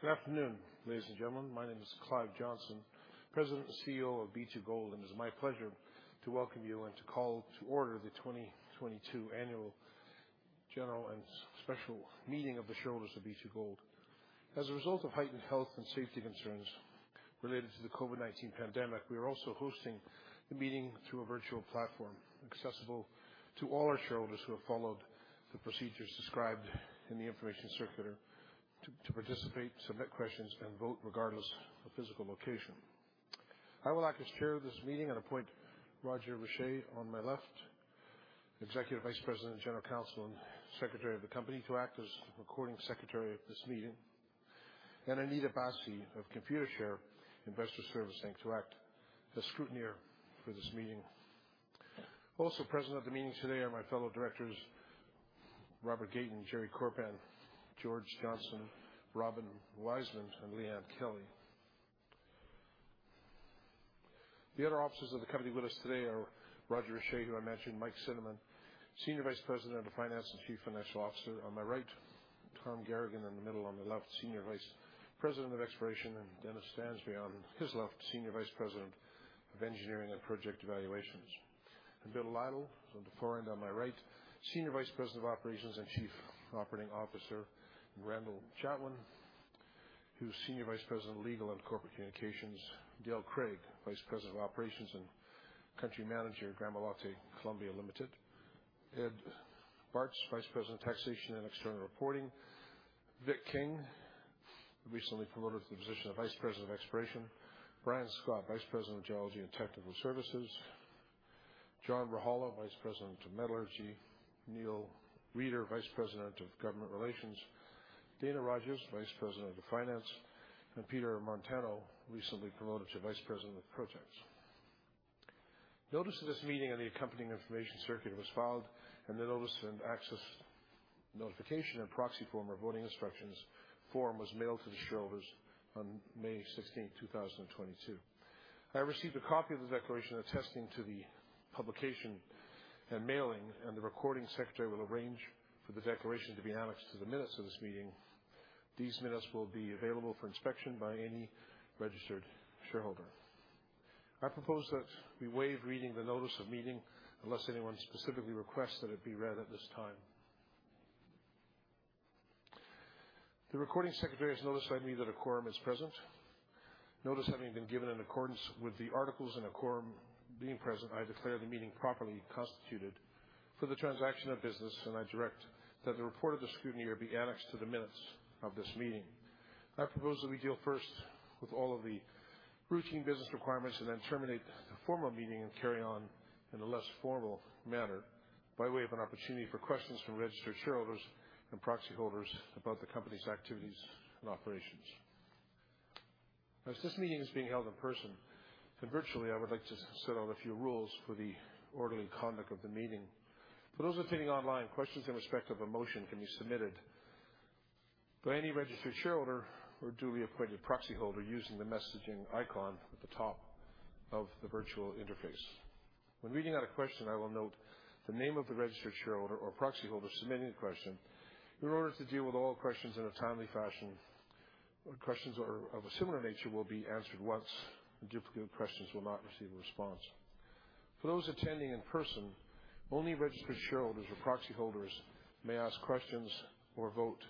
Good afternoon, ladies and gentlemen. My name is Clive Johnson, President and CEO of B2Gold, and it is my pleasure to welcome you and to call to order the 2022 Annual General and Special Meeting of the shareholders of B2Gold. As a result of heightened health and safety concerns related to the COVID-19 pandemic, we are also hosting the meeting through a virtual platform accessible to all our shareholders who have followed the procedures described in the information circular to participate, submit questions, and vote regardless of physical location. I will act as chair of this meeting and appoint Roger Richer on my left, Executive Vice President, General Counsel, and Secretary of the company, to act as Recording Secretary of this meeting. Anita Bassi of Computershare Investor Services to act as scrutineer for this meeting. Also present at the meeting today are my fellow directors, Robert Gayton, Jerry Korpan, George Johnson, Robin Weisman, and Liane Kelly. The other officers of the company with us today are Roger Richer, who I mentioned, Mike Cinnamond, Senior Vice President of Finance and Chief Financial Officer on my right, Tom Garagan in the middle on my left, Senior Vice President of Exploration, and Dennis Stansbury on his left, Senior Vice President of Engineering and Project Evaluations. Bill Lytle on the far end on my right, Senior Vice President of Operations and Chief Operating Officer. Randall Chatwin, who's Senior Vice President of Legal and Corporate Communications. Dale Craig, Vice President of Operations and Country Manager, Gramalote Colombia Limited. Ed Bartz, Vice President of Taxation and External Reporting. Vic King, recently promoted to the position of Vice President of Exploration. Brian Scott, Vice President of Geology and Technical Services. John Rajala, Vice President of Metallurgy. Neil Reeder, Vice President of Government Relations. Dana Rogers, Vice President of Finance, and Peter Montano, recently promoted to Vice President of Projects. Notice of this meeting and the accompanying information circular was filed, and the notice and access notification and proxy form or voting instructions form was mailed to the shareholders on May 16th, 2022. I received a copy of the declaration attesting to the publication and mailing, and the recording secretary will arrange for the declaration to be annexed to the minutes of this meeting. These minutes will be available for inspection by any registered shareholder. I propose that we waive reading the notice of meeting unless anyone specifically requests that it be read at this time. The recording secretary has noticed by me that a quorum is present. Notice having been given in accordance with the articles and a quorum being present, I declare the meeting properly constituted for the transaction of business, and I direct that the report of the scrutineer be annexed to the minutes of this meeting. I propose that we deal first with all of the routine business requirements and then terminate the formal meeting and carry on in a less formal manner by way of an opportunity for questions from registered shareholders and proxy holders about the company's activities and operations. As this meeting is being held in person and virtually, I would like to set out a few rules for the orderly conduct of the meeting. For those attending online, questions in respect of a motion can be submitted by any registered shareholder or duly appointed proxy holder using the messaging icon at the top of the virtual interface. When reading out a question, I will note the name of the registered shareholder or proxy holder submitting the question. In order to deal with all questions in a timely fashion, questions of a similar nature will be answered once, and duplicate questions will not receive a response. For those attending in person, only registered shareholders or proxy holders may ask questions or vote.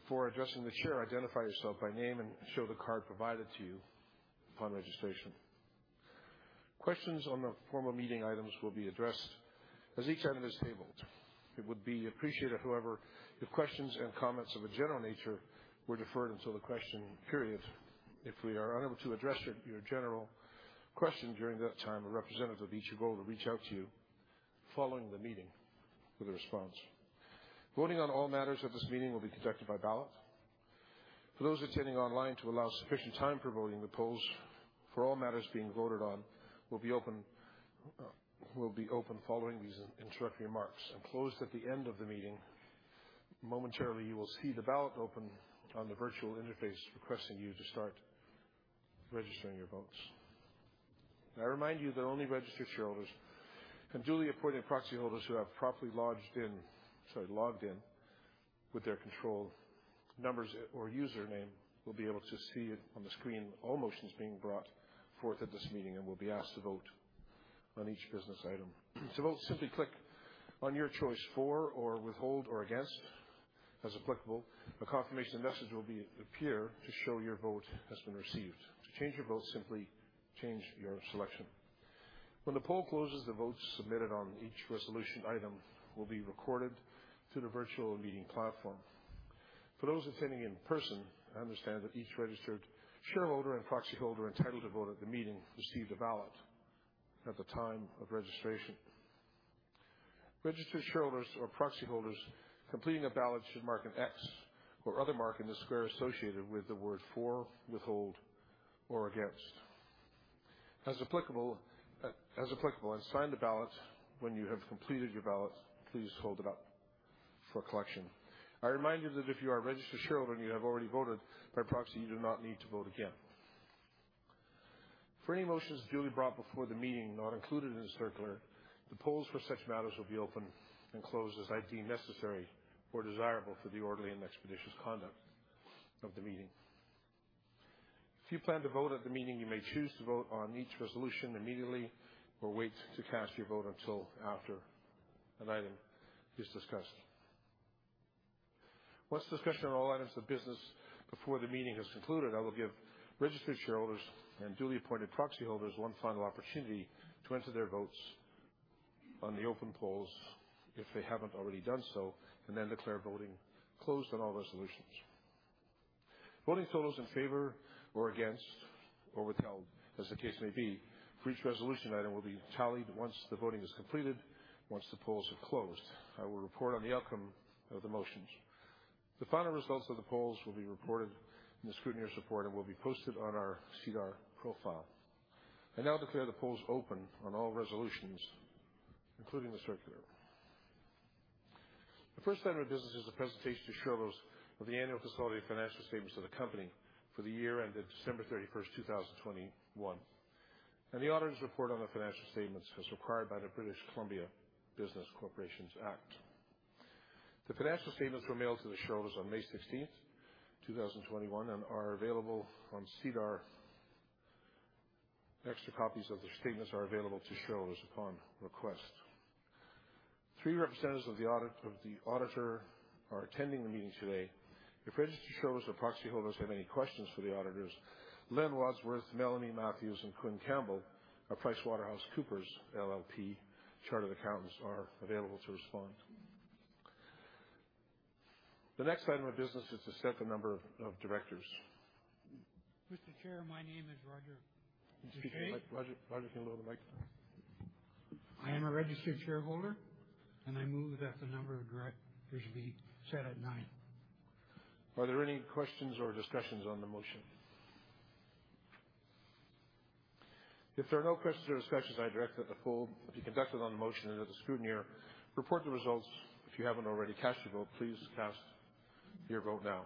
Before addressing the chair, identify yourself by name and show the card provided to you upon registration. Questions on the formal meeting items will be addressed as each item is tabled. It would be appreciated, however, if questions and comments of a general nature were deferred until the question period. If we are unable to address your general question during that time, a representative of B2Gold will reach out to you following the meeting with a response. Voting on all matters at this meeting will be conducted by ballot. For those attending online to allow sufficient time for voting, the polls for all matters being voted on will be open following these introductory remarks and closed at the end of the meeting. Momentarily, you will see the ballot open on the virtual interface requesting you to start registering your votes. May I remind you that only registered shareholders and duly appointed proxy holders who have properly logged in with their control numbers or username will be able to see it on the screen all motions being brought forth at this meeting and will be asked to vote on each business item. To vote, simply click on your choice for or withhold or against, as applicable. A confirmation message will appear to show your vote has been received. To change your vote, simply change your selection. When the poll closes, the votes submitted on each resolution item will be recorded to the virtual meeting platform. For those attending in person, I understand that each registered shareholder and proxy holder entitled to vote at the meeting received a ballot at the time of registration. Registered shareholders or proxy holders completing a ballot should mark an X or other mark in the square associated with the word for, withhold, or against. As applicable, and sign the ballot. When you have completed your ballot, please hold it up for collection. I remind you that if you are a registered shareholder and you have already voted by proxy, you do not need to vote again. For any motions duly brought before the meeting not included in the circular, the polls for such matters will be open and closed as I deem necessary or desirable for the orderly and expeditious conduct of the meeting. If you plan to vote at the meeting, you may choose to vote on each resolution immediately or wait to cast your vote until after an item is discussed. Once discussion on all items of business before the meeting has concluded, I will give registered shareholders and duly appointed proxy holders one final opportunity to enter their votes on the open polls if they haven't already done so, and then declare voting closed on all resolutions. Voting totals in favor or against or withheld, as the case may be, for each resolution item will be tallied once the voting is completed. Once the polls have closed, I will report on the outcome of the motions. The final results of the polls will be reported in the scrutineer's report and will be posted on our SEDAR profile. I now declare the polls open on all resolutions, including the circular. The first item of business is a presentation to shareholders of the annual consolidated financial statements of the company for the year ended December 31, 2021, and the auditor's report on the financial statements as required by the British Columbia Business Corporations Act. The financial statements were mailed to the shareholders on May 16, 2021, and are available on SEDAR. Extra copies of the statements are available to shareholders upon request. Three representatives of the auditor are attending the meeting today. If registered shareholders or proxy holders have any questions for the auditors, Len Wadsworth, Melanie Matthews, and Quinn Campbell of PricewaterhouseCoopers LLP, chartered accountants, are available to respond. The next item of business is to set the number of directors. Mr. Chair, my name is Roger Richer. Speak in the mic. Roger, can you lower the mic? I am a registered shareholder, and I move that the number of directors be set at nine. Are there any questions or discussions on the motion? If there are no questions or discussions, I direct that the poll be conducted on the motion and that the scrutineer report the results. If you haven't already cast your vote, please cast your vote now.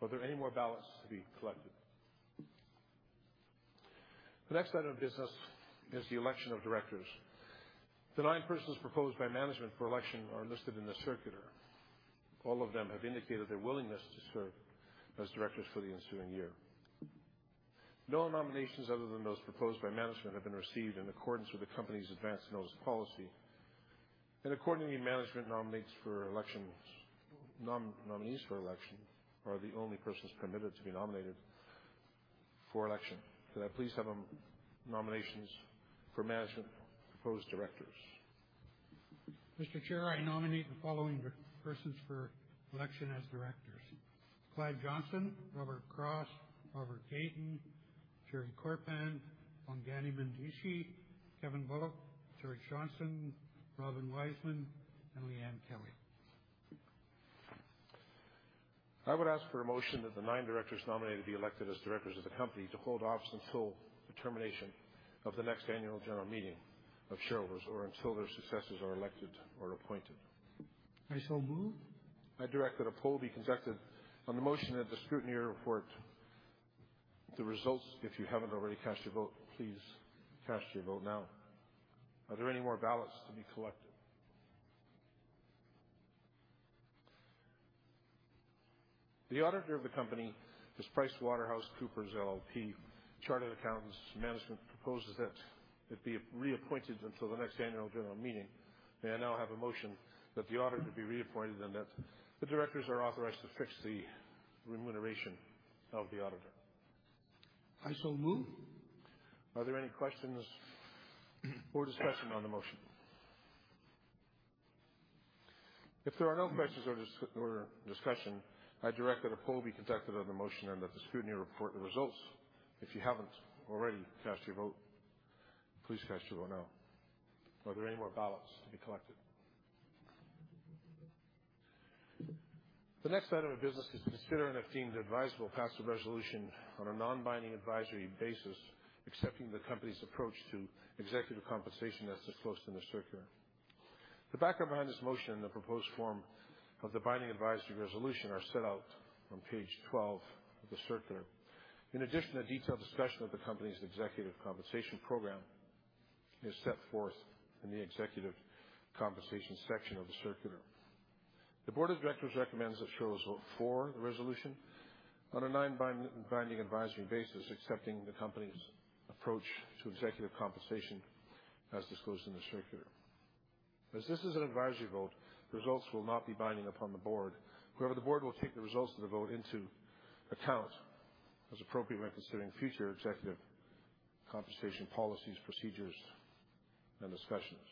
Are there any more ballots to be collected? The next item of business is the election of directors. The nine persons proposed by management for election are listed in the circular. All of them have indicated their willingness to serve as directors for the ensuing year. No nominations other than those proposed by management have been received in accordance with the company's advance notice policy. Accordingly, management nominates for election. Nominees for election are the only persons permitted to be nominated for election. Could I please have nominations for management proposed directors. Mr. Chair, I nominate the following persons for election as directors: Clive Johnson, Robert Cross, Robert Gayton, Jerry Korpan, Bongani Mtshisi, Kevin Bullock, Terry Johnson, Robin Weisman, and Liane Kelly. I would ask for a motion that the nine directors nominated be elected as directors of the company to hold office until the termination of the next annual general meeting of shareholders or until their successors are elected or appointed. I so move. I direct that a poll be conducted on the motion that the scrutineer report the results. If you haven't already cast your vote, please cast your vote now. Are there any more ballots to be collected? The auditor of the company is PricewaterhouseCoopers LLP, chartered accountants. Management proposes that it be reappointed until the next annual general meeting. May I now have a motion that the auditor be reappointed and that the directors are authorized to fix the remuneration of the auditor? I so move. Are there any questions or discussion on the motion? If there are no questions or discussion, I direct that a poll be conducted on the motion and that the scrutineer report the results. If you haven't already cast your vote, please cast your vote now. Are there any more ballots to be collected? The next item of business is to consider and, if deemed advisable, pass the resolution on a non-binding advisory basis accepting the company's approach to executive compensation as disclosed in the circular. The background behind this motion and the proposed form of the binding advisory resolution are set out on page 12 of the circular. In addition, a detailed discussion of the company's executive compensation program is set forth in the Executive Compensation section of the circular. The board of directors recommends that shareholders vote for the resolution on a non-binding advisory basis, accepting the company's approach to executive compensation as disclosed in the circular. As this is an advisory vote, the results will not be binding upon the board. However, the board will take the results of the vote into account as appropriate when considering future executive compensation policies, procedures, and discussions.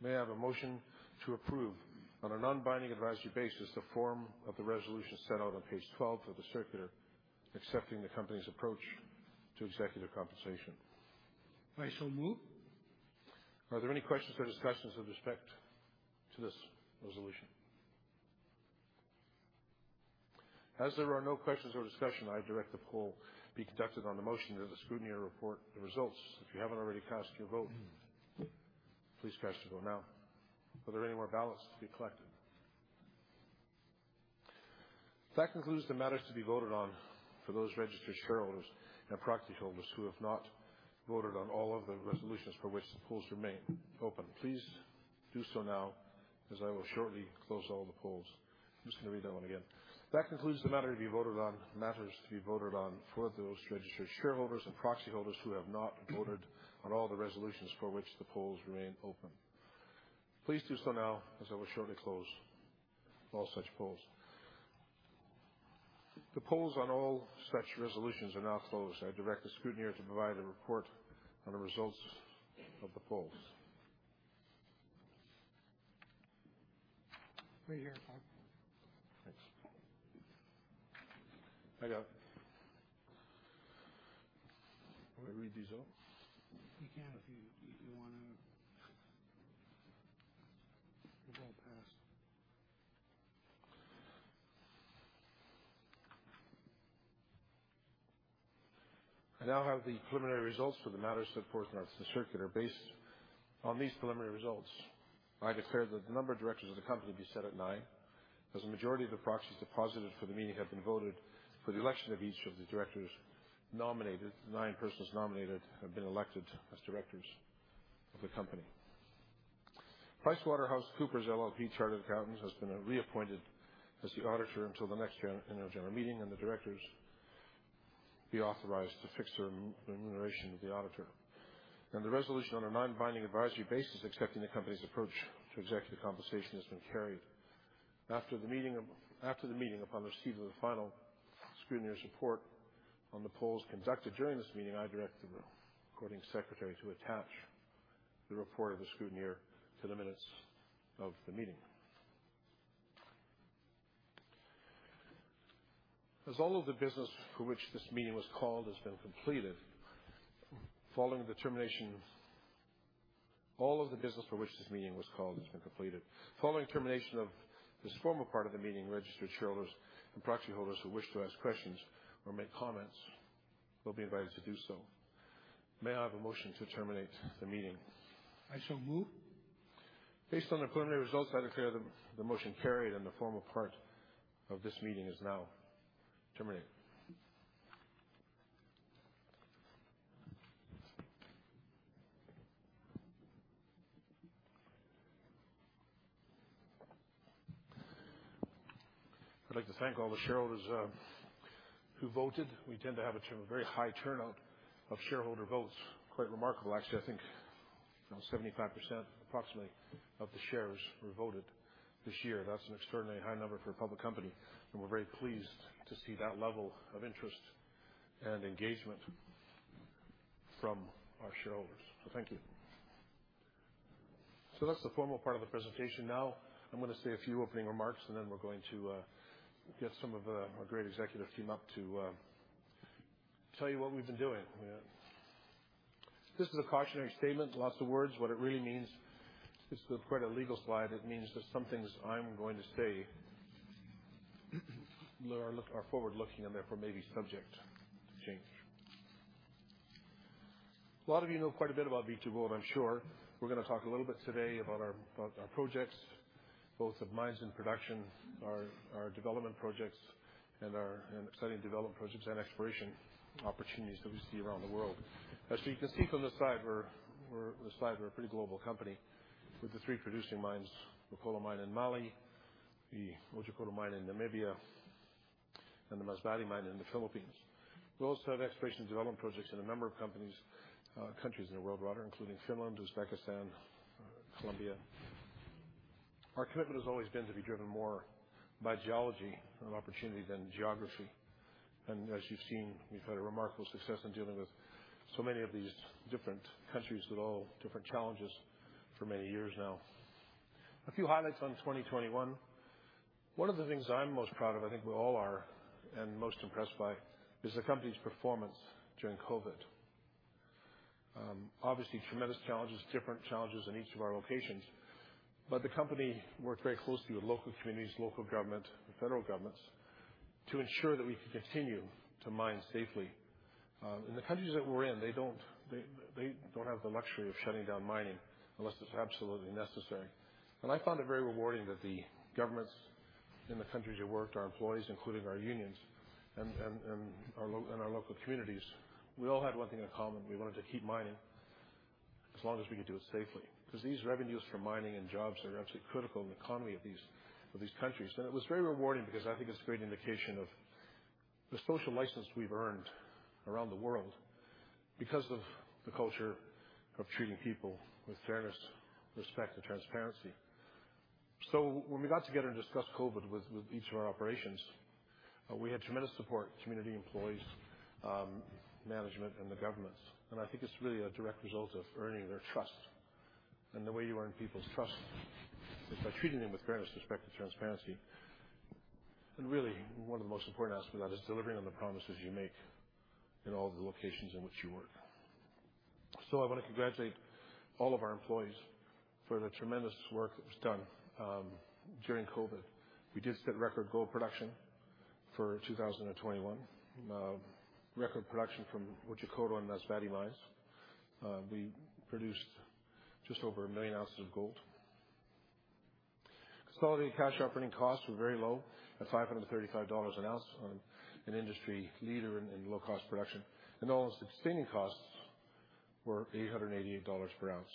May I have a motion to approve, on a non-binding advisory basis, the form of the resolution set out on page 12 of the circular accepting the company's approach to executive compensation. I so move. Are there any questions or discussions with respect to this resolution? As there are no questions or discussions, I direct the poll be conducted on the motion that the scrutineer report the results. If you haven't already cast your vote, please cast your vote now. Are there any more ballots to be collected? That concludes the matters to be voted on for those registered shareholders and proxy holders who have not voted on all of the resolutions for which the polls remain open. Please do so now, as I will shortly close all the polls. I'm just gonna read that one again. That concludes the matters to be voted on for those registered shareholders and proxy holders who have not voted on all the resolutions for which the polls remain open. Please do so now, as I will shortly close all such polls. The polls on all such resolutions are now closed. I direct the scrutineer to provide a report on the results of the polls. Right here, Mark. Thanks. I got it. Do I read these out? You can if you wanna. They've all passed. I now have the preliminary results for the matters set forth on the circular. Based on these preliminary results, I declare that the number of directors of the company be set at nine, as the majority of the proxies deposited for the meeting have been voted for the election of each of the directors nominated. The nine persons nominated have been elected as directors of the company. PricewaterhouseCoopers LLP Chartered Accountants has been reappointed as the auditor until the next annual general meeting, and the directors be authorized to fix the remuneration of the auditor. The resolution on a non-binding advisory basis accepting the company's approach to executive compensation has been carried. After the meeting, upon receipt of the final scrutineer's report on the polls conducted during this meeting, I direct the recording secretary to attach the report of the scrutineer to the minutes of the meeting. As all of the business for which this meeting was called has been completed. Following termination of this formal part of the meeting, registered shareholders and proxy holders who wish to ask questions or make comments will be invited to do so. May I have a motion to terminate the meeting? I so move. Based on the preliminary results, I declare the motion carried and the formal part of this meeting is now terminated. I'd like to thank all the shareholders who voted. We tend to have a very high turnout of shareholder votes. Quite remarkable actually. I think, you know, 75% approximately of the shares were voted this year. That's an extraordinarily high number for a public company, and we're very pleased to see that level of interest and engagement from our shareholders, so thank you. That's the formal part of the presentation. Now I'm gonna say a few opening remarks, and then we're going to get some of our great executive team up to tell you what we've been doing. This is a cautionary statement. Lots of words. What it really means, this is quite a legal slide. It means that some things I'm going to say are, look, forward-looking and therefore may be subject to change. A lot of you know quite a bit about B2Gold, I'm sure. We're gonna talk a little bit today about our projects, both of mines and production, our development projects and exciting development projects and exploration opportunities that we see around the world. As you can see from this slide, we're a pretty global company with the three producing mines, the Fekola Mine in Mali, the Otjikoto Mine in Namibia, and the Masbate Mine in the Philippines. We also have exploration development projects in a number of countries in the world rather, including Finland, Uzbekistan, Colombia. Our commitment has always been to be driven more by geology and opportunity than geography. As you've seen, we've had a remarkable success in dealing with so many of these different countries with all different challenges for many years now. A few highlights on 2021. One of the things I'm most proud of, I think we all are, and most impressed by is the company's performance during COVID. Obviously tremendous challenges, different challenges in each of our locations, but the company worked very closely with local communities, local government, the federal governments to ensure that we could continue to mine safely. In the countries that we're in, they don't have the luxury of shutting down mining unless it's absolutely necessary. I found it very rewarding that the governments in the countries we worked, our employees, including our unions and our local communities, we all had one thing in common. We wanted to keep mining as long as we could do it safely. 'Cause these revenues from mining and jobs are absolutely critical in the economy of these countries. It was very rewarding because I think it's a great indication of the social license we've earned around the world because of the culture of treating people with fairness, respect, and transparency. When we got together and discussed COVID with each of our operations, we had tremendous support from community employees, management, and the governments. I think it's really a direct result of earning their trust. The way you earn people's trust is by treating them with fairness, respect, and transparency. Really one of the most important aspects of that is delivering on the promises you make in all the locations in which you work. I wanna congratulate all of our employees for the tremendous work that was done during COVID. We did set record gold production for 2021. Record production from Otjikoto and Masbate mines. We produced just over 1 million ounces of gold. Consolidated cash operating costs were very low at $535 an ounce as an industry leader in low cost production. All sustaining costs were $888 per ounce,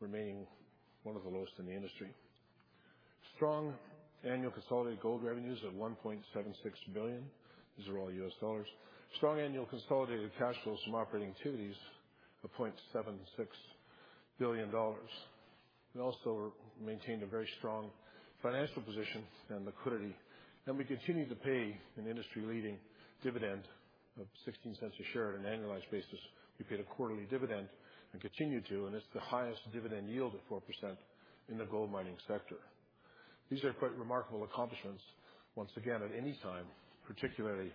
remaining one of the lowest in the industry. Strong annual consolidated gold revenues of $1.76 billion. These are all U.S. Dollars. Strong annual consolidated cash flows from operating activities of $0.76 billion. We also maintained a very strong financial position and liquidity, and we continued to pay an industry-leading dividend of $0.16 a share on an annualized basis. We paid a quarterly dividend, and it's the highest dividend yield at 4% in the gold mining sector. These are quite remarkable accomplishments once again at any time, particularly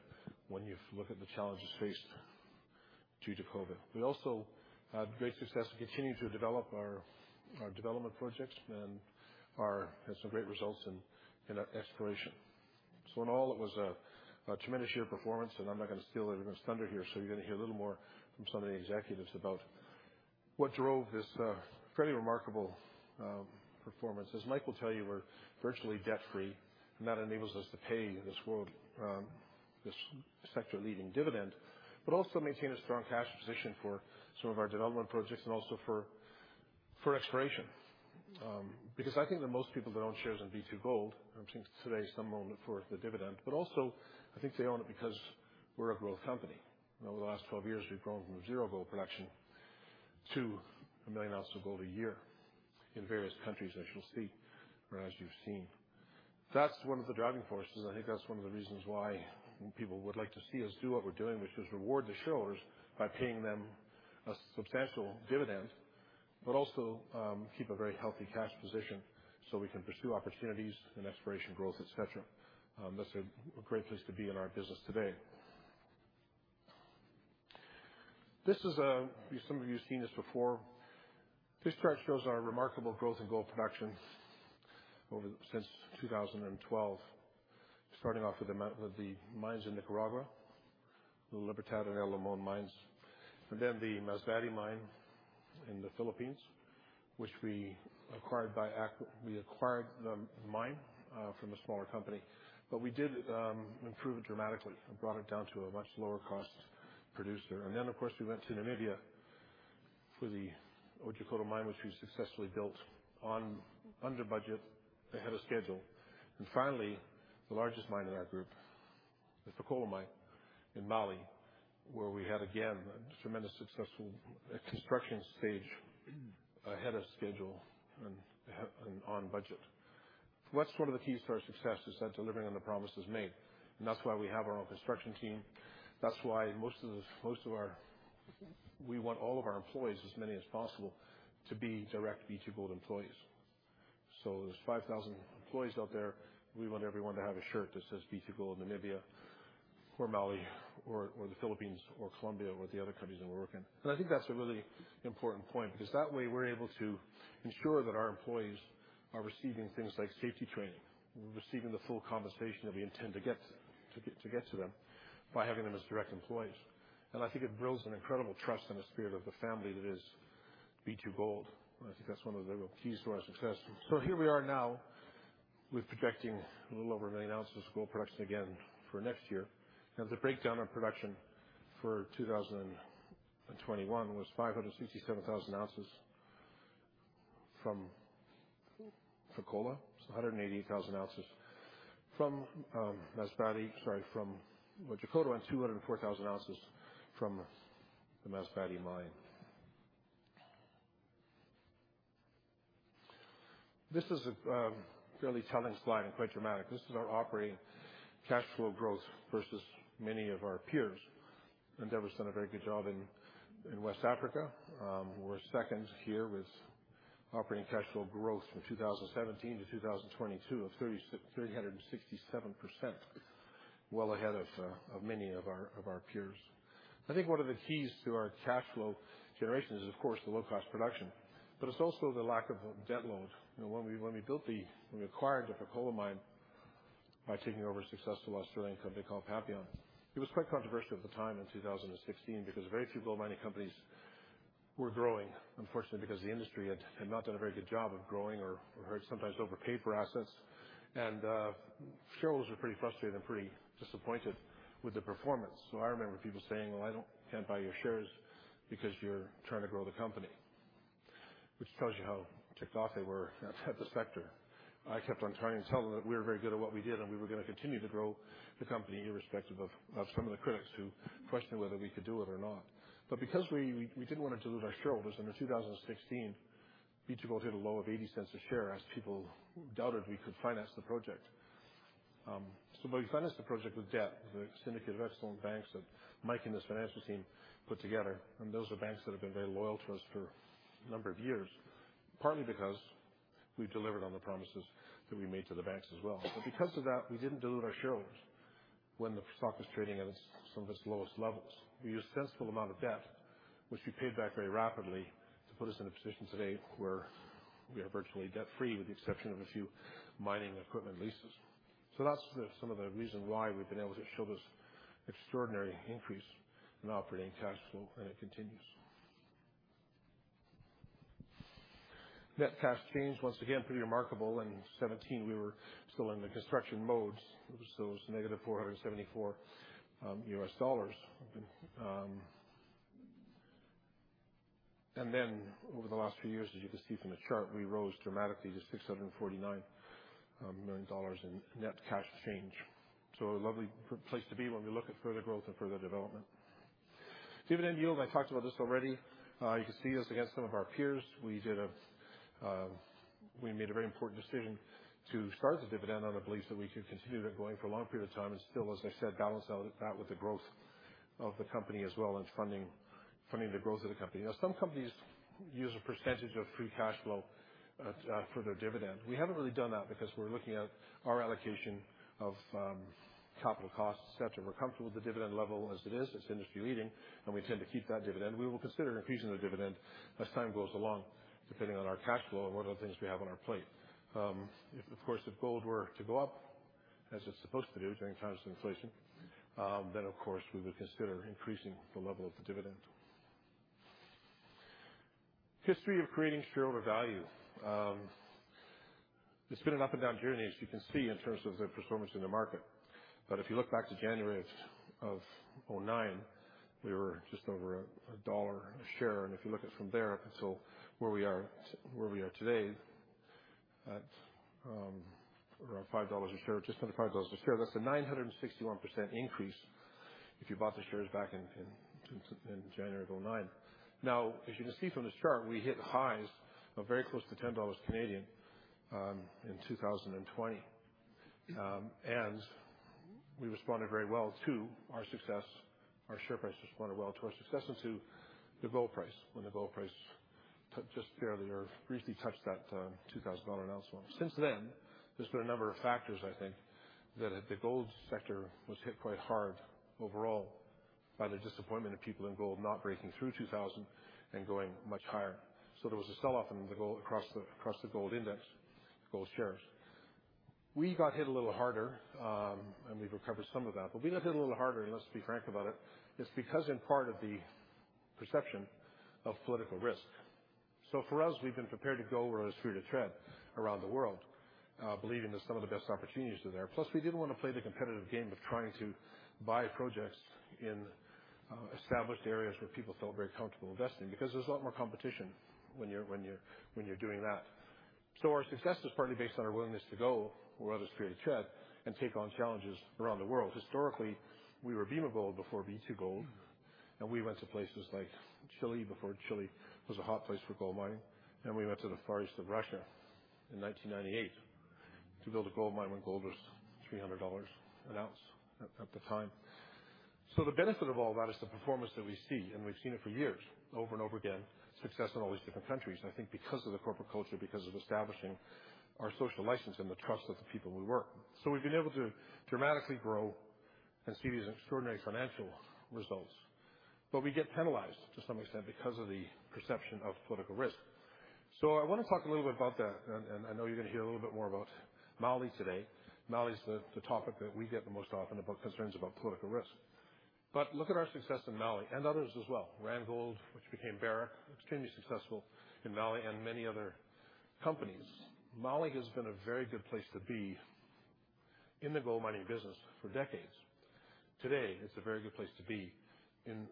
when you look at the challenges faced due to COVID. We also had great success and continued to develop our development projects and had some great results in exploration. In all, it was a tremendous year of performance and I'm not gonna steal everyone's thunder here, so you're gonna hear a little more from some of the executives about what drove this fairly remarkable performance. As Mike will tell you, we're virtually debt-free, and that enables us to pay this sector leading dividend, but also maintain a strong cash position for some of our development projects and also for exploration. Because I think that most people that own shares in B2Gold, I would think today some own it for the dividend, but also I think they own it because we're a growth company. You know, over the last 12 years, we've grown from zero gold production to 1 million ounces of gold a year in various countries, as you'll see, or as you've seen. That's one of the driving forces. I think that's one of the reasons why people would like to see us do what we're doing, which is reward the shareholders by paying them a substantial dividend, but also keep a very healthy cash position so we can pursue opportunities and exploration growth, et cetera. That's a great place to be in our business today. This is some of you have seen this before. This chart shows our remarkable growth in gold production over since 2012, starting off with the mines in Nicaragua, the Libertad and El Limon mines, and then the Masbate Mine in the Philippines, which we acquired the mine from a smaller company. We did improve it dramatically and brought it down to a much lower cost producer. Of course, we went to Namibia for the Otjikoto Mine, which we successfully built on under budget, ahead of schedule. Finally, the largest mine in our group, the Fekola Mine in Mali, where we had again a tremendous successful construction stage ahead of schedule and on budget. That's one of the keys to our success, is that delivering on the promises made. That's why we have our own construction team. That's why we want all of our employees, as many as possible, to be direct B2Gold employees. There's 5,000 employees out there. We want everyone to have a shirt that says B2Gold Namibia or Mali or the Philippines or Colombia or the other countries that we work in. I think that's a really important point, because that way we're able to ensure that our employees are receiving things like safety training. We're receiving the full compensation that we intend to get to them by having them as direct employees. I think it builds an incredible trust and a spirit of the family that is B2Gold. I think that's one of the keys to our success. Here we are now with projecting a little over 1 million ounces of gold production again for next year. The breakdown of production for 2021 was 567,000 ounces from Fekola, 188,000 ounces from Masbate. Sorry, from Otjikoto and 204,000 ounces from the Masbate mine. This is a fairly telling slide and quite dramatic. This is our operating cash flow growth versus many of our peers. Endeavour's done a very good job in West Africa. We're second here with operating cash flow growth from 2017 to 2022 of 36.7%, well ahead of many of our peers. I think one of the keys to our cash flow generation is, of course, the low cost production, but it's also the lack of debt load. You know, when we built the... We acquired the Fekola Mine by taking over a successful Australian company called Papillon. It was quite controversial at the time in 2016 because very few gold mining companies were growing, unfortunately, because the industry had not done a very good job of growing or had sometimes overpaid for assets. Shareholders were pretty frustrated and pretty disappointed with the performance. I remember people saying, "Well, can't buy your shares because you're trying to grow the company," which tells you how ticked off they were at the sector. I kept on trying to tell them that we were very good at what we did, and we were gonna continue to grow the company irrespective of some of the critics who questioned whether we could do it or not. Because we didn't want to dilute our shareholders, and in 2016, B2Gold hit a low of 0.80 a share as people doubted we could finance the project. We financed the project with debt, with a syndicate of excellent banks that Mike and his financial team put together. Those are banks that have been very loyal to us for a number of years, partly because we delivered on the promises that we made to the banks as well. Because of that, we didn't dilute our shareholders when the stock was trading at its, some of its lowest levels. We used a sensible amount of debt, which we paid back very rapidly to put us in a position today where we are virtually debt-free with the exception of a few mining equipment leases. That's some of the reason why we've been able to show this extraordinary increase in operating cash flow, and it continues. Net cash change, once again, pretty remarkable. In 2017, we were still in the construction modes. It was -$474 million. And then over the last few years, as you can see from the chart, we rose dramatically to $649 million in net cash change. A lovely place to be when we look at further growth and further development. Dividend yield, I talked about this already. You can see us against some of our peers. We made a very important decision to start the dividend on the belief that we could continue that going for a long period of time and still, as I said, balance out that with the growth of the company as well and funding the growth of the company. Some companies use a percentage of free cash flow for their dividend. We haven't really done that because we're looking at our allocation of capital costs, et cetera. We're comfortable with the dividend level as it is. It's industry-leading, and we intend to keep that dividend. We will consider increasing the dividend as time goes along, depending on our cash flow and what other things we have on our plate. If gold were to go up, as it's supposed to do during times of inflation, then of course we would consider increasing the level of the dividend. History of creating shareholder value. It's been an up and down journey, as you can see, in terms of the performance in the market. If you look back to January of 2009, we were just over CAD 1 a share. If you look from there until where we are today, at around 5 dollars a share, just under 5 dollars a share, that's a 961% increase if you bought the shares back in January of 2009. Now, as you can see from this chart, we hit highs of very close to 10 Canadian dollars in 2020. We responded very well to our success. Our share price responded well to our success and to the gold price, when the gold price just barely or briefly touched that $2000 an ounce mark. Since then, there's been a number of factors, I think, that the gold sector was hit quite hard overall by the disappointment of people in gold not breaking through $2000 and going much higher. There was a sell-off in the gold, across the gold index, gold shares. We got hit a little harder, and we've recovered some of that. We got hit a little harder, and let's be frank about it's because in part of the perception of political risk. For us, we've been prepared to go where others fear to tread around the world, believing that some of the best opportunities are there. Plus, we didn't wanna play the competitive game of trying to buy projects in established areas where people felt very comfortable investing, because there's a lot more competition when you're doing that. Our success is partly based on our willingness to go where others fear to tread and take on challenges around the world. Historically, we were Bema Gold before B2Gold, and we went to places like Chile before Chile was a hot place for gold mining. We went to the far east of Russia in 1998 to build a gold mine when gold was $300 an ounce at the time. The benefit of all that is the performance that we see, and we've seen it for years, over and over again, success in all these different countries, and I think because of the corporate culture, because of establishing our social license and the trust of the people we work. We've been able to dramatically grow and see these extraordinary financial results. We get penalized to some extent because of the perception of political risk. I wanna talk a little bit about that, and I know you're gonna hear a little bit more about Mali today. Mali is the topic that we get the most often about concerns about political risk. Look at our success in Mali and others as well. Randgold, which became Barrick, extremely successful in Mali and many other companies. Mali has been a very good place to be in the gold mining business for decades. Today, it's a very good place to be in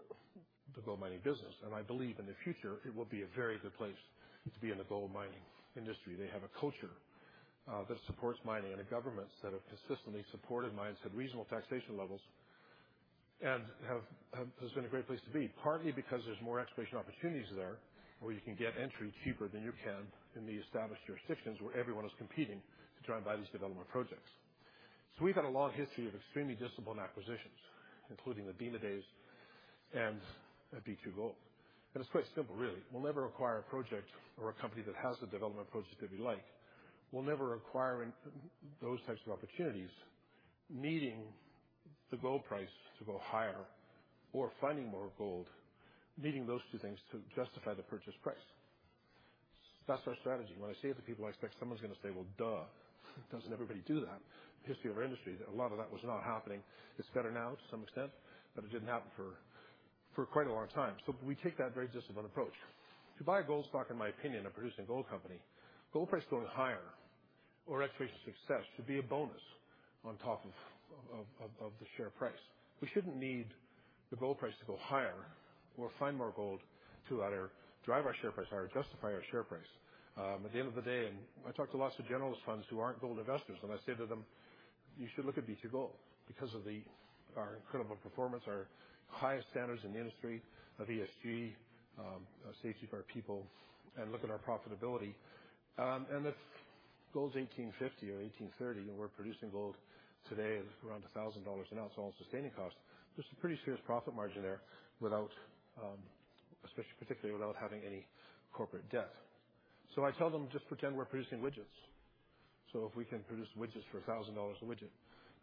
the gold mining business, and I believe in the future, it will be a very good place to be in the gold mining industry. They have a culture that supports mining, and the governments that have consistently supported mines have reasonable taxation levels and have. It's been a great place to be, partly because there's more exploration opportunities there, where you can get entry cheaper than you can in the established jurisdictions where everyone is competing to try and buy these development projects. We've had a long history of extremely disciplined acquisitions, including the Bema days and B2Gold. It's quite simple, really. We'll never acquire a project or a company that has the development projects that we like. We'll never acquire in those types of opportunities needing the gold price to go higher or finding more gold, needing those two things to justify the purchase price. That's our strategy. When I say it to people, I expect someone's gonna say, "Well, duh. Doesn't everybody do that?" History of our industry, a lot of that was not happening. It's better now to some extent, but it didn't happen for quite a long time. We take that very disciplined approach. To buy gold stock, in my opinion, a producing gold company, gold price going higher or exploration success should be a bonus on top of the share price. We shouldn't need the gold price to go higher or find more gold to either drive our share price higher or justify our share price. At the end of the day, I talk to lots of generalist funds who aren't gold investors, and I say to them, "You should look at B2Gold because of our incredible performance, our highest standards in the industry of ESG, safety for our people, and look at our profitability." If gold's $1,850 or $1,830, and we're producing gold today at around $1,000 an ounce, all-in sustaining costs, there's a pretty serious profit margin there without, especially particularly, without having any corporate debt. I tell them, "Just pretend we're producing widgets." If we can produce widgets for $1,000 a widget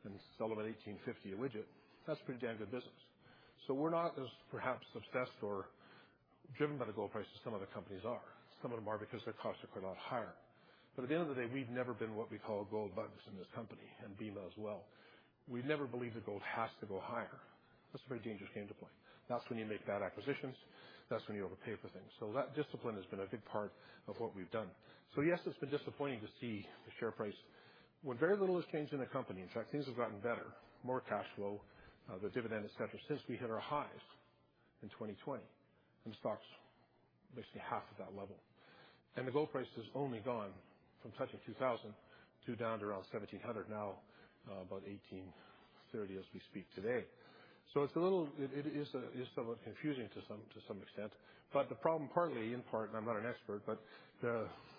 and sell them at $1,850 a widget, that's pretty damn good business. We're not as perhaps obsessed or driven by the gold prices some other companies are. Some of them are because their costs are a lot higher. At the end of the day, we've never been what we call gold bugs in this company, and Bema as well. We've never believed that gold has to go higher. That's a very dangerous game to play. That's when you make bad acquisitions, that's when you overpay for things. That discipline has been a big part of what we've done. Yes, it's been disappointing to see the share price when very little has changed in the company. In fact, things have gotten better, more cash flow, the dividend, et cetera, since we hit our highs in 2020 and stock's basically half of that level. The gold price has only gone from touching $2,000 to down to around $1,700 now, about $1,830 as we speak today. It is somewhat confusing to some extent. The problem in part, I'm not an expert, but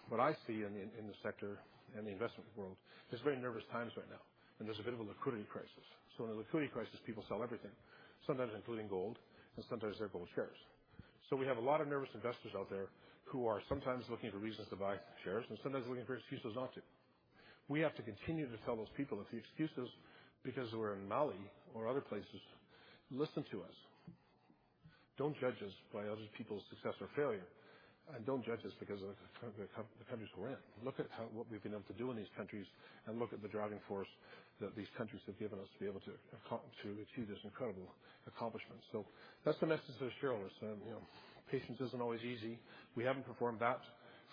what I see in the sector and the investment world, there's very nervous times right now, and there's a bit of a liquidity crisis. In a liquidity crisis, people sell everything, sometimes including gold and sometimes their gold shares. We have a lot of nervous investors out there who are sometimes looking for reasons to buy shares and sometimes looking for excuses not to. We have to continue to tell those people that the excuses, because we're in Mali or other places, listen to us. Don't judge us by other people's success or failure. Don't judge us because of the countries we're in. Look at how we've been able to do in these countries and look at the driving force that these countries have given us to be able to to achieve this incredible accomplishment. That's the message to the shareholders. You know, patience isn't always easy. We haven't performed that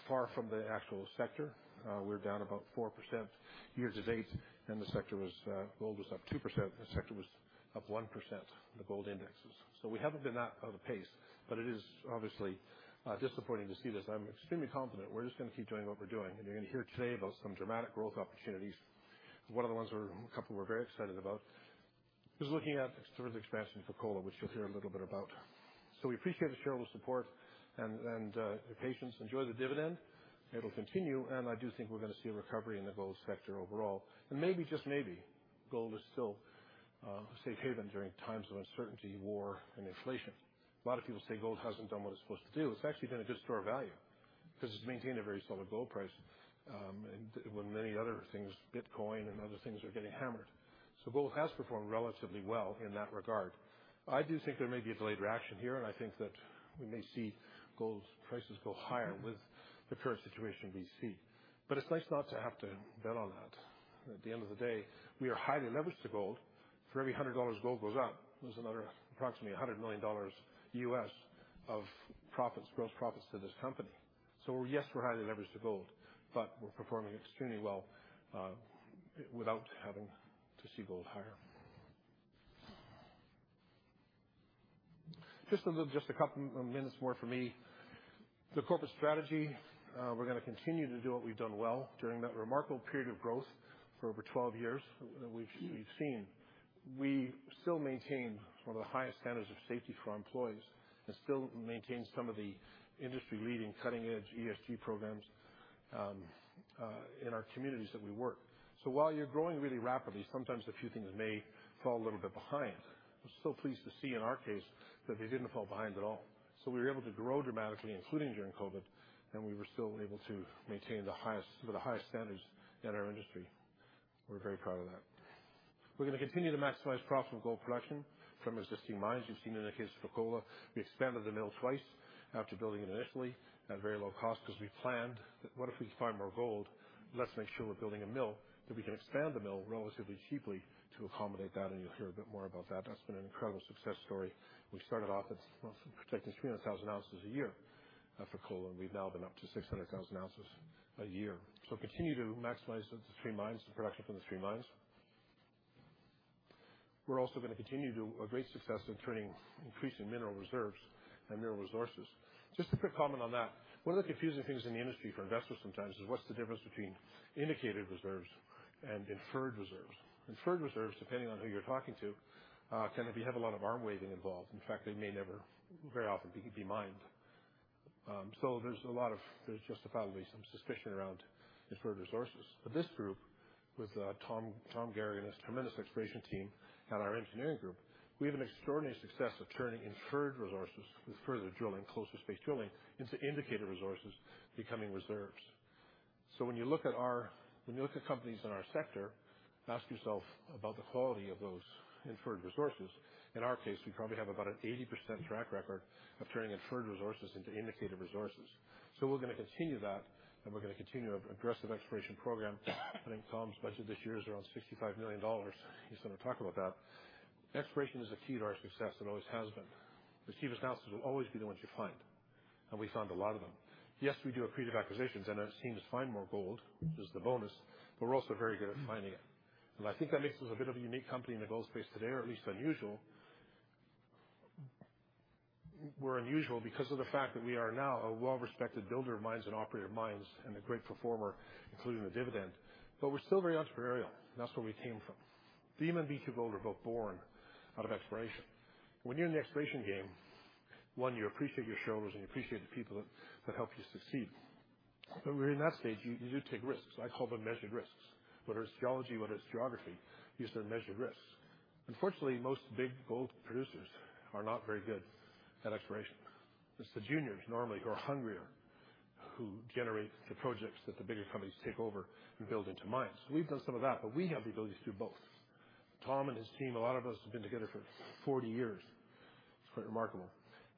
far from the actual sector. We're down about 4% year to date, and the sector was, gold was up 2%. The sector was up 1%, the gold indexes. We haven't been that out of pace, but it is obviously, disappointing to see this. I'm extremely confident we're just gonna keep doing what we're doing. You're gonna hear today about some dramatic growth opportunities. One of the ones we're, a couple we're very excited about is looking at terrific expansion for Fekola, which you'll hear a little bit about. We appreciate the shareholder support and the patience. Enjoy the dividend. It'll continue. I do think we're gonna see a recovery in the gold sector overall. Maybe, just maybe, gold is still a safe haven during times of uncertainty, war, and inflation. A lot of people say gold hasn't done what it's supposed to do. It's actually been a good store of value 'cause it's maintained a very solid gold price, and when many other things, Bitcoin and other things, are getting hammered. Gold has performed relatively well in that regard. I do think there may be a delayed reaction here, and I think that we may see gold prices go higher with the current situation we see. It's nice not to have to bet on that. At the end of the day, we are highly leveraged to gold. For every $100 gold goes up, there's another approximately $100 million of profits, gross profits to this company. Yes, we're highly leveraged to gold, but we're performing extremely well without having to see gold higher. Just a little, just a couple of minutes more from me. The corporate strategy, we're gonna continue to do what we've done well during that remarkable period of growth for over 12 years that we've seen. We still maintain one of the highest standards of safety for our employees and still maintain some of the industry-leading, cutting-edge ESG programs in our communities that we work. While you're growing really rapidly, sometimes a few things may fall a little bit behind. I'm so pleased to see in our case that they didn't fall behind at all. We were able to grow dramatically, including during COVID, and we were still able to maintain the highest, some of the highest standards in our industry. We're very proud of that. We're gonna continue to maximize profit and gold production from existing mines. You've seen in the case of Fekola, we expanded the mill twice after building it initially at very low cost 'cause we planned that what if we find more gold? Let's make sure we're building a mill, that we can expand the mill relatively cheaply to accommodate that. You'll hear a bit more about that. That's been an incredible success story. We started off as, well, producing 300,000 ounces a year, Fekola, and we've now been up to 600,000 ounces a year. Continue to maximize the three mines, the production from the three mines. We're also gonna continue to have great success in turning increasing mineral reserves and mineral resources. Just a quick comment on that. One of the confusing things in the industry for investors sometimes is what's the difference between indicated reserves and inferred reserves. Inferred reserves, depending on who you're talking to, can if you have a lot of arm waving involved, in fact, they may never very often be mined. There's justifiably some suspicion around inferred resources. This group, with Tom Garagan and his tremendous exploration team and our engineering group, we have an extraordinary success of turning inferred resources with further drilling, closer space drilling, into indicated resources becoming reserves. When you look at companies in our sector, ask yourself about the quality of those inferred resources. In our case, we probably have about an 80% track record of turning inferred resources into indicated resources. We're gonna continue that, and we're gonna continue an aggressive exploration program. I think Tom's budget this year is around $65 million. He's gonna talk about that. Exploration is a key to our success and always has been. The cheapest ounces will always be the ones you find. We found a lot of them. Yes, we do accretive acquisitions and it seems to find more gold, which is the bonus, but we're also very good at finding it. I think that makes us a bit of a unique company in the gold space today, or at least unusual. We're unusual because of the fact that we are now a well-respected builder of mines and operator of mines and a great performer, including the dividend, but we're still very entrepreneurial. That's where we came from. Bema and B2Gold were both born out of exploration. When you're in the exploration game, one, you appreciate your shareholders and you appreciate the people that help you succeed. But when you're in that stage, you do take risks. I call them measured risks. Whether it's geology, whether it's geography, these are measured risks. Unfortunately, most big gold producers are not very good at exploration. It's the juniors normally who are hungrier. Who generates the projects that the bigger companies take over and build into mines. We've done some of that, but we have the ability to do both. Tom and his team, a lot of us have been together for 40 years. It's quite remarkable.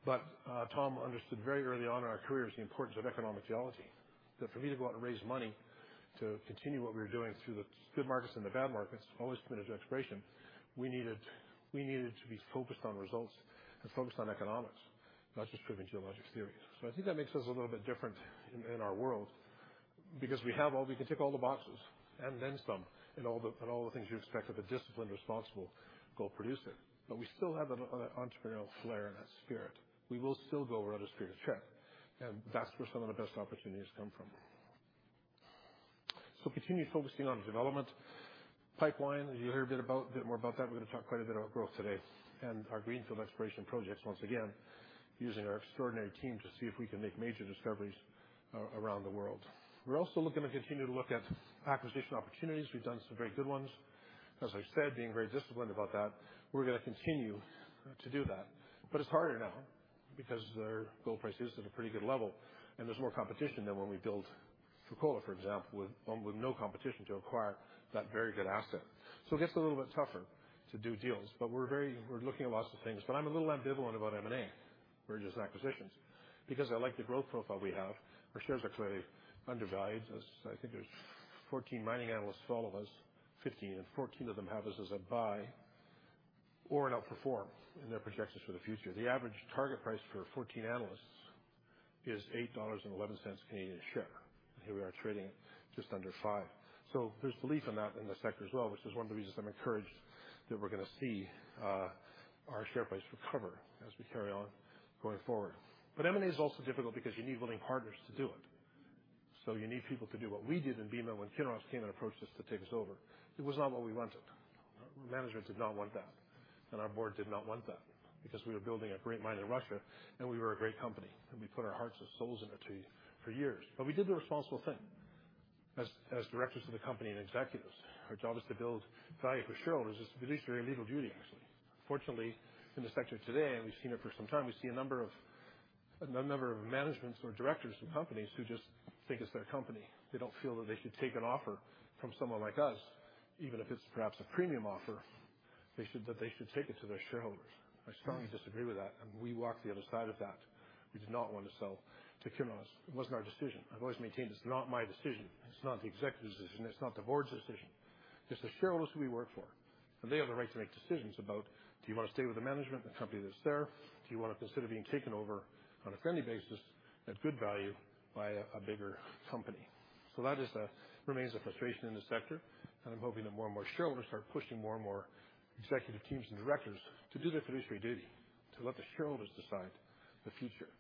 Tom understood very early on in our careers the importance of economic geology. That for me to go out and raise money to continue what we were doing through the good markets and the bad markets, always committed to exploration, we needed to be focused on results and focused on economics, not just proving geologic theory. I think that makes us a little bit different in our world because we have all we can tick all the boxes and then some, in all the things you expect of a disciplined, responsible gold producer. We still have that entrepreneurial flair and that spirit. We will still go where others fear to tread, and that's where some of the best opportunities come from. Continue focusing on development pipeline. You'll hear a bit more about that. We're gonna talk quite a bit about growth today and our greenfield exploration projects, once again, using our extraordinary team to see if we can make major discoveries around the world. We're also looking to continue to look at acquisition opportunities. We've done some very good ones. As I've said, being very disciplined about that. We're gonna continue to do that, but it's harder now because our gold price is at a pretty good level, and there's more competition than when we built Fekola, for example, with no competition to acquire that very good asset. It gets a little bit tougher to do deals, but we're very. We're looking at lots of things, but I'm a little ambivalent about M&A versus acquisitions because I like the growth profile we have. Our shares are clearly undervalued, as I think there's 14 mining analysts follow us, 15, and 14 of them have us as a buy or an outperform in their projections for the future. The average target price for 14 analysts is 8.11 Canadian dollars Canadian share, and here we are trading at just under 5. There's belief in that in the sector as well, which is one of the reasons I'm encouraged that we're gonna see our share price recover as we carry on going forward. M&A is also difficult because you need willing partners to do it. You need people to do what we did in Bema when Kinross came and approached us to take us over. It was not what we wanted. Management did not want that, and our board did not want that because we were building a great mine in Russia, and we were a great company, and we put our hearts and souls into for years. We did the responsible thing. As directors of the company and executives, our job is to build value for shareholders. It's a fiduciary and legal duty, actually. Unfortunately, in the sector today, and we've seen it for some time, we see a number of managements or directors from companies who just think it's their company. They don't feel that they should take an offer from someone like us, even if it's perhaps a premium offer. They should take it to their shareholders. I strongly disagree with that, and we walk the other side of that. We did not want to sell to Kinross. It wasn't our decision. I've always maintained it's not my decision. It's not the executives' decision. It's not the board's decision. It's the shareholders who we work for, and they have the right to make decisions about, do you wanna stay with the management, the company that's there? Do you wanna consider being taken over on a friendly basis at good value by a bigger company? That remains a frustration in the sector, and I'm hoping that more and more shareholders start pushing more and more executive teams and directors to do their fiduciary duty, to let the shareholders decide the future.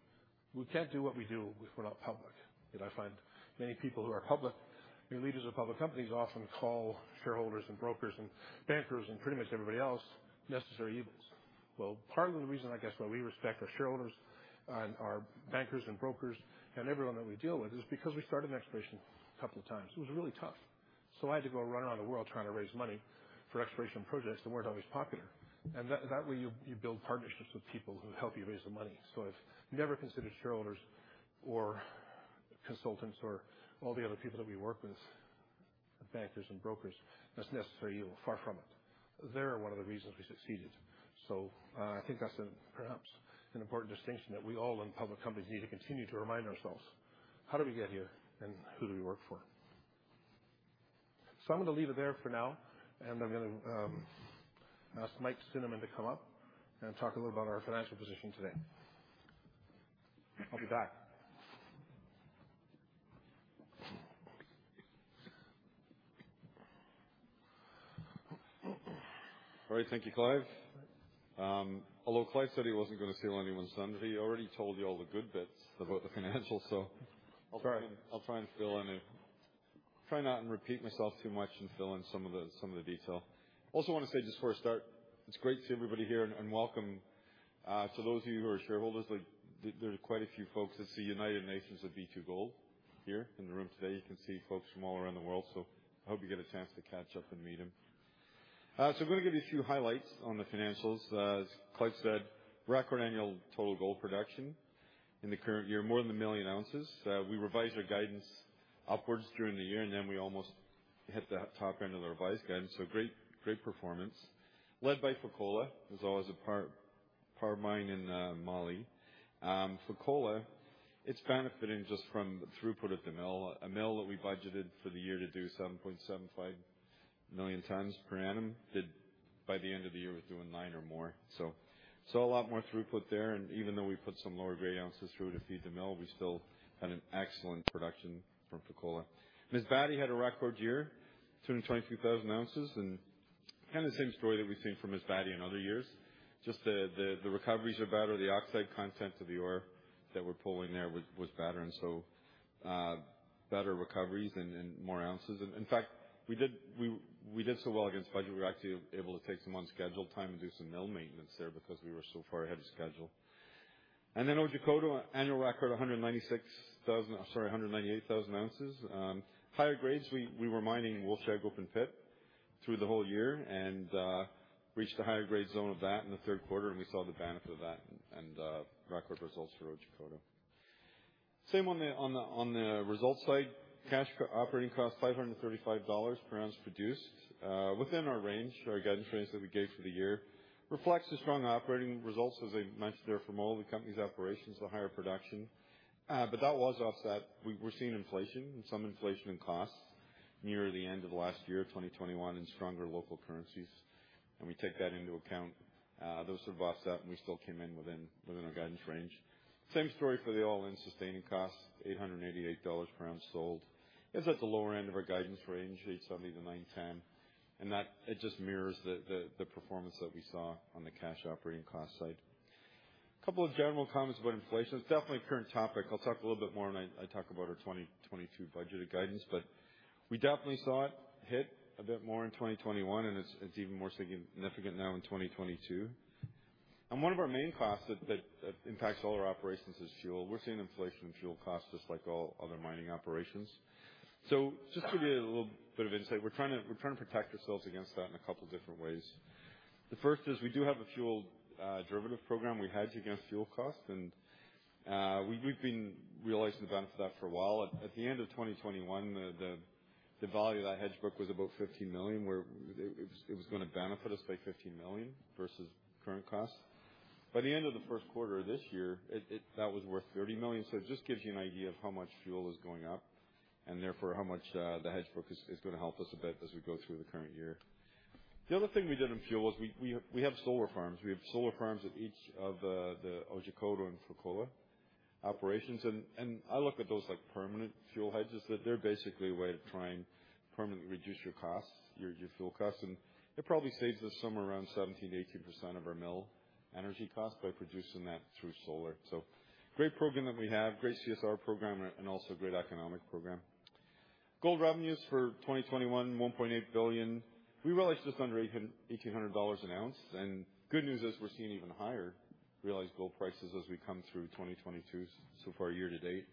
We can't do what we do if we're not public, yet I find many people who are public, I mean, leaders of public companies often call shareholders and brokers and bankers and pretty much everybody else necessary evils. Well, part of the reason I guess why we respect our shareholders and our bankers and brokers and everyone that we deal with is because we started in exploration a couple of times. It was really tough. I had to go run around the world trying to raise money for exploration projects that weren't always popular. That way you build partnerships with people who help you raise the money. I've never considered shareholders or consultants or all the other people that we work with, bankers and brokers, as necessary evil. Far from it. They're one of the reasons we succeeded. I think that's perhaps an important distinction that we all in public companies need to continue to remind ourselves, how did we get here, and who do we work for? I'm gonna leave it there for now, and I'm gonna ask Mike Cinnamond to come up and talk a little about our financial position today. I'll be back. All right. Thank you, Clive. Although Clive said he wasn't gonna steal anyone's thunder, he already told you all the good bits about the financials, so. I'll try and fill in and try not to repeat myself too much and fill in some of the detail. Also wanna say just before I start, it's great to see everybody here and welcome to those of you who are shareholders, like, there are quite a few folks. It's the United Nations of B2Gold here in the room today. You can see folks from all around the world, so hope you get a chance to catch up and meet them. So I'm gonna give you a few highlights on the financials. As Clive said, record annual total gold production in the current year, more than 1 million ounces. We revised our guidance upwards during the year, and then we almost hit the top end of the revised guidance, so great performance. Led by Fekola, as always a powerhouse mine in Mali. Fekola, it's benefiting just from the throughput at the mill. A mill that we budgeted for the year to do 7.75 million tons per annum did by the end of the year was doing 9 million or more. A lot more throughput there, and even though we put some lower grade ounces through to feed the mill, we still had an excellent production from Fekola. Masbate had a record year, 223,000 ounces, and kind of the same story that we've seen from Masbate in other years. Just the recoveries are better. The oxide content of the ore that we're pulling there was better and better recoveries and more ounces. In fact, we did so well against budget, we were actually able to take some unscheduled time and do some mill maintenance there because we were so far ahead of schedule. Then Otjikoto annual record. I'm sorry, 198,000 ounces. Higher grades. We were mining Wolfshag open pit Through the whole year and reached a higher grade zone of that in the third quarter, and we saw the benefit of that and record results for Otjikoto. Same on the results side. Cash operating costs $535 per ounce produced within our range, our guidance range that we gave for the year. Reflects the strong operating results, as I mentioned there, from all of the company's operations, the higher production. That was offset. We're seeing inflation and some inflation in costs near the end of last year, 2021, and stronger local currencies. When we take that into account, those were pushed up, and we still came in within our guidance range. Same story for the all-in sustaining costs, $888 per ounce sold. It's at the lower end of our guidance range, $870-$910, and that it just mirrors the performance that we saw on the cash operating cost side. Couple of general comments about inflation. It's definitely a current topic. I'll talk a little bit more when I talk about our 2022 budgeted guidance, but we definitely saw it hit a bit more in 2021, and it's even more significant now in 2022. One of our main costs that impacts all our operations is fuel. We're seeing inflation in fuel costs just like all other mining operations. So just to give you a little bit of insight, we're trying to protect ourselves against that in a couple different ways. The first is we do have a fuel derivative program. We hedge against fuel costs, and we've been realizing the benefit of that for a while. At the end of 2021, the value of that hedge book was about $50 million, where it was gonna benefit us by $50 million versus current costs. By the end of the first quarter this year, that was worth $30 million. It just gives you an idea of how much fuel is going up and therefore how much the hedge book is gonna help us a bit as we go through the current year. The other thing we did in fuel was we have solar farms. We have solar farms at each of the Otjikoto and Fekola operations, and I look at those like permanent fuel hedges. They're basically a way of trying to permanently reduce your costs, your fuel costs, and it probably saves us somewhere around 17%-18% of our mill energy costs by producing that through solar. Great program that we have, great CSR program and also great economic program. Gold revenues for 2021, $1.8 billion. We realized just under $1,800 an ounce. Good news is we're seeing even higher realized gold prices as we come through 2022 so far year to date.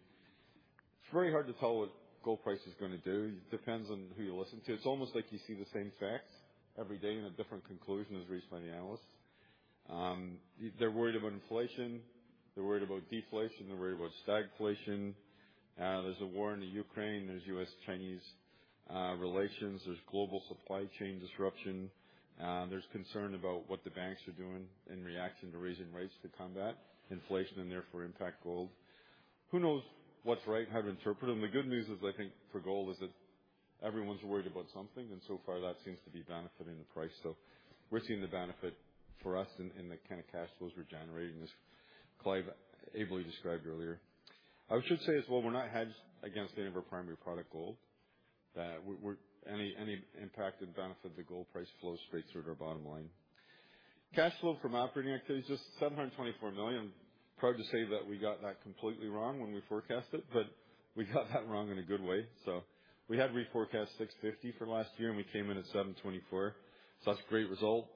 It's very hard to tell what gold price is gonna do. It depends on who you listen to. It's almost like you see the same facts every day, and a different conclusion is reached by the analysts. They're worried about inflation, they're worried about deflation, they're worried about stagflation. There's a war in the Ukraine, there's U.S.-Chinese relations, there's global supply chain disruption. There's concern about what the banks are doing in reaction to raising rates to combat inflation and therefore impact gold. Who knows what's right and how to interpret them? The good news is, I think, for gold, is that everyone's worried about something, and so far that seems to be benefiting the price. We're seeing the benefit for us in the kind of cash flows we're generating, as Clive ably described earlier. I should say as well, we're not hedged against any of our primary product gold. Any impact and benefit of the gold price flows straight through to our bottom line. Cash flow from operating activities, just $724 million. Proud to say that we got that completely wrong when we forecast it, but we got that wrong in a good way. We had reforecast $650 million for last year, and we came in at $724 million. That's a great result.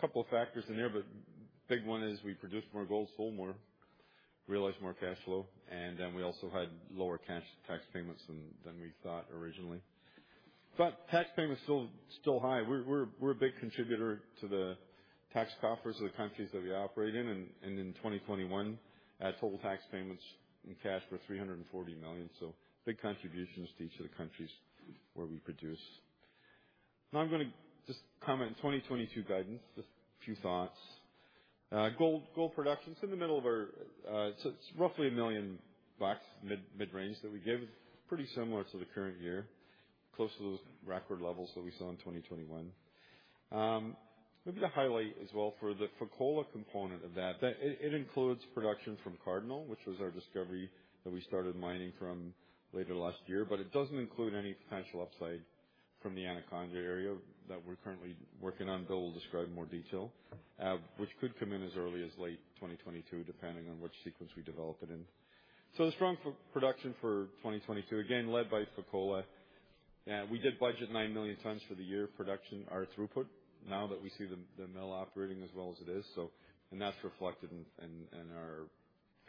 Couple of factors in there, but big one is we produced more gold, sold more, realized more cash flow, and then we also had lower cash tax payments than we thought originally. Tax payments still high. We're a big contributor to the tax coffers of the countries that we operate in, and in 2021, our total tax payments in cash were $340 million. Big contributions to each of the countries where we produce. Now I'm gonna just comment on 2022 guidance, just a few thoughts. Gold production, it's in the middle of our. It's roughly a million ounce mid-range that we give. Pretty similar to the current year. Close to those record levels that we saw in 2021. Maybe to highlight as well for the Fekola component of that it includes production from Cardinal, which was our discovery that we started mining from later last year, but it doesn't include any potential upside from the Anaconda area that we're currently working on. Bill will describe in more detail. Which could come in as early as late 2022, depending on which sequence we develop it in. Strong for production for 2022, again, led by Fekola. We did budget 9 million tons for the year production, our throughput, now that we see the mill operating as well as it is. That's reflected in our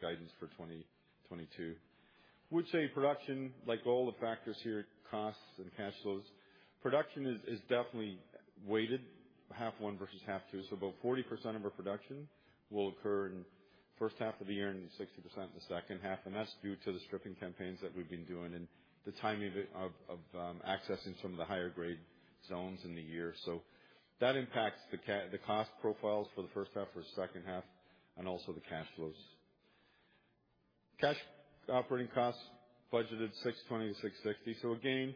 guidance for 2022. Would say production, like all the factors here, costs and cash flows, production is definitely weighted half one versus half two. About 40% of our production will occur in first half of the year and 60% in the second half, and that's due to the stripping campaigns that we've been doing and the timing of accessing some of the higher grade zones in the year. That impacts the cost profiles for the first half, for the second half and also the cash flows. Cash operating costs budgeted $620-$660. Again,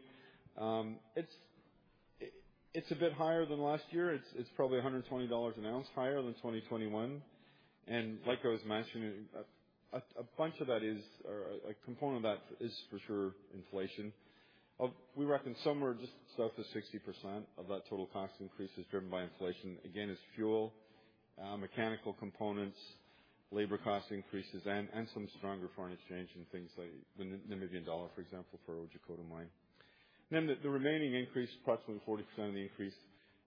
it's a bit higher than last year. It's probably $120 an ounce higher than 2021. Like I was mentioning, a bunch of that is. A component of that is for sure inflation. We reckon somewhere just south of 60% of that total cost increase is driven by inflation. Again, it's fuel, mechanical components, labor cost increases and some stronger foreign exchange and things like the Namibian dollar, for example, for Otjikoto Mine. The remaining increase, approximately 40% of the increase.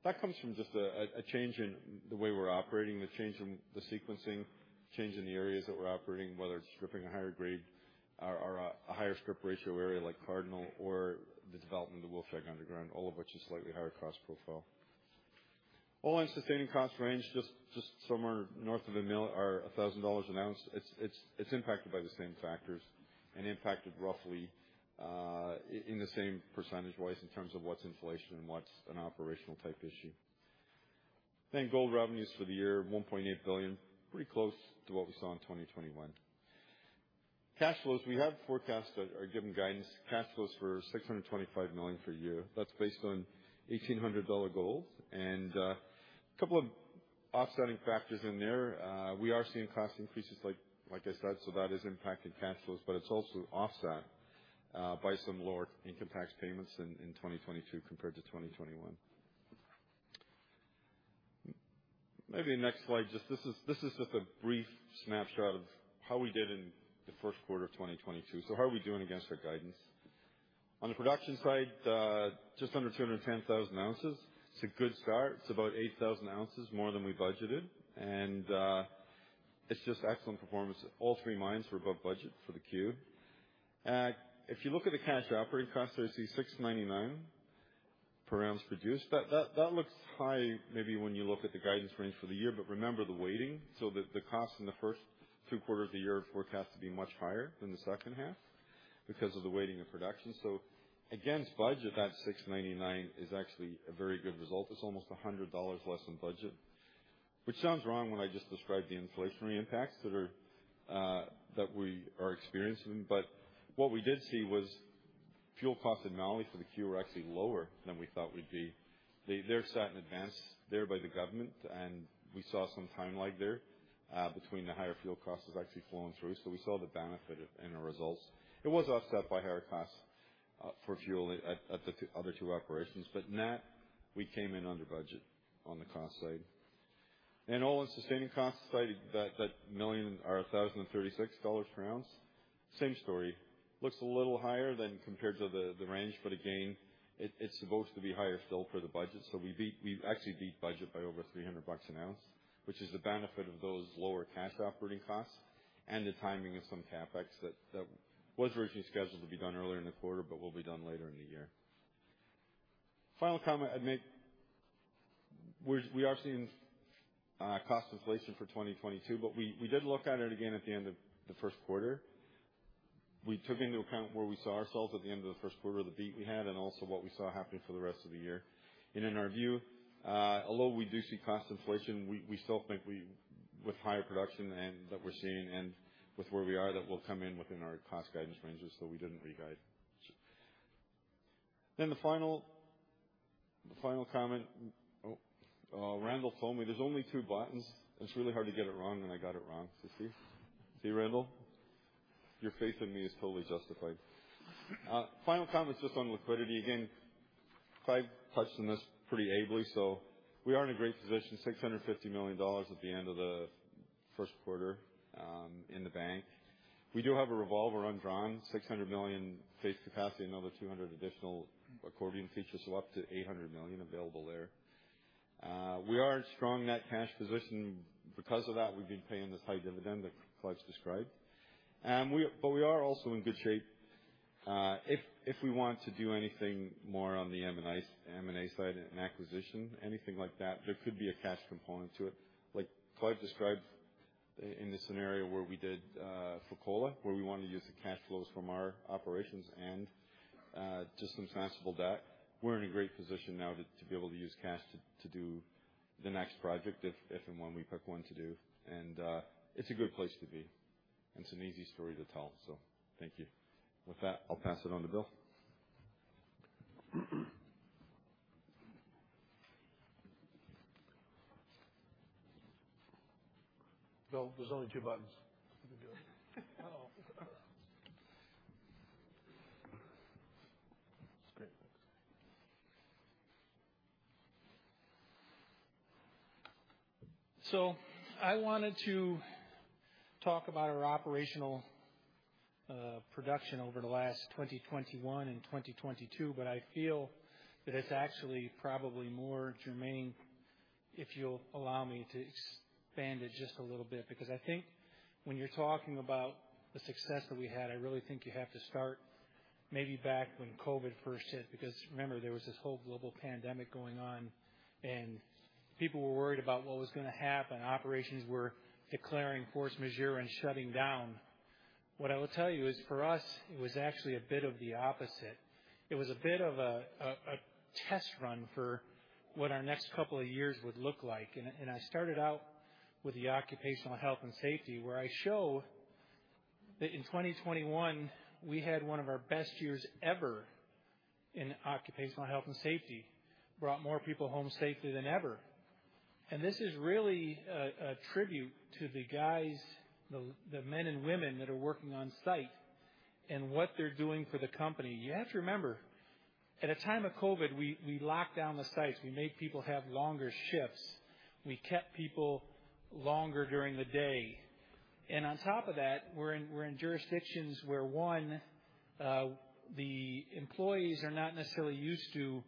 That comes from just a change in the way we're operating, the change in the sequencing, change in the areas that we're operating, whether it's stripping a higher grade or a higher strip ratio area like Cardinal or the development of the Wolfshag Underground, all of which is slightly higher cost profile. All-in sustaining costs range just somewhere north of a mil or $1,000 an ounce. It's impacted by the same factors and impacted roughly in the same percentage-wise in terms of what's inflation and what's an operational type issue. Gold revenues for the year, $1.8 billion, pretty close to what we saw in 2021. Cash flows, we have forecast or given guidance, cash flows for $625 million for the year. That's based on $1,800 gold. A couple of offsetting factors in there. We are seeing cost increases, like I said, so that is impacting cash flows, but it's also offset by some lower income tax payments in 2022 compared to 2021. Maybe next slide, this is just a brief snapshot of how we did in the first quarter of 2022. How are we doing against our guidance? On the production side, just under 210,000 ounces. It's a good start. It's about 8,000 ounces more than we budgeted. It's just excellent performance. All three mines were above budget for the Q. If you look at the cash operating costs there, $699 per ounce produced. That looks high maybe when you look at the guidance range for the year, but remember the weighting, so the cost in the first two quarters of the year are forecast to be much higher than the second half because of the weighting of production. Against budget, that $699 is actually a very good result. It's almost $100 less than budget, which sounds wrong when I just described the inflationary impacts that we are experiencing. What we did see was fuel costs in Mali for the Q were actually lower than we thought we'd be. They're set in advance there by the government, and we saw some time lag there between the higher fuel costs actually flowing through. We saw the benefit of it in our results. It was offset by higher costs for fuel at the other two operations, but net, we came in under budget on the cost side. All-in sustaining costs at $1,036 per ounce, same story. Looks a little higher than compared to the range, but again, it's supposed to be higher still for the budget. We actually beat budget by over $300 an ounce, which is the benefit of those lower cash operating costs and the timing of some CapEx that was originally scheduled to be done earlier in the quarter but will be done later in the year. Final comment I'd make, we are seeing cost inflation for 2022, but we did look at it again at the end of the first quarter. We took into account where we saw ourselves at the end of the first quarter, the beat we had, and also what we saw happening for the rest of the year. In our view, although we do see cost inflation, we still think with higher production and that we're seeing and with where we are, that we'll come in within our cost guidance ranges, so we didn't re-guide. The final comment. Oh, Randall told me there's only two buttons. It's really hard to get it wrong, and I got it wrong. See Randall, your faith in me is totally justified. Final comment is just on liquidity. Again, Clive touched on this pretty ably. We are in a great position, $650 million at the end of the first quarter in the bank. We do have a revolver undrawn, $600 million face capacity, another $200 million additional accordion features, so up to $800 million available there. We are in a strong net cash position. Because of that, we've been paying this high dividend that Clive's described. We are also in good shape, if we want to do anything more on the M&As, M&A side, an acquisition, anything like that, there could be a cash component to it. Like Clive described in the scenario where we did Fekola, where we wanted to use the cash flows from our operations and just some transferable debt. We're in a great position now to be able to use cash to do the next project if and when we pick one to do. It's a good place to be, and it's an easy story to tell. Thank you. With that, I'll pass it on to Bill. Bill, there's only two buttons. You can do it. Oh. I wanted to talk about our operational production over the last 2021 and 2022, but I feel that it's actually probably more germane, if you'll allow me to expand it just a little bit. Because I think when you're talking about the success that we had, I really think you have to start maybe back when COVID first hit. Because remember, there was this whole global pandemic going on, and people were worried about what was gonna happen. Operations were declaring force majeure and shutting down. What I will tell you is for us, it was actually a bit of the opposite. It was a bit of a test run for what our next couple of years would look like. I started out with the occupational health and safety, where I show that in 2021 we had one of our best years ever in occupational health and safety, brought more people home safely than ever. This is really a tribute to the guys, the men and women that are working on site and what they're doing for the company. You have to remember, at the time of COVID, we locked down the sites. We made people have longer shifts. We kept people longer during the day. On top of that, we're in jurisdictions where, one, the employees are not necessarily used to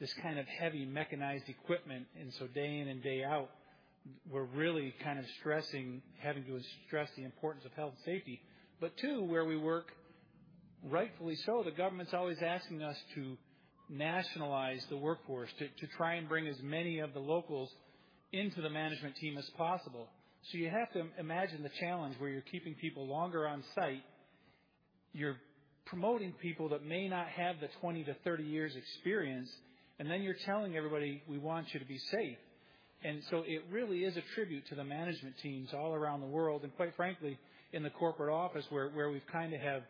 this kind of heavy mechanized equipment. Day in and day out, we're really kind of stressing, having to stress the importance of health and safety. Two, where we work, rightfully so, the government's always asking us to nationalize the workforce to try and bring as many of the locals into the management team as possible. You have to imagine the challenge where you're keeping people longer on site. You're promoting people that may not have the 20-30 years experience, and then you're telling everybody, "We want you to be safe." It really is a tribute to the management teams all around the world, and quite frankly, in the corporate office where we've kinda have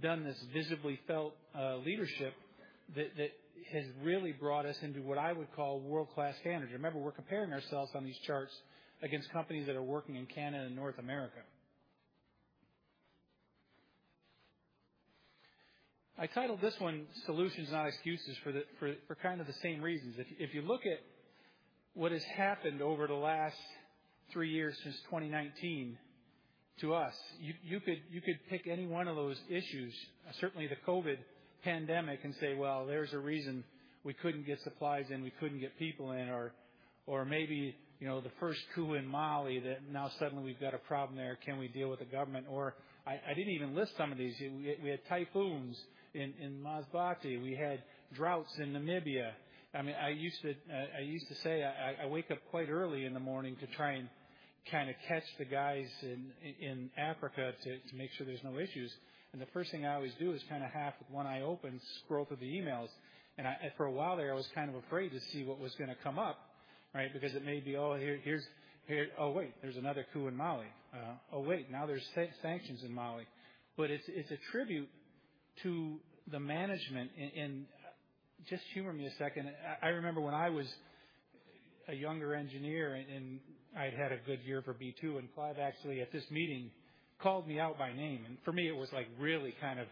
done this visibly felt leadership that has really brought us into what I would call world-class standards. Remember, we're comparing ourselves on these charts against companies that are working in Canada and North America. I titled this one Solutions, Not Excuses for kind of the same reasons. If you look at what has happened over the last three years since 2019 to us, you could pick any one of those issues, certainly the COVID pandemic, and say, "Well, there's a reason we couldn't get supplies in, we couldn't get people in." Maybe, you know, the first coup in Mali that now suddenly we've got a problem there. Can we deal with the government? I didn't even list some of these. We had typhoons in Masbate. We had droughts in Namibia. I mean, I used to say I wake up quite early in the morning to try and kinda catch the guys in Africa to make sure there's no issues. The first thing I always do is kind of half with one eye open scroll through the emails. For a while there, I was kind of afraid to see what was gonna come up, right? Because it may be, "Oh, here. Oh, wait, there's another coup in Mali. Oh, wait, now there's sanctions in Mali." But it's a tribute to the management. Just humor me a second. I remember when I was a younger engineer and I'd had a good year for B2, and Clive actually at this meeting called me out by name. For me, it was, like, really kind of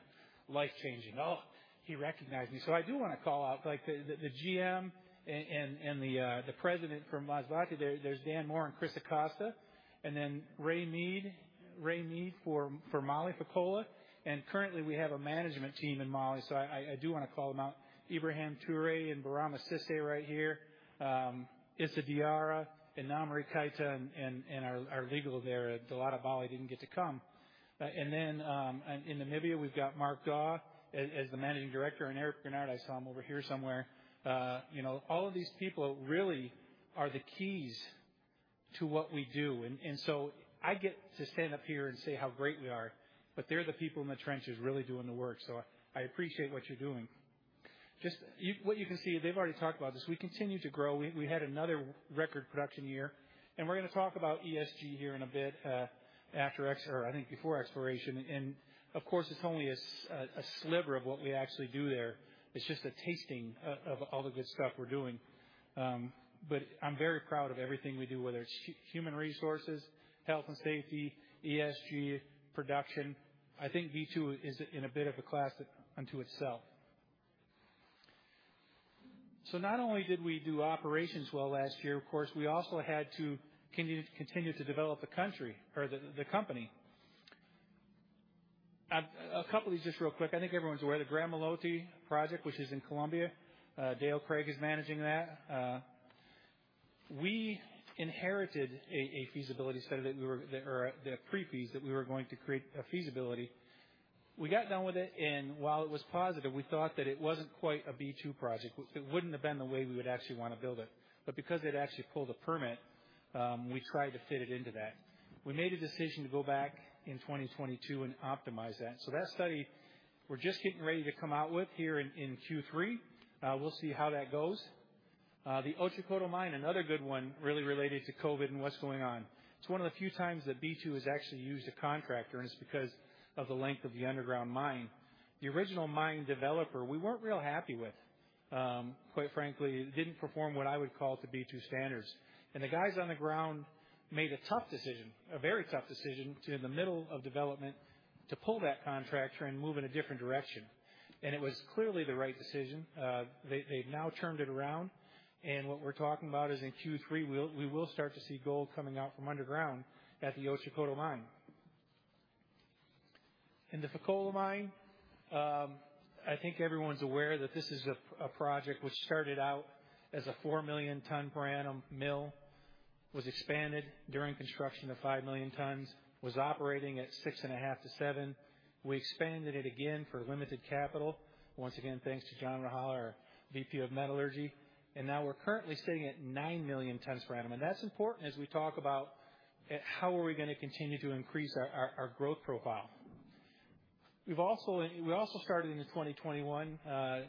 life-changing. "Oh, he recognized me." I do wanna call out, like, the GM and the president from Masbate. There's Dan Moore and Cris Acosta, and then Ray Mead for Mali, Fekola. Currently, we have a management team in Mali, so I do wanna call them out. Ibrahim Touré and Birama Cissé right here. Issa Diarra and Namory Keita and our legal there, Dalada Bally didn't get to come. In Namibia, we've got Mark Dawe as the managing director and Eric Barnard. I saw him over here somewhere. You know, all of these people really are the keys to what we do. I get to stand up here and say how great we are, but they're the people in the trenches really doing the work. I appreciate what you're doing. What you can see, they've already talked about this. We continue to grow. We had another record production year, and we're gonna talk about ESG here in a bit, after ex. I think before exploration. Of course, it's only a sliver of what we actually do there. It's just a tasting of all the good stuff we're doing. But I'm very proud of everything we do, whether it's human resources, health and safety, ESG, production. I think B2 is in a bit of a class unto itself. Not only did we do operations well last year, of course, we also had to continue to develop the country or the company. A couple of these just real quick. I think everyone's aware. The Gramalote project, which is in Colombia, Dale Craig is managing that. We inherited a feasibility study that we were or the pre-feas that we were going to create a feasibility. We got done with it, and while it was positive, we thought that it wasn't quite a B2 project. It wouldn't have been the way we would actually wanna build it. Because it actually pulled a permit, we tried to fit it into that. We made a decision to go back in 2022 and optimize that. That study, we're just getting ready to come out with here in Q3. We'll see how that goes. The Otjikoto mine, another good one really related to COVID and what's going on. It's one of the few times that B2 has actually used a contractor, and it's because of the length of the underground mine. The original mine developer, we weren't real happy with. Quite frankly, it didn't perform to B2 standards. The guys on the ground made a tough decision, a very tough decision to, in the middle of development, to pull that contractor and move in a different direction. It was clearly the right decision. They’ve now turned it around, and what we're talking about is in Q3, we will start to see gold coming out from underground at the Otjikoto mine. In the Fekola mine, I think everyone's aware that this is a project which started out as a 4 million ton per annum mill. Was expanded during construction to 5 million tons. Was operating at 6.5 million-7 million. We expanded it again for limited capital. Once again, thanks to John Rajala, our VP of Metallurgy. Now we're currently sitting at 9 million tons per annum. That's important as we talk about how are we gonna continue to increase our growth profile. We've also started in 2021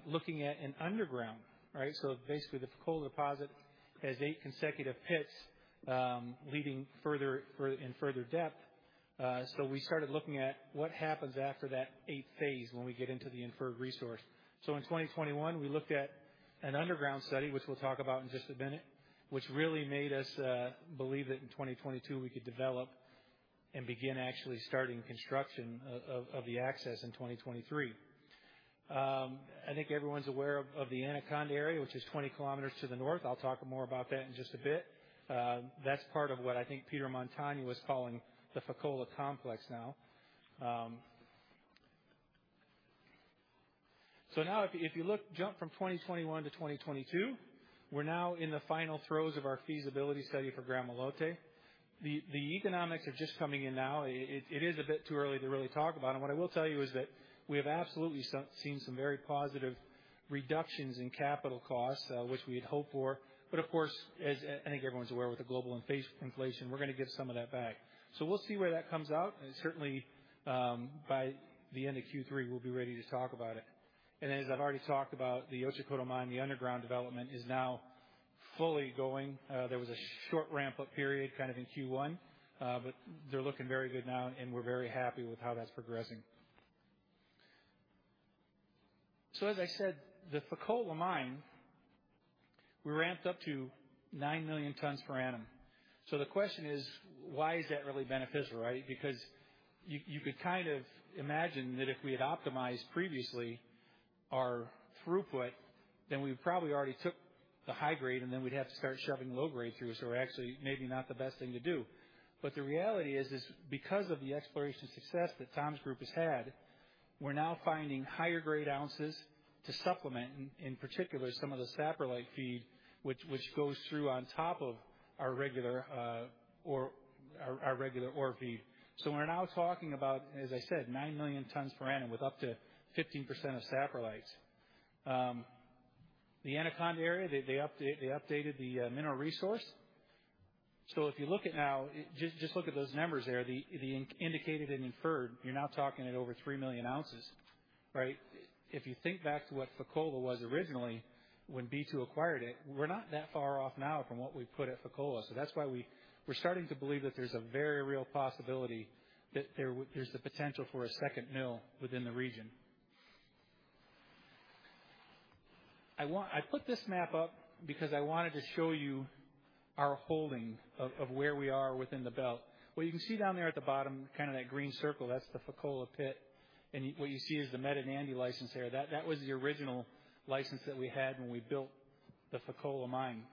looking at an underground, right? Basically, the Fekola deposit has eight consecutive pits leading further in depth. We started looking at what happens after that eighth phase when we get into the inferred resource. In 2021, we looked at an underground study, which we'll talk about in just a minute, which really made us believe that in 2022 we could develop and begin actually starting construction of the access in 2023. I think everyone's aware of the Anaconda area, which is 20 km to the north. I'll talk more about that in just a bit. That's part of what I think Peter Montano was calling the Fekola complex now. If you look, jump from 2021 to 2022, we're now in the final throes of our feasibility study for Gramalote. The economics are just coming in now. It is a bit too early to really talk about. What I will tell you is that we have absolutely seen some very positive reductions in capital costs, which we had hoped for. Of course, as I think everyone's aware, with the global inflation, we're gonna get some of that back. We'll see where that comes out. Certainly, by the end of Q3, we'll be ready to talk about it. As I've already talked about the Otjikoto mine, the underground development is now fully going. There was a short ramp-up period, kind of in Q1. They're looking very good now, and we're very happy with how that's progressing. As I said, the Fekola Mine, we ramped up to 9 million tons per annum. The question is, why is that really beneficial, right? Because you could kind of imagine that if we had optimized previously our throughput, then we probably already took the high grade, and then we'd have to start shoving low grade through. Actually, maybe not the best thing to do. The reality is, because of the exploration success that Tom's group has had, we're now finding higher grade ounces to supplement, in particular, some of the saprolite feed, which goes through on top of our regular ore feed. We're now talking about, as I said, 9 million tons per annum with up to 15% of saprolite. The Anaconda area, they updated the mineral resource. If you look at now. Just look at those numbers there, the indicated and inferred, you're now talking at over 3 million ounces, right? If you think back to what Fekola was originally when B2 acquired it, we're not that far off now from what we put at Fekola. That's why we're starting to believe that there's a very real possibility that there's the potential for a second mill within the region. I put this map up because I wanted to show you our holding of where we are within the belt. What you can see down there at the bottom, kinda that green circle, that's the Fekola pit. What you see is the Medinandi license there. That was the original license that we had when we built the Fekola mine.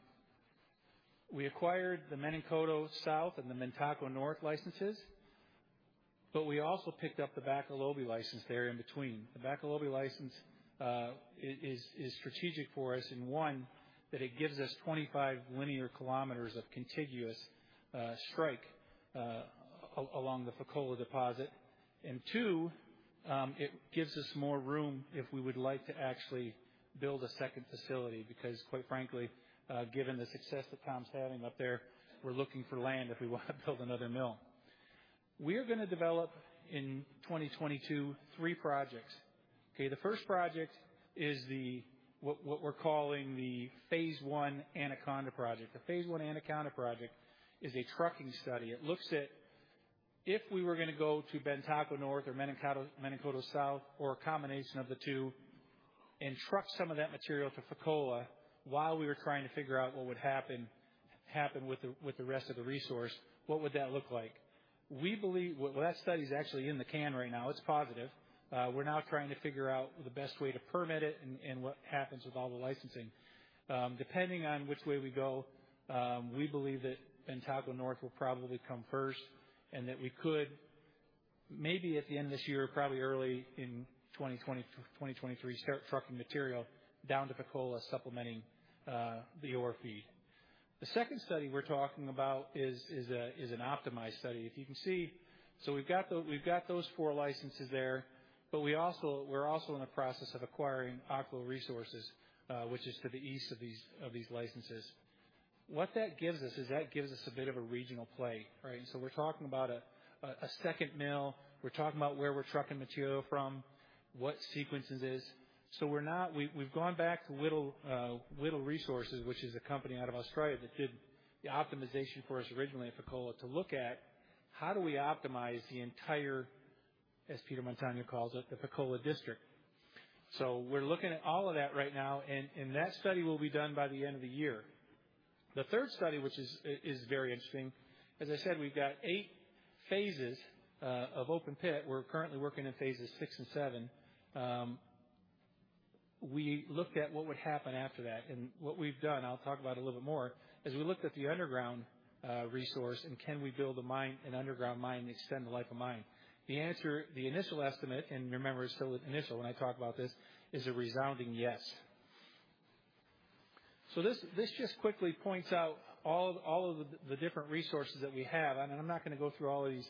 We acquired the Menankoto South and the Bantako North licenses, but we also picked up the Bakolobi license there in between. The Bakolobi license is strategic for us in one, that it gives us 25 linear kilometers of contiguous strike along the Fekola deposit. Two, it gives us more room if we would like to actually build a second facility, because quite frankly, given the success that Tom's having up there, we're looking for land if we wanna build another mill. We're gonna develop in 2022 three projects. Okay, the first project is what we're calling the Phase One Anaconda Project. The Phase One Anaconda Project is a trucking study. It looks at if we were gonna go to Bantako North or Menankoto South or a combination of the two and truck some of that material to Fekola while we were trying to figure out what would happen with the rest of the resource, what would that look like? Well, that study is actually in the can right now. It's positive. We're now trying to figure out the best way to permit it and what happens with all the licensing. Depending on which way we go, we believe that Bantako North will probably come first and that we could maybe at the end of this year, probably early in 2023, start trucking material down to Fekola supplementing the ore feed. The second study we're talking about is an optimized study. If you can see. We've got those four licenses there, but we also are in the process of acquiring Oklo Resources, which is to the east of these licenses. What that gives us is a bit of a regional play, right? We're talking about a second mill. We're talking about where we're trucking material from. What the sequence is. We've gone back to Lycopodium, which is a company out of Australia that did the optimization for us originally at Fekola to look at how do we optimize the entire, as Peter Montano calls it, the Fekola District. We're looking at all of that right now, and that study will be done by the end of the year. The third study, which is very interesting. As I said, we've got eight phases of open pit. We're currently working in phases six and seven. We looked at what would happen after that and what we've done, I'll talk about a little bit more, is we looked at the underground resource and can we build a mine, an underground mine to extend the life of mine. The answer, the initial estimate, and remember, it's still initial when I talk about this, is a resounding yes. This just quickly points out all of the different resources that we have. I'm not gonna go through all these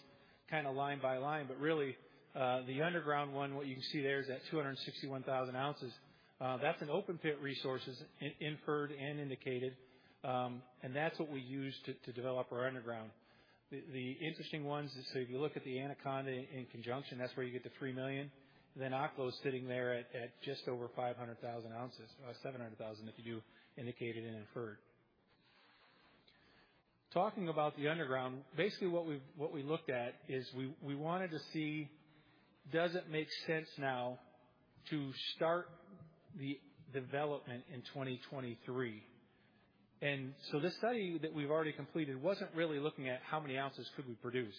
kinda line by line, but really, the underground one, what you can see there is that 261,000 ounces. That's an open pit resources, inferred and indicated. That's what we use to develop our underground. The interesting ones is if you look at the Anaconda in conjunction, that's where you get the 3 million. Then Oklo is sitting there at just over 500,000 ounces, 700,000 if you do indicated and inferred. Talking about the underground, basically what we looked at is we wanted to see, does it make sense now to start the development in 2023? This study that we've already completed wasn't really looking at how many ounces could we produce.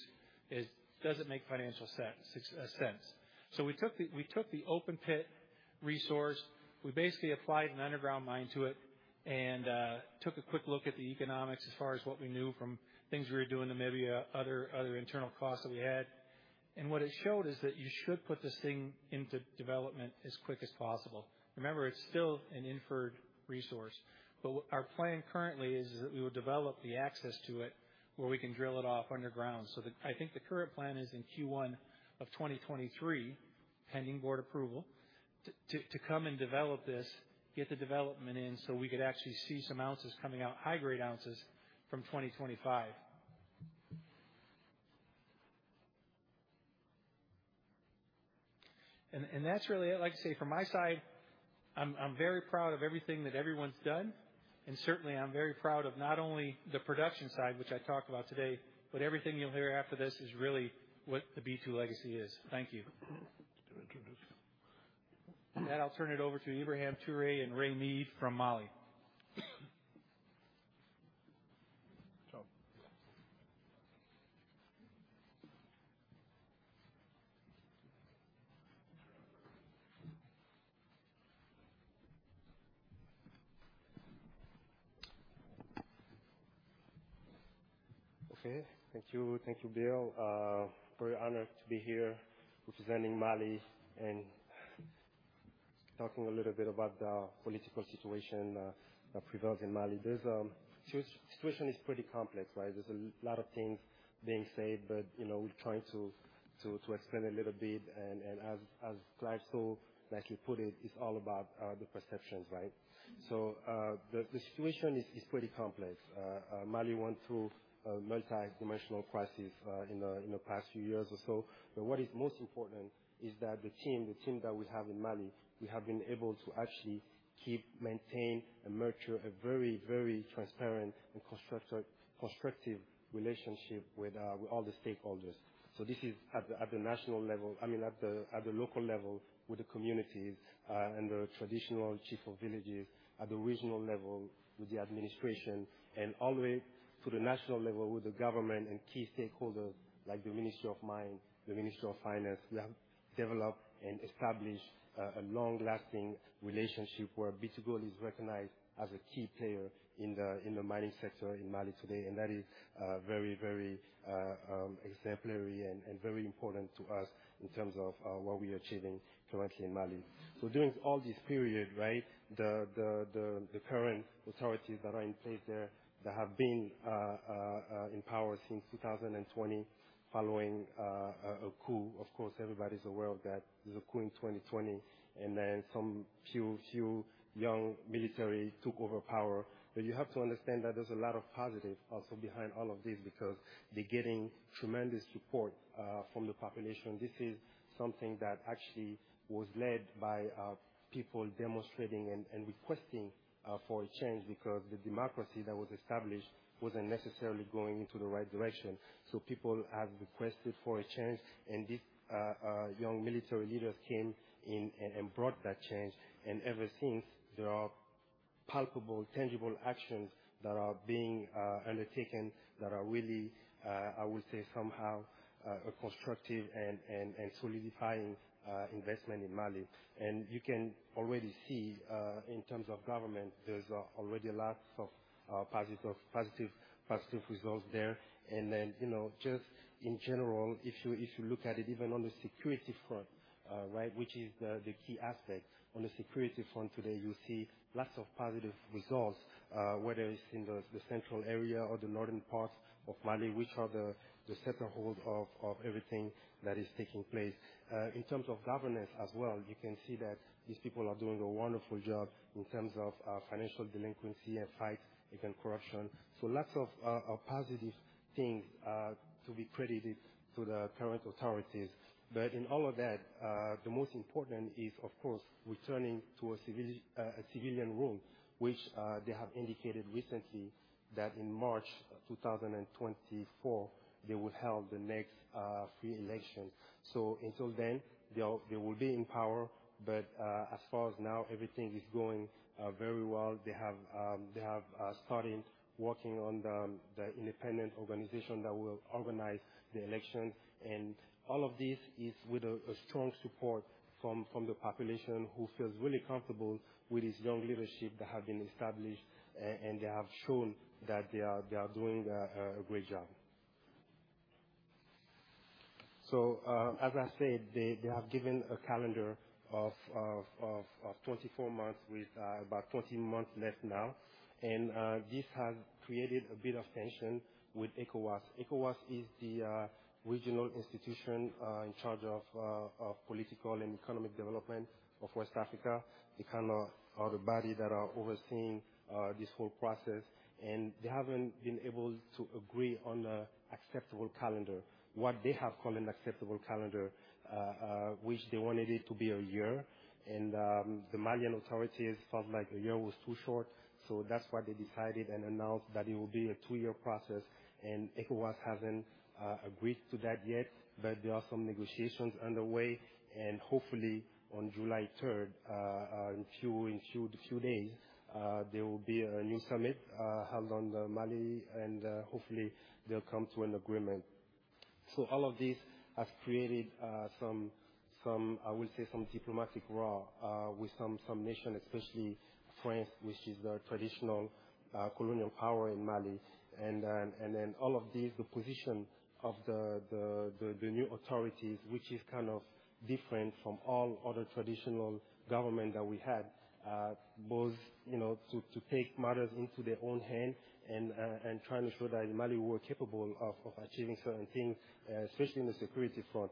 It doesn't make financial sense. So we took the open pit resource. We basically applied an underground mine to it and took a quick look at the economics as far as what we knew from things we were doing to maybe other internal costs that we had. What it showed is that you should put this thing into development as quick as possible. Remember, it's still an inferred resource. Our plan currently is that we would develop the access to it where we can drill it off underground. So the I think the current plan is in Q1 of 2023, pending board approval, to come and develop this, get the development in so we could actually see some ounces coming out, high grade ounces from 2025. That's really it. Like I say, from my side, I'm very proud of everything that everyone's done, and certainly I'm very proud of not only the production side, which I talked about today, but everything you'll hear after this is really what the B2 legacy is. Thank you. To introduce. Now I'll turn it over to Ibrahim Touré and Ray Mead from Mali. Okay. Thank you. Thank you, Bill. Very honored to be here representing Mali and talking a little bit about the political situation prevails in Mali. Situation is pretty complex, right? There's a lot of things being said, but you know, we're trying to explain a little bit. As Clive so nicely put it's all about the perceptions, right? The situation is pretty complex. Mali went through a multidimensional crisis in the past few years or so. What is most important is that the team that we have in Mali, we have been able to actually keep, maintain, and nurture a very transparent and constructive relationship with all the stakeholders. This is at the national level. I mean, at the local level with the communities and the traditional chief of villages, at the regional level with the administration, and all the way to the national level with the government and key stakeholders like the Ministry of Mines, the Ministry of Finance. We have developed and established a long-lasting relationship where B2Gold is recognized as a key player in the mining sector in Mali today. That is very, very exemplary and very important to us in terms of what we are achieving currently in Mali. During all this period, right? The current authorities that are in place there, that have been in power since 2020 following a coup. Of course, everybody's aware of that. There was a coup in 2020, and then some few young military took over power. You have to understand that there's a lot of positive also behind all of this because they're getting tremendous support from the population. This is something that actually was led by people demonstrating and requesting for a change because the democracy that was established wasn't necessarily going into the right direction. People have requested for a change, and these young military leaders came in and brought that change. Ever since, there are palpable, tangible actions that are being undertaken that are really, I would say, somehow constructive and solidifying investment in Mali. You can already see in terms of government, there's already lots of positive results there. You know, just in general, if you look at it even on the security front, right, which is the key aspect. On the security front today, you see lots of positive results, whether it's in the central area or the northern parts of Mali, which are the stronghold of everything that is taking place. In terms of governance as well, you can see that these people are doing a wonderful job in terms of financial delinquency and fight against corruption. Lots of positive things to be credited to the current authorities. In all of that, the most important is of course returning to a civilian rule, which they have indicated recently that in March 2024, they will hold the next free election. Until then, they will be in power. As of now, everything is going very well. They have started working on the independent organization that will organize the election. All of this is with a strong support from the population who feels really comfortable with this young leadership that have been established. They have shown that they are doing a great job. As I said, they have given a calendar of 24 months with about 14 months left now. This has created a bit of tension with ECOWAS. ECOWAS is the regional institution in charge of political and economic development of West Africa, or the body that are overseeing this whole process. They haven't been able to agree on an acceptable calendar. What they have called an acceptable calendar, which they wanted it to be a year. The Malian authorities felt like a year was too short, so that's why they decided and announced that it will be a two-year process. ECOWAS hasn't agreed to that yet, but there are some negotiations underway. Hopefully on July 3rd, in a few days, there will be a new summit held in Mali, and hopefully they'll come to an agreement. All of this has created some diplomatic row with some nations, especially France, which is the traditional colonial power in Mali. All of this, the position of the new authorities, which is kind of different from all other traditional government that we had, both you know to take matters into their own hand and trying to show that in Mali we're capable of achieving certain things, especially in the security front.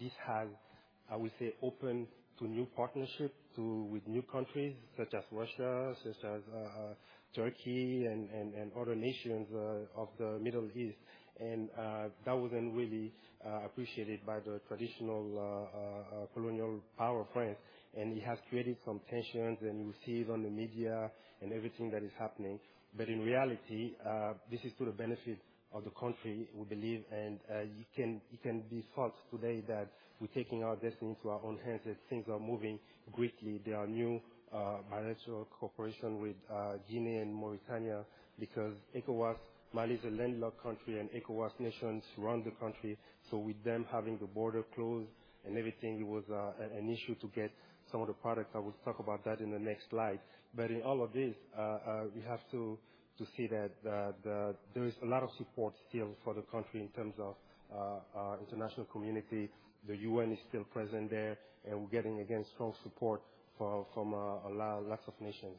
This has, I would say, opened to new partnerships with new countries such as Russia, such as Turkey and other nations of the Middle East. That wasn't really appreciated by the traditional colonial power of France. It has created some tensions, and you see it on the media and everything that is happening. In reality, this is to the benefit of the country, we believe. It can be felt today that we're taking our destiny into our own hands, that things are moving quickly. There are new bilateral cooperation with Guinea and Mauritania because ECOWAS, Mali is a landlocked country, and ECOWAS nations surround the country. With them having the border closed and everything, it was an issue to get some of the products. I will talk about that in the next slide. In all of this, we have to see that there is a lot of support still for the country in terms of international community. The UN is still present there, and we're getting again strong support from a lot of nations.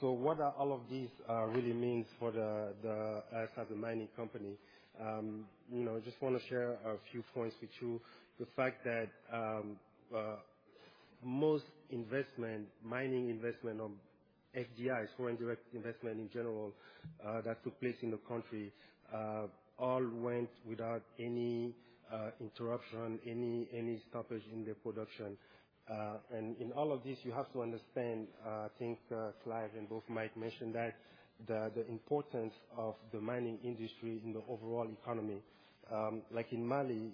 What are all of these really means for us as a mining company? You know, I just wanna share a few points with you. The fact that most investment, mining investment or FDI, foreign direct investment in general, that took place in the country, all went without any interruption, any stoppage in the production. In all of this, you have to understand, I think, Clive and both Mike mentioned that the importance of the mining industry in the overall economy. Like in Mali,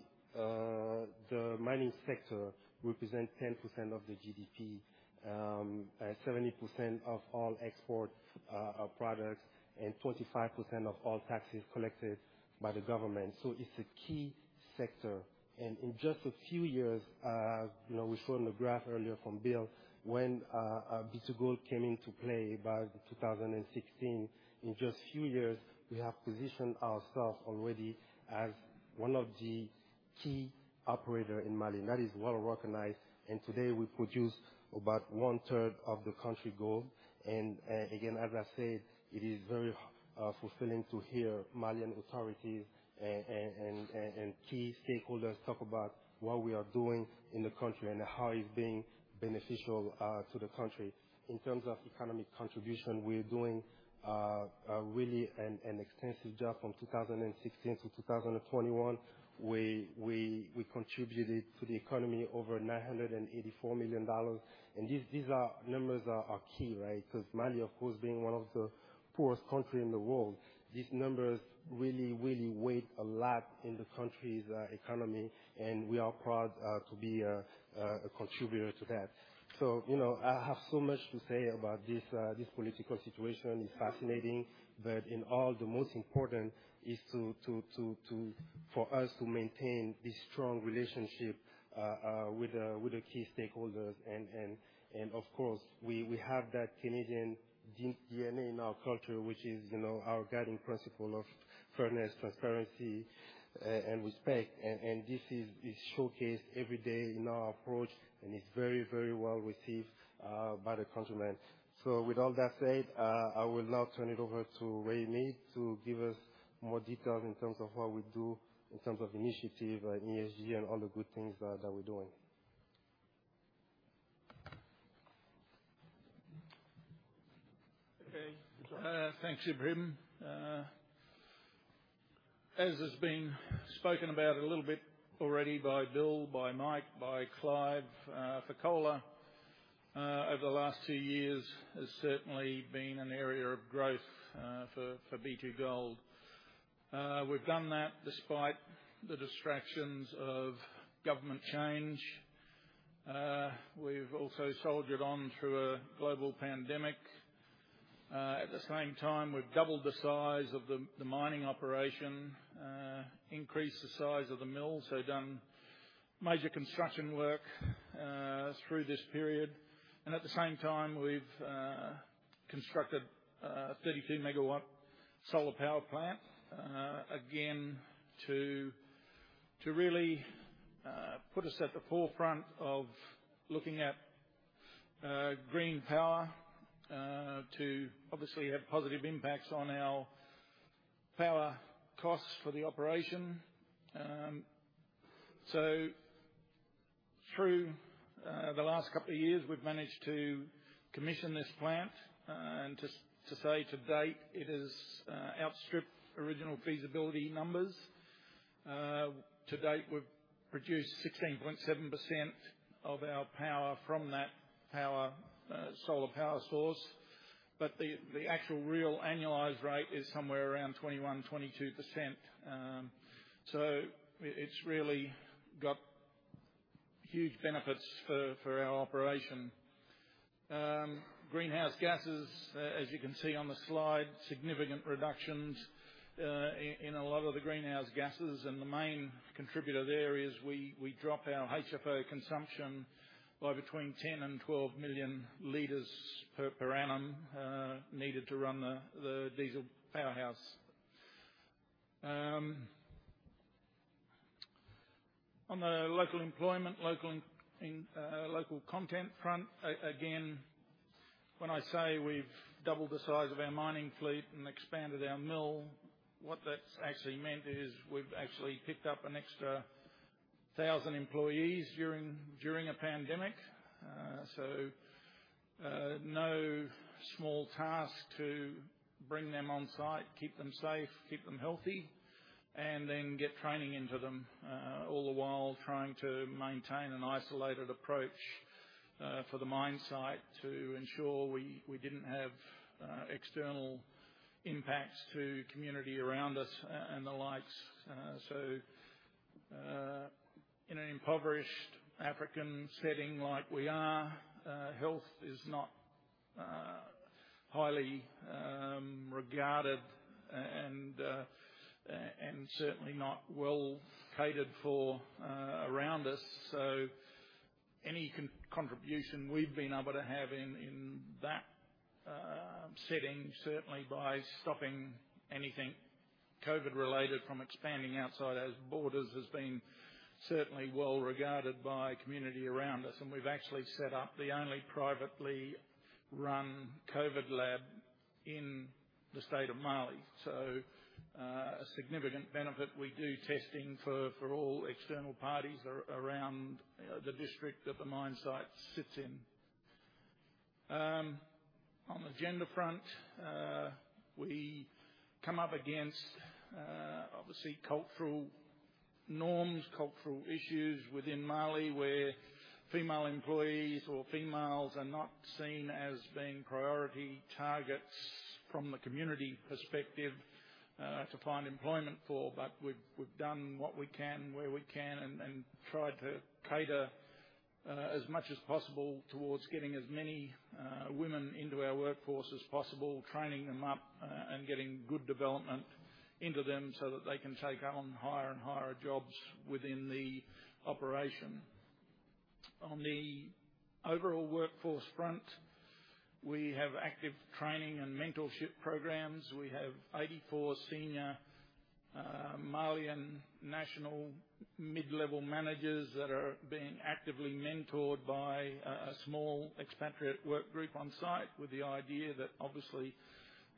the mining sector represents 10% of the GDP, and 70% of all export products, and 25% of all taxes collected by the government. It's a key sector. In just a few years, you know, we saw in the graph earlier from Bill, when B2Gold came into play by 2016, in just few years, we have positioned ourself already as one of the key operator in Mali. That is well-recognized. Today we produce about 1/3 of the country's gold. Again, as I said, it is very fulfilling to hear Malian authorities and key stakeholders talk about what we are doing in the country and how it's being beneficial to the country. In terms of economic contribution, we're doing really an extensive job. From 2016 to 2021, we contributed to the economy over $984 million. These numbers are key, right? Because Mali, of course, being one of the poorest countries in the world, these numbers really, really weigh a lot in the country's economy, and we are proud to be a contributor to that. You know, I have so much to say about this political situation. It's fascinating. In all, the most important is for us to maintain this strong relationship with the key stakeholders. Of course, we have that Canadian DNA in our culture, which is, you know, our guiding principle of fairness, transparency, and respect. This is showcased every day in our approach, and it's very, very well-received by the countrymen. With all that said, I will now turn it over to Ray Mead to give us more details in terms of what we do, in terms of initiative, ESG, and all the good things that we're doing. Okay. Thanks, Ibrahim. As has been spoken about a little bit already by Bill, by Mike, by Clive, Fekola over the last two years has certainly been an area of growth for B2Gold. We've done that despite the distractions of government change. We've also soldiered on through a global pandemic. At the same time, we've doubled the size of the mining operation, increased the size of the mill, so done major construction work through this period. At the same time, we've constructed a 3 MW solar power plant, again, to really put us at the forefront of looking at green power to obviously have positive impacts on our power costs for the operation. Through the last couple of years, we've managed to commission this plant. To date, it has outstripped original feasibility numbers. To date, we've produced 16.7% of our power from that solar power source. The actual real annualized rate is somewhere around 21%-22%. It's really got huge benefits for our operation. Greenhouse gases, as you can see on the slide, significant reductions in a lot of the greenhouse gases. The main contributor there is we drop our HFO consumption by between 10 million and 12 million liters per annum needed to run the diesel powerhouse. On the local employment, local content front. Again, when I say we've doubled the size of our mining fleet and expanded our mill, what that's actually meant is we've actually picked up an extra 1,000 employees during a pandemic. No small task to bring them on site, keep them safe, keep them healthy, and then get training into them. All the while trying to maintain an isolated approach for the mine site to ensure we didn't have external impacts to community around us and the like. In an impoverished African setting like we are, health is not highly regarded and certainly not well catered for around us. Any contribution we've been able to have in that setting, certainly by stopping anything COVID-related from expanding outside our borders, has been certainly well regarded by community around us. We've actually set up the only privately run COVID lab in the state of Mali. A significant benefit. We do testing for all external parties around the district that the mine site sits in. On the gender front, we come up against, obviously, cultural norms, cultural issues within Mali, where female employees or females are not seen as being priority targets from the community perspective to find employment for. We've done what we can, where we can, and tried to cater as much as possible towards getting as many women into our workforce as possible, training them up and getting good development into them so that they can take on higher and higher jobs within the operation. On the overall workforce front, we have active training and mentorship programs. We have 84 senior Malian national mid-level managers that are being actively mentored by a small expatriate work group on site, with the idea that obviously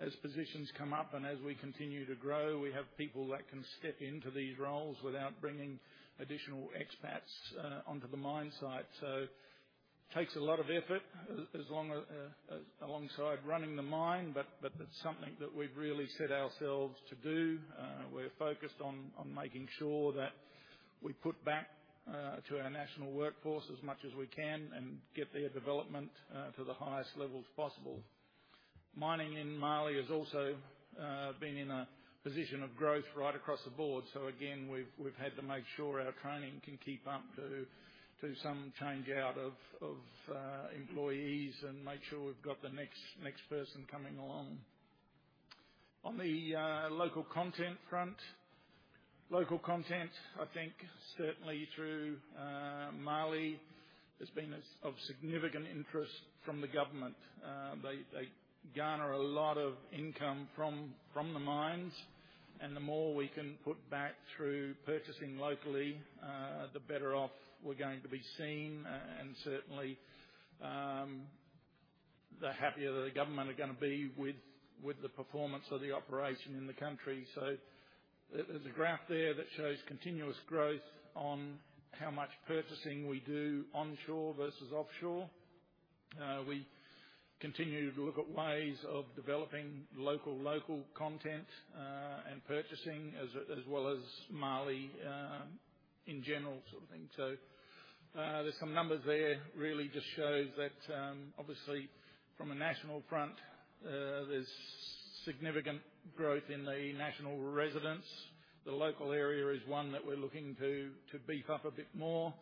as positions come up and as we continue to grow, we have people that can step into these roles without bringing additional expats onto the mine site. Takes a lot of effort as long as alongside running the mine, but that's something that we've really set ourselves to do. We're focused on making sure that we put back to our national workforce as much as we can and get their development to the highest levels possible. Mining in Mali has also been in a position of growth right across the board. Again, we've had to make sure our training can keep up with some turnover of employees and make sure we've got the next person coming along. On the local content front. Local content, I think certainly through Mali, has been of significant interest from the government. They garner a lot of income from the mines. The more we can put back through purchasing locally, the better off we're going to be seen and certainly the happier the government are gonna be with the performance of the operation in the country. There's a graph there that shows continuous growth on how much purchasing we do onshore versus offshore. We continue to look at ways of developing local content and purchasing as well as Mali in general sort of thing. There's some numbers there, really just shows that, obviously from a national front, there's significant growth in the national residents. The local area is one that we're looking to beef up a bit more,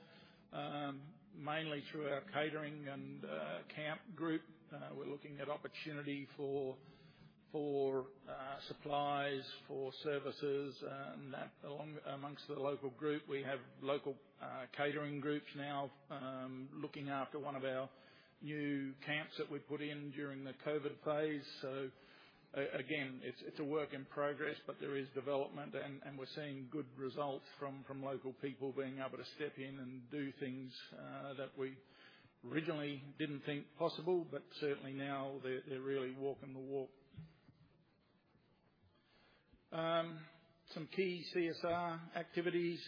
mainly through our catering and camp group. We're looking at opportunity for supplies, for services and that along amongst the local group. We have local catering groups now looking after one of our new camps that we put in during the COVID phase. Again, it's a work in progress, but there is development and we're seeing good results from local people being able to step in and do things that we originally didn't think possible. But certainly now they're really walking the walk. Some key CSR activities.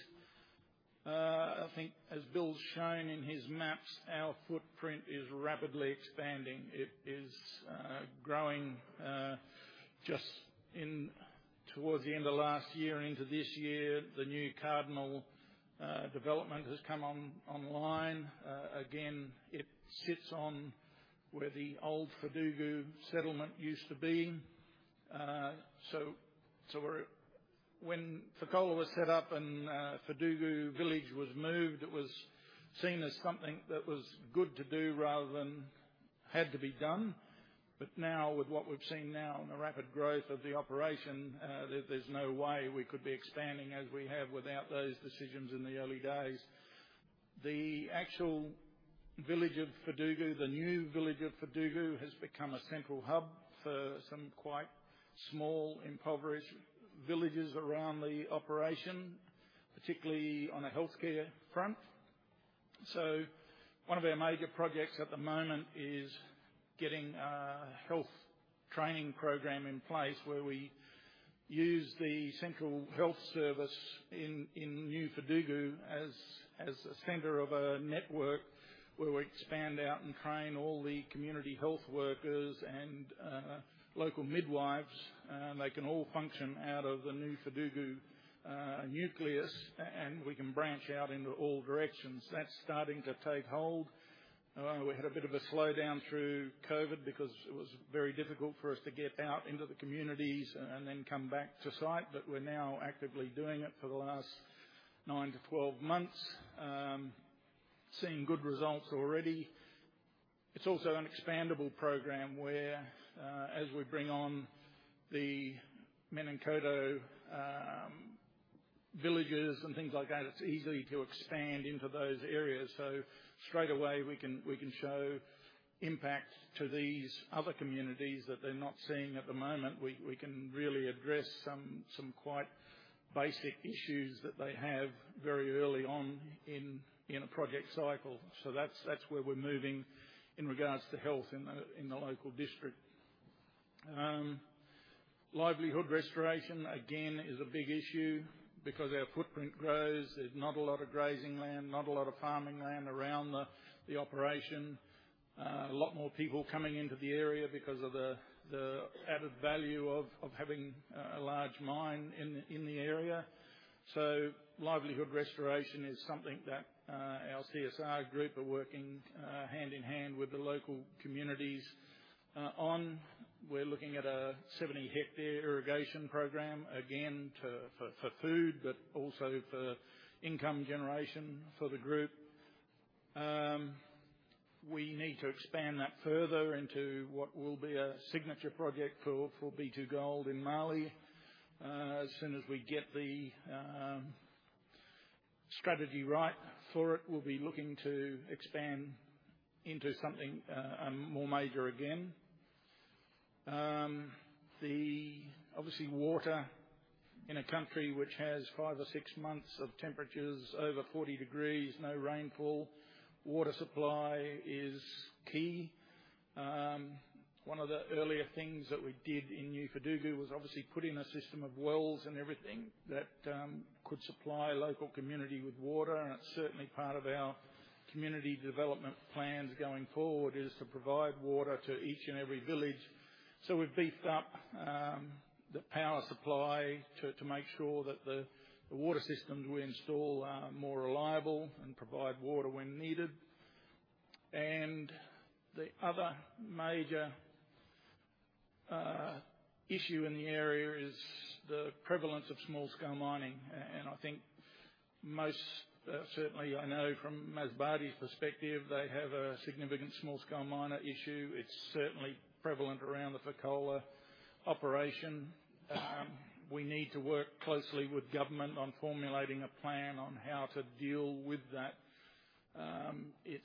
I think as Bill's shown in his maps, our footprint is rapidly expanding. It is growing just in towards the end of last year into this year. The new Cardinal development has come online. Again, it sits on where the old Fadougou settlement used to be. So we're. When Fekola was set up and Fadougou village was moved, it was seen as something that was good to do rather than had to be done. Now, with what we've seen now and the rapid growth of the operation, there's no way we could be expanding as we have without those decisions in the early days. The actual village of Fadougou, the new village of Fadougou, has become a central hub for some quite small impoverished villages around the operation, particularly on a healthcare front. One of our major projects at the moment is getting a health training program in place where we use the central health service in new Fadougou as a center of a network where we expand out and train all the community health workers and local midwives. And they can all function out of the new Fadougou nucleus, and we can branch out into all directions. That's starting to take hold. We had a bit of a slowdown through COVID because it was very difficult for us to get out into the communities and then come back to site. We're now actively doing it for the last nine-12 months. Seeing good results already. It's also an expandable program where, as we bring on the Menankoto villages and things like that, it's easy to expand into those areas. Straight away we can show impact to these other communities that they're not seeing at the moment. We can really address some quite basic issues that they have very early on in a project cycle. That's where we're moving in regards to health in the local district. Livelihood restoration again is a big issue because our footprint grows. There's not a lot of grazing land, not a lot of farming land around the operation. A lot more people coming into the area because of the added value of having a large mine in the area. Livelihood restoration is something that our CSR group are working hand in hand with the local communities on. We're looking at a 70-hectare irrigation program, again, for food, but also for income generation for the group. We need to expand that further into what will be a signature project for B2Gold in Mali. As soon as we get the strategy right for it, we'll be looking to expand into something more major again. Obviously water in a country which has five or six months of temperatures over 40 degrees, no rainfall, water supply is key. One of the earlier things that we did in new Fadougou was obviously put in a system of wells and everything that could supply local community with water. It's certainly part of our community development plans going forward, is to provide water to each and every village. We've beefed up the power supply to make sure that the water systems we install are more reliable and provide water when needed. The other major issue in the area is the prevalence of small-scale mining. I think most certainly I know from Masbate's perspective, they have a significant small-scale miner issue. It's certainly prevalent around the Fekola operation. We need to work closely with government on formulating a plan on how to deal with that. It's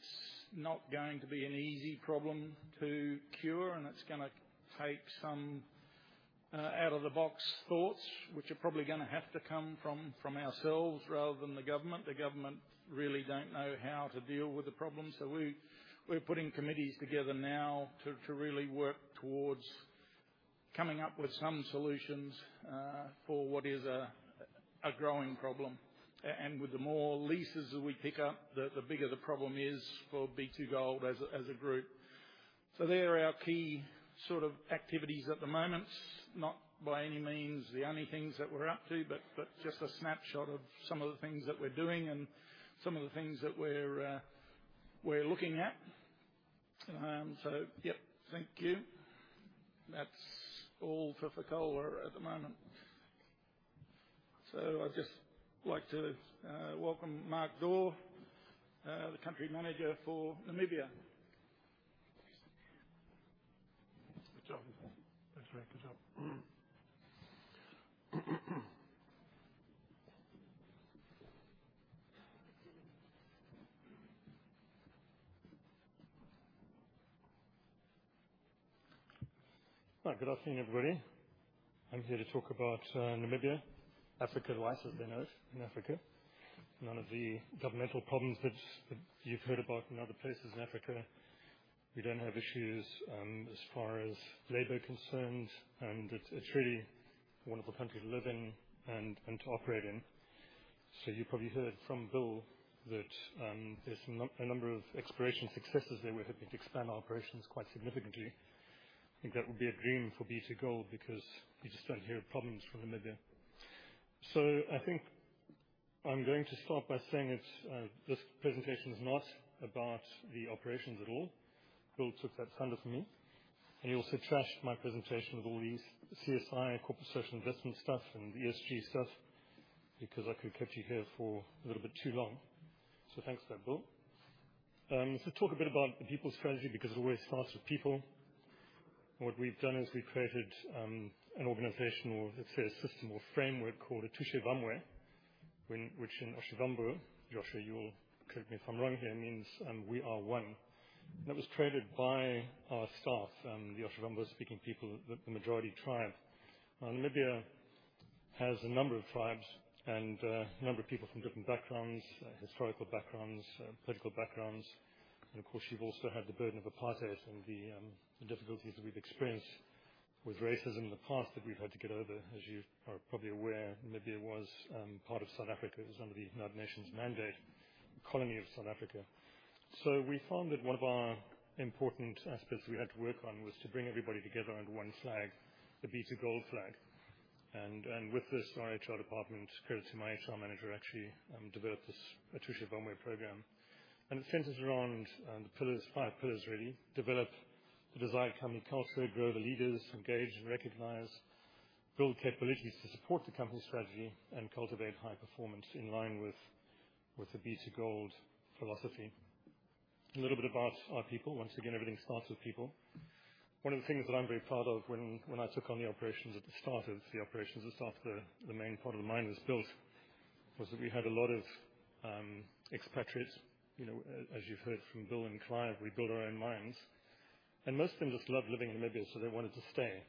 not going to be an easy problem to cure, and it's gonna take some out-of-the-box thoughts, which are probably gonna have to come from ourselves rather than the government. The government really don't know how to deal with the problem. We're putting committees together now to really work towards coming up with some solutions for what is a growing problem. And with the more leases that we pick up, the bigger the problem is for B2Gold as a group. They're our key sort of activities at the moment. Not by any means the only things that we're up to, but just a snapshot of some of the things that we're doing and some of the things that we're looking at. Yeah. Thank you. That's all for Fekola at the moment. I'd just like to welcome Mark Dawe, the country manager for Namibia. Good job. Thanks, very good job. Hi, good afternoon, everybody. I'm here to talk about Namibia. Africa Lite as they know it in Africa. None of the governmental problems that you've heard about in other places in Africa. We don't have issues as far as labor concerned, and it's really a wonderful country to live in and to operate in. You probably heard from Bill that there's a number of exploration successes there. We're hoping to expand our operations quite significantly. I think that would be a dream for B2Gold because you just don't hear of problems from Namibia. I think I'm going to start by saying it's this presentation is not about the operations at all. Bill took that thunder from me, and he also trashed my presentation with all these CSI corporate social investment stuff and ESG stuff, because I could keep you here for a little bit too long. Thanks for that, Bill. To talk a bit about the people strategy, because it always starts with people. What we've done is we've created an organizational, let's say, system or framework called Otjiwamwe, which in Otjiwamwe, Joshua, you will correct me if I'm wrong here, means we are one. That was created by our staff, the Otjiwamwe-speaking people, the majority tribe. Namibia has a number of tribes and a number of people from different backgrounds, historical backgrounds, political backgrounds. Of course, you've also had the burden of apartheid and the difficulties that we've experienced with racism in the past that we've had to get over. As you are probably aware, Namibia was part of South Africa. It was under the United Nations mandate, a colony of South Africa. We found that one of our important aspects we had to work on was to bring everybody together under one flag, the B2Gold flag. With this, our HR department, credit to my HR manager, actually, developed this Otjiwamwe program. It centers around the pillars, five pillars really, develop the desired company culture, grow the leaders, engage and recognize, build capabilities to support the company strategy, and cultivate high performance in line with the B2Gold philosophy. A little bit about our people. Once again, everything starts with people. One of the things that I'm very proud of when I took on the operations at the start of the operations, just after the main part of the mine was built, was that we had a lot of expatriates. You know, as you've heard from Bill and Clive, we built our own mines. Most of them just loved living in Namibia, so they wanted to stay.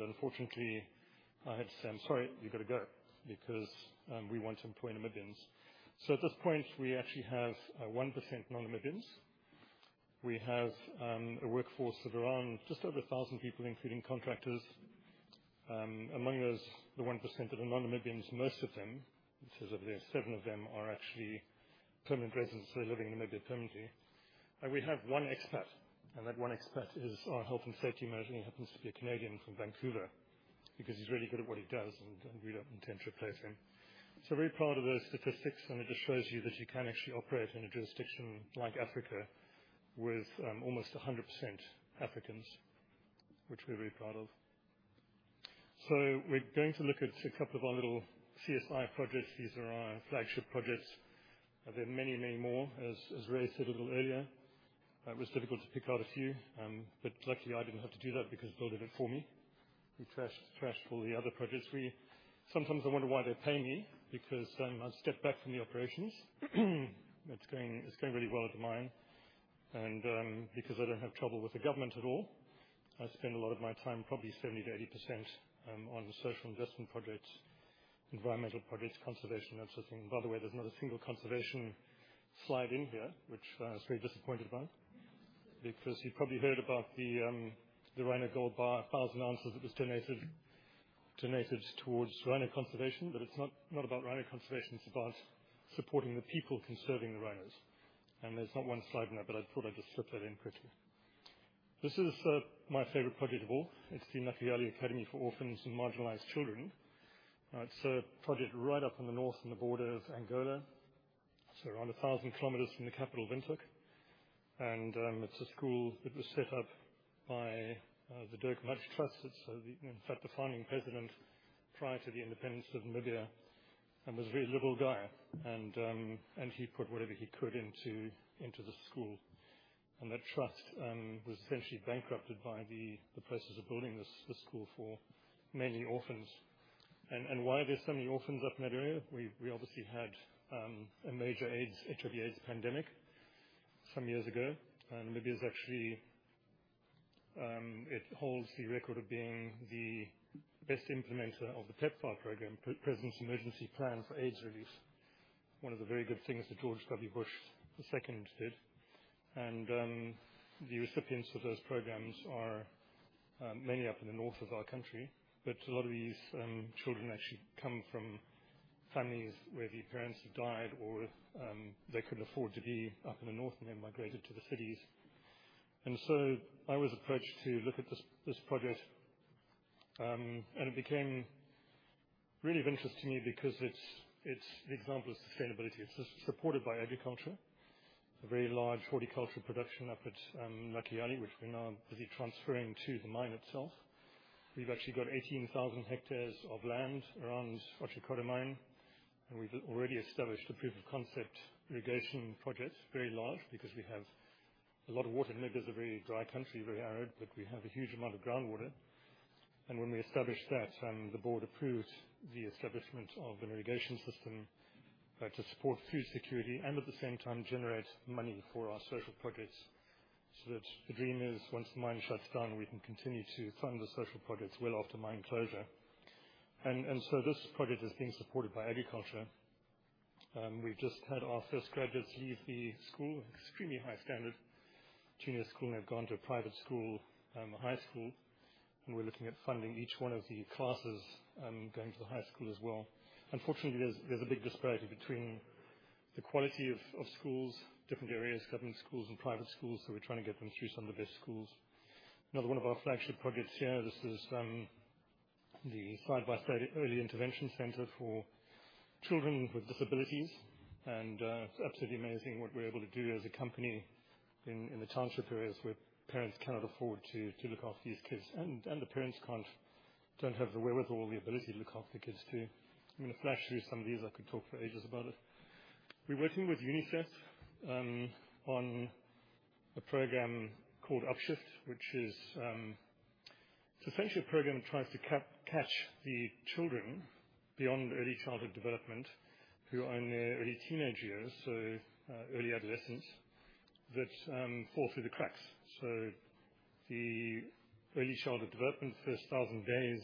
Unfortunately, I had to say, "I'm sorry, you gotta go because we want to employ Namibians." At this point, we actually have 1% non-Namibians. We have a workforce of around just over 1,000 people, including contractors. Among those, the 1% that are non-Namibians, most of them, this is obvious, seven of them are actually permanent residents, so living in Namibia permanently. We have one expat, and that one expat is our health and safety manager, and he happens to be a Canadian from Vancouver because he's really good at what he does and we don't intend to replace him. Very proud of those statistics, and it just shows you that you can actually operate in a jurisdiction like Africa with almost 100% Africans, which we're very proud of. We're going to look at a couple of our little CSI projects. These are our flagship projects. There are many, many more. As Ray said a little earlier, it was difficult to pick out a few. But luckily, I didn't have to do that because Bill did it for me. He trashed all the other projects. Sometimes I wonder why they pay me because I step back from the operations. It's going really well at the mine. Because I don't have trouble with the government at all, I spend a lot of my time, probably 70%-80%, on social investment projects, environmental projects, conservation, that sort of thing. By the way, there's not a single conservation slide in here, which I was very disappointed by. Because you probably heard about the Rhino Gold Bar, 1,000 ounces that was donated towards rhino conservation. It's not about rhino conservation. It's about supporting the people conserving the rhinos. There's not one slide in there, but I thought I'd just slip that in quickly. This is my favorite project of all. It's the Nakayale Academy for Orphans and Marginalised Children. It's a project right up in the north on the border of Angola. It's around 1,000 kilometers from the capital, Windhoek. It's a school that was set up by the Dirk Mudge Trust. It's in fact the founding president prior to the independence of Namibia and was a very liberal guy. He put whatever he could into the school. That trust was essentially bankrupted by the process of building this school for mainly orphans. Why are there so many orphans up in that area? We obviously had a major HIV/AIDS pandemic some years ago. Namibia actually holds the record of being the best implementer of the PEPFAR program, President's Emergency Plan for AIDS Relief. One of the very good things that George W. Bush II did. The recipients of those programs are mainly up in the north of our country. A lot of these children actually come from families where the parents have died or they couldn't afford to be up in the north and they migrated to the cities. I was approached to look at this project and it became really of interest to me because it's an example of sustainability. It's supported by agriculture, a very large horticulture production up at Nakayale, which we're now busy transferring to the mine itself. We've actually got 18,000 hectares of land around Otjikoto Mine, and we've already established a proof of concept irrigation project. Very large because we have a lot of water. Namibia is a very dry country, very arid, but we have a huge amount of groundwater. When we established that, the board approved the establishment of an irrigation system to support food security and at the same time generate money for our social projects. That the dream is once the mine shuts down, we can continue to fund the social projects well after mine closure. This project is being supported by agriculture. We've just had our first graduates leave the school. Extremely high standard. Junior school have gone to a private school, high school, and we're looking at funding each one of the classes going to the high school as well. Unfortunately, there's a big disparity between the quality of schools, different areas, government schools and private schools, so we're trying to get them through some of the best schools. Another one of our flagship projects here, this is the Side by Side Early Intervention Center for children with disabilities. It's absolutely amazing what we're able to do as a company in the township areas where parents cannot afford to look after these kids. The parents don't have the wherewithal or the ability to look after the kids, too. I'm gonna flash through some of these. I could talk for ages about it. We're working with UNICEF on a program called Upshift, which is, it's essentially a program that tries to catch the children beyond early childhood development who are in their early teenage years, early adolescence that fall through the cracks. The early childhood development, first 1,000 days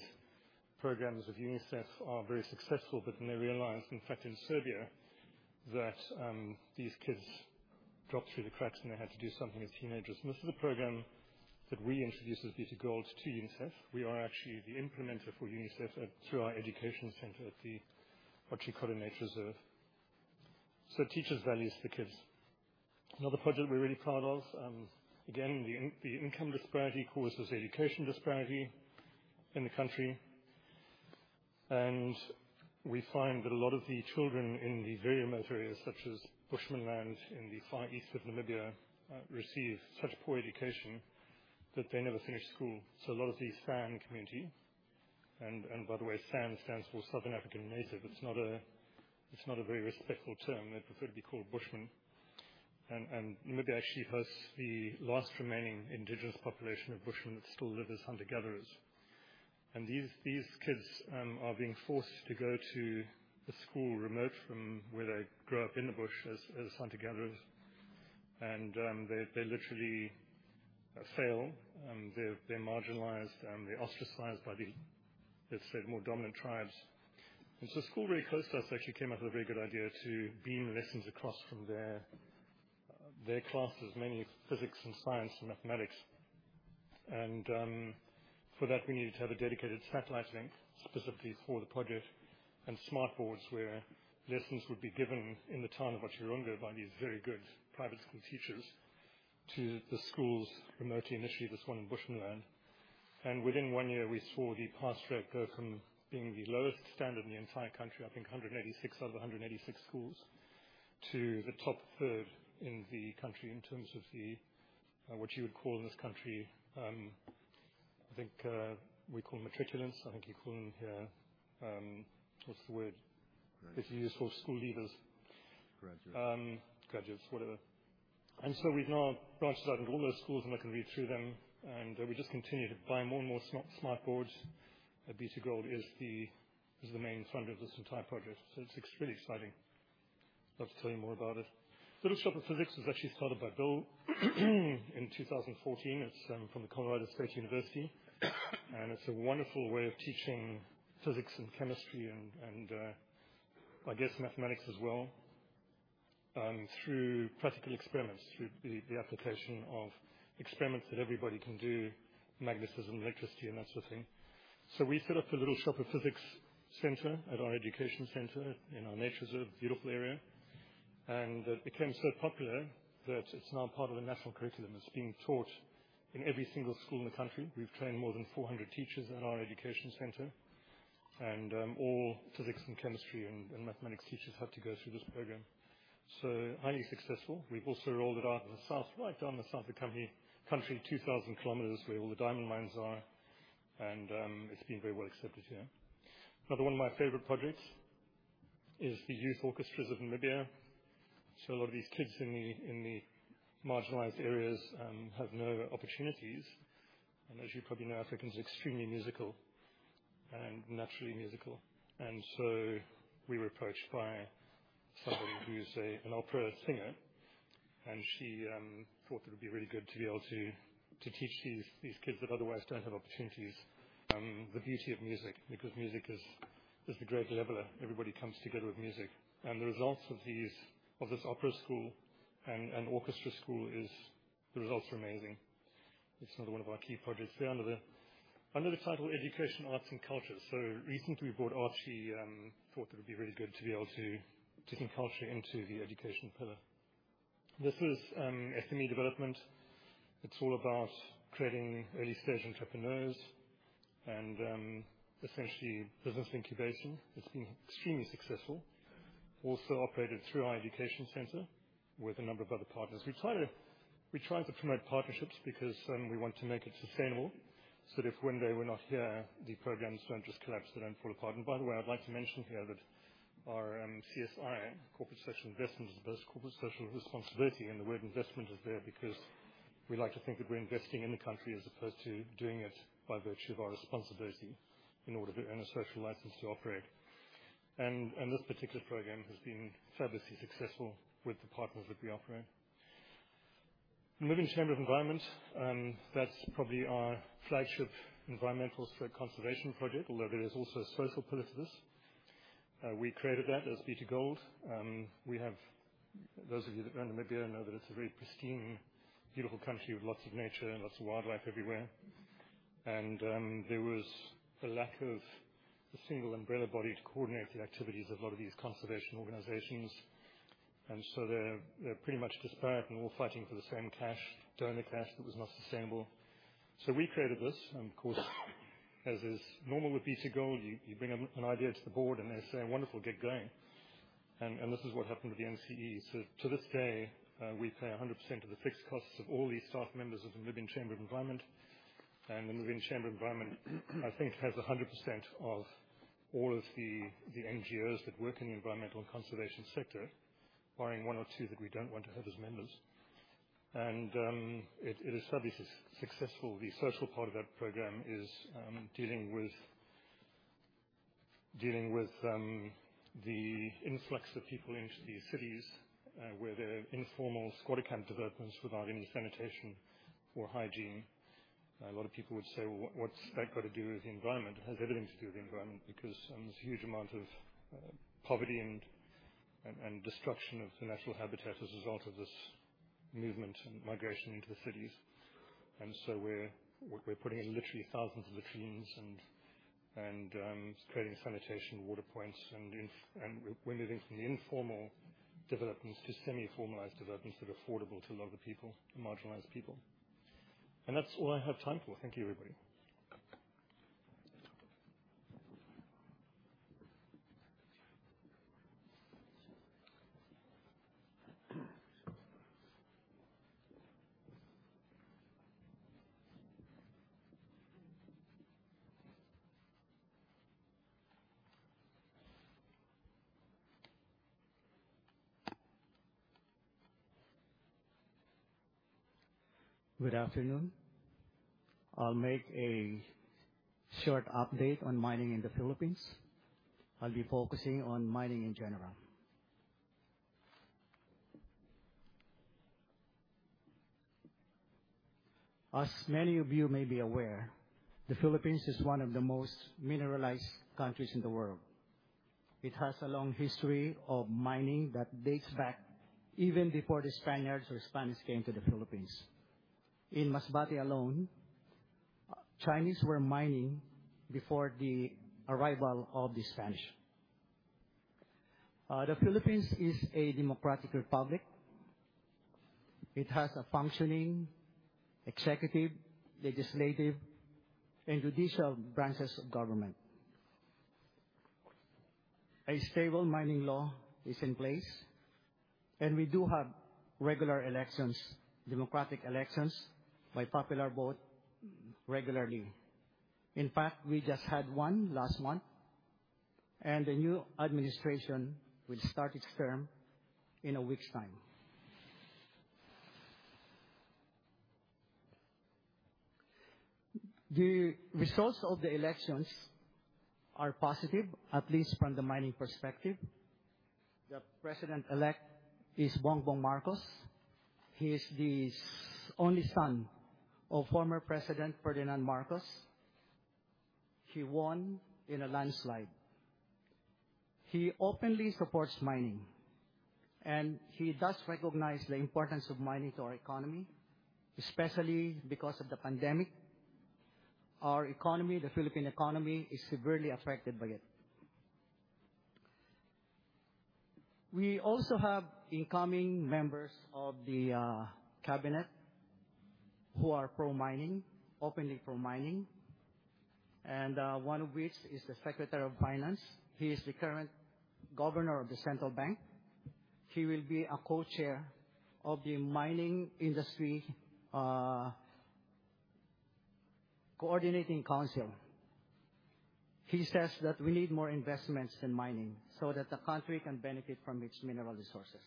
programs of UNICEF are very successful, but then they realized, in fact, in Serbia that, these kids dropped through the cracks and they had to do something as teenagers. This is a program that we introduced as B2Gold to UNICEF. We are actually the implementer for UNICEF through our education center at the Otjikoto Nature Reserve. It teaches values to the kids. Another project we're really proud of, again, the income disparity causes education disparity in the country. We find that a lot of the children in the very remote areas, such as Bushmanland, in the far east of Namibia, receive such poor education that they never finish school. A lot of the San community, and by the way, San stands for Southern African Native. It's not a very respectful term. They prefer to be called Bushmen. Namibia actually hosts the last remaining indigenous population of Bushmen that still live as hunter-gatherers. These kids are being forced to go to a school remote from where they grow up in the bush as hunter-gatherers. They literally fail, they're marginalized and they're ostracized by the, let's say, more dominant tribes. A school very close to us actually came up with a very good idea to beam lessons across from their classes, mainly physics and science and mathematics. For that, we needed to have a dedicated satellite link specifically for the project, and smart boards where lessons would be given in the town of Outjo by these very good private school teachers to the schools remotely, initially this one in Bushmanland. Within one year we saw the pass rate go from being the lowest standard in the entire country, I think 186 out of 186 schools, to the top third in the country in terms of the, what you would call in this country, I think, we call matriculants. I think you call them here, what's the word? Graduates. That you use for school leavers. Graduates. Graduates, whatever. We've now branched out into all those schools, and I can read through them, and we just continue to buy more and more smart boards. B2Gold is the main funder of this entire project, so it's extremely exciting. Love to tell you more about it. Little Shop of Physics was actually started by Bill in 2014. It's from the Colorado State University, and it's a wonderful way of teaching physics and chemistry and I guess mathematics as well through practical experiments, through the application of experiments that everybody can do, magnetism, electricity, and that sort of thing. We set up a Little Shop of Physics center at our education center in our nature reserve, beautiful area. It became so popular that it's now part of the national curriculum. It's being taught in every single school in the country. We've trained more than 400 teachers in our education center. All physics and chemistry and mathematics teachers have to go through this program. Highly successful. We've also rolled it out in the south, right down the south of country, 2,000 kilometers where all the diamond mines are, and it's been very well-accepted here. Another one of my favorite projects is the Youth Orchestras of Namibia. A lot of these kids in the marginalized areas have no opportunities. As you probably know, Africa is extremely musical and naturally musical. We were approached by somebody who's an opera singer, and she thought it would be really good to be able to teach these kids that otherwise don't have opportunities, the beauty of music. Because music is the great leveler. Everybody comes together with music. The results of this opera school and orchestra school are amazing. It's another one of our key projects. They're under the title Education, Arts and Culture. Recently we brought Archie, thought that it would be really good to be able to bring culture into the education pillar. This is SME development. It's all about creating early-stage entrepreneurs and essentially business incubation. It's been extremely successful. Also operated through our education center with a number of other partners. We try to promote partnerships because we want to make it sustainable, so that if one day we're not here, the programs don't just collapse. They don't fall apart. By the way, I'd like to mention here that our CSI, corporate social investment, that's corporate social responsibility, and the word investment is there because we like to think that we're investing in the country as opposed to doing it by virtue of our responsibility in order to earn a social license to operate. This particular program has been fabulously successful with the partners that we operate. Namibian Chamber of Environment, that's probably our flagship environmental conservation project, although there is also a social pillar to this. We created that as B2Gold. We have... Those of you that know Namibia know that it's a very pristine, beautiful country with lots of nature and lots of wildlife everywhere. There was a lack of a single umbrella body to coordinate the activities of a lot of these conservation organizations. They're pretty much disparate and all fighting for the same cash, donor cash that was not sustainable. We created this and of course, as is normal with B2Gold, you bring an idea to the board and they say, "Wonderful, get going." This is what happened with the NCE. To this day, we pay 100% of the fixed costs of all the staff members of the Namibian Chamber of Environment. The Namibian Chamber of Environment, I think, has 100% of all of the NGOs that work in the environmental and conservation sector, barring one or two that we don't want to have as members. It has sadly successful. The social part of that program is dealing with the influx of people into the cities, where there are informal squatter camp developments without any sanitation or hygiene. A lot of people would say, "Well, what's that got to do with the environment?" It has everything to do with the environment because there's a huge amount of poverty and destruction of the natural habitat as a result of this movement and migration into the cities. We're putting in literally thousands of latrines and creating sanitation water points and we're moving from the informal developments to semi-formalized developments that are affordable to a lot of the people, marginalized people. That's all I have time for. Thank you, everybody. Good afternoon. I'll make a short update on mining in the Philippines. I'll be focusing on mining in general. As many of you may be aware, the Philippines is one of the most mineralized countries in the world. It has a long history of mining that dates back even before the Spaniards or Spanish came to the Philippines. In Masbate alone, Chinese were mining before the arrival of the Spanish. The Philippines is a democratic republic. It has a functioning executive, legislative, and judicial branches of government. A stable mining law is in place, and we do have regular elections, democratic elections by popular vote regularly. In fact, we just had one last month, and the new administration will start its term in a week's time. The results of the elections are positive, at least from the mining perspective. The president-elect is Bongbong Marcos. He is the only son of former President Ferdinand Marcos. He won in a landslide. He openly supports mining, and he does recognize the importance of mining to our economy, especially because of the pandemic. Our economy, the Philippine economy, is severely affected by it. We also have incoming members of the cabinet who are pro-mining, openly pro-mining, and one of which is the Secretary of Finance. He is the current governor of the Central Bank. He will be a co-chair of the Mining Industry Coordinating Council. He says that we need more investments in mining so that the country can benefit from its mineral resources.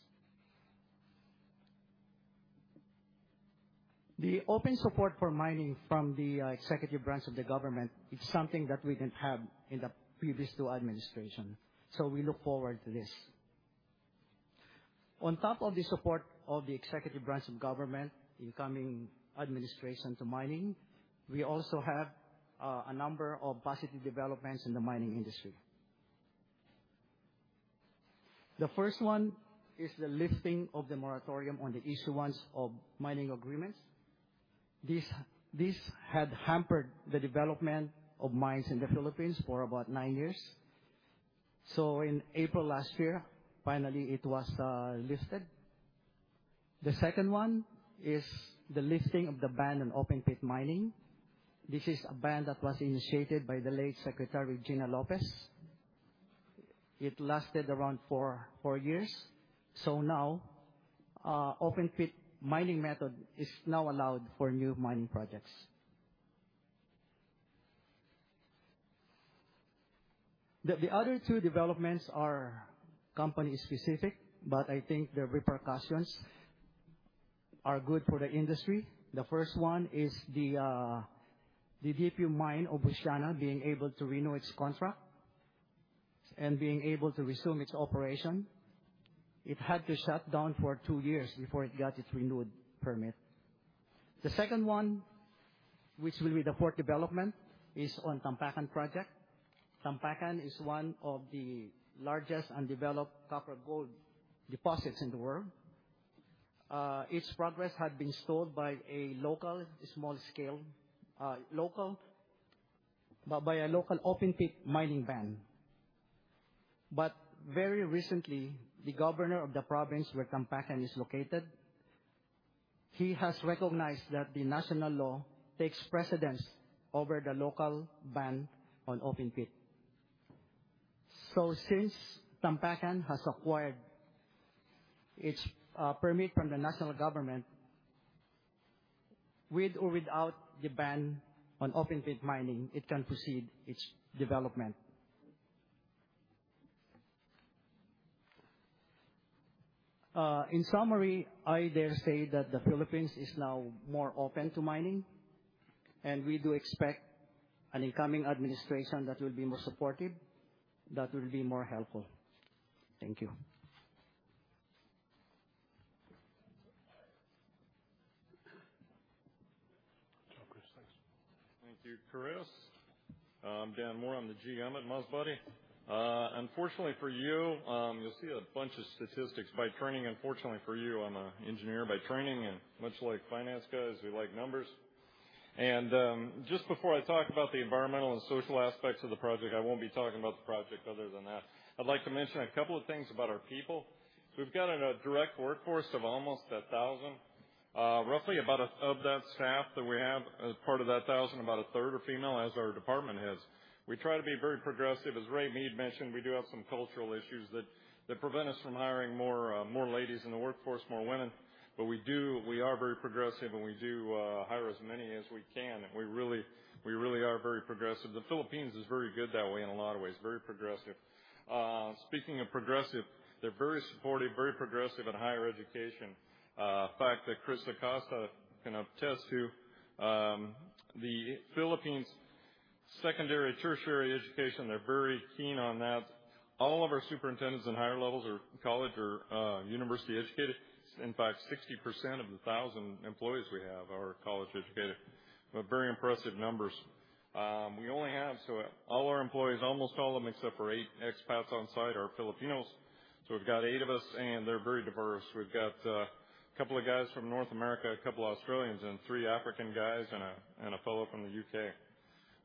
The open support for mining from the executive branch of the government is something that we didn't have in the previous two administration, so we look forward to this. On top of the support of the executive branch of government, incoming administration to mining, we also have a number of positive developments in the mining industry. The first one is the lifting of the moratorium on the issuance of mining agreements. This had hampered the development of mines in the Philippines for about nine years. In April last year, finally it was lifted. The second one is the lifting of the ban on open pit mining. This is a ban that was initiated by the late Secretary Gina Lopez. It lasted around four years. Now open pit mining method is allowed for new mining projects. The other two developments are company specific, but I think the repercussions are good for the industry. The first one is the deep mine of OceanaGold being able to renew its contract and being able to resume its operation. It had to shut down for two years before it got its renewed permit. The second one, which will be the port development, is on Tampakan Project. Tampakan is one of the largest undeveloped copper gold deposits in the world. Its progress had been stalled by a local open pit mining ban. Very recently, the governor of the province where Tampakan is located has recognized that the national law takes precedence over the local ban on open pit. Since Tampakan has acquired its permit from the national government, with or without the ban on open pit mining, it can proceed its development. In summary, I dare say that the Philippines is now more open to mining, and we do expect an incoming administration that will be more supportive, that will be more helpful. Thank you. Thank you, Cris. Dan Moore, I'm the GM at Masbate. Unfortunately for you'll see a bunch of statistics by training. Unfortunately for you, I'm an engineer by training, and much like finance guys, we like numbers. Just before I talk about the environmental and social aspects of the project, I won't be talking about the project other than that. I'd like to mention a couple of things about our people. We've got a direct workforce of almost 1,000. Roughly, of that staff that we have, as part of that 1,000, about a third are female, as are our department heads. We try to be very progressive. As Ray Mead mentioned, we do have some cultural issues that prevent us from hiring more ladies in the workforce, more women. But we do. We are very progressive, and we do hire as many as we can, and we really are very progressive. The Philippines is very good that way in a lot of ways, very progressive. Speaking of progressive, they're very supportive, very progressive in higher education. Fact that Cris Acosta can attest to, the Philippines secondary, tertiary education, they're very keen on that. All of our superintendents in higher levels are college or university educated. In fact, 60% of the 1,000 employees we have are college educated, but very impressive numbers. All our employees, almost all of them, except for eight expats on site, are Filipinos. We've got eight of us, and they're very diverse. We've got a couple of guys from North America, a couple Australians, and three African guys, and a fellow from the U.K.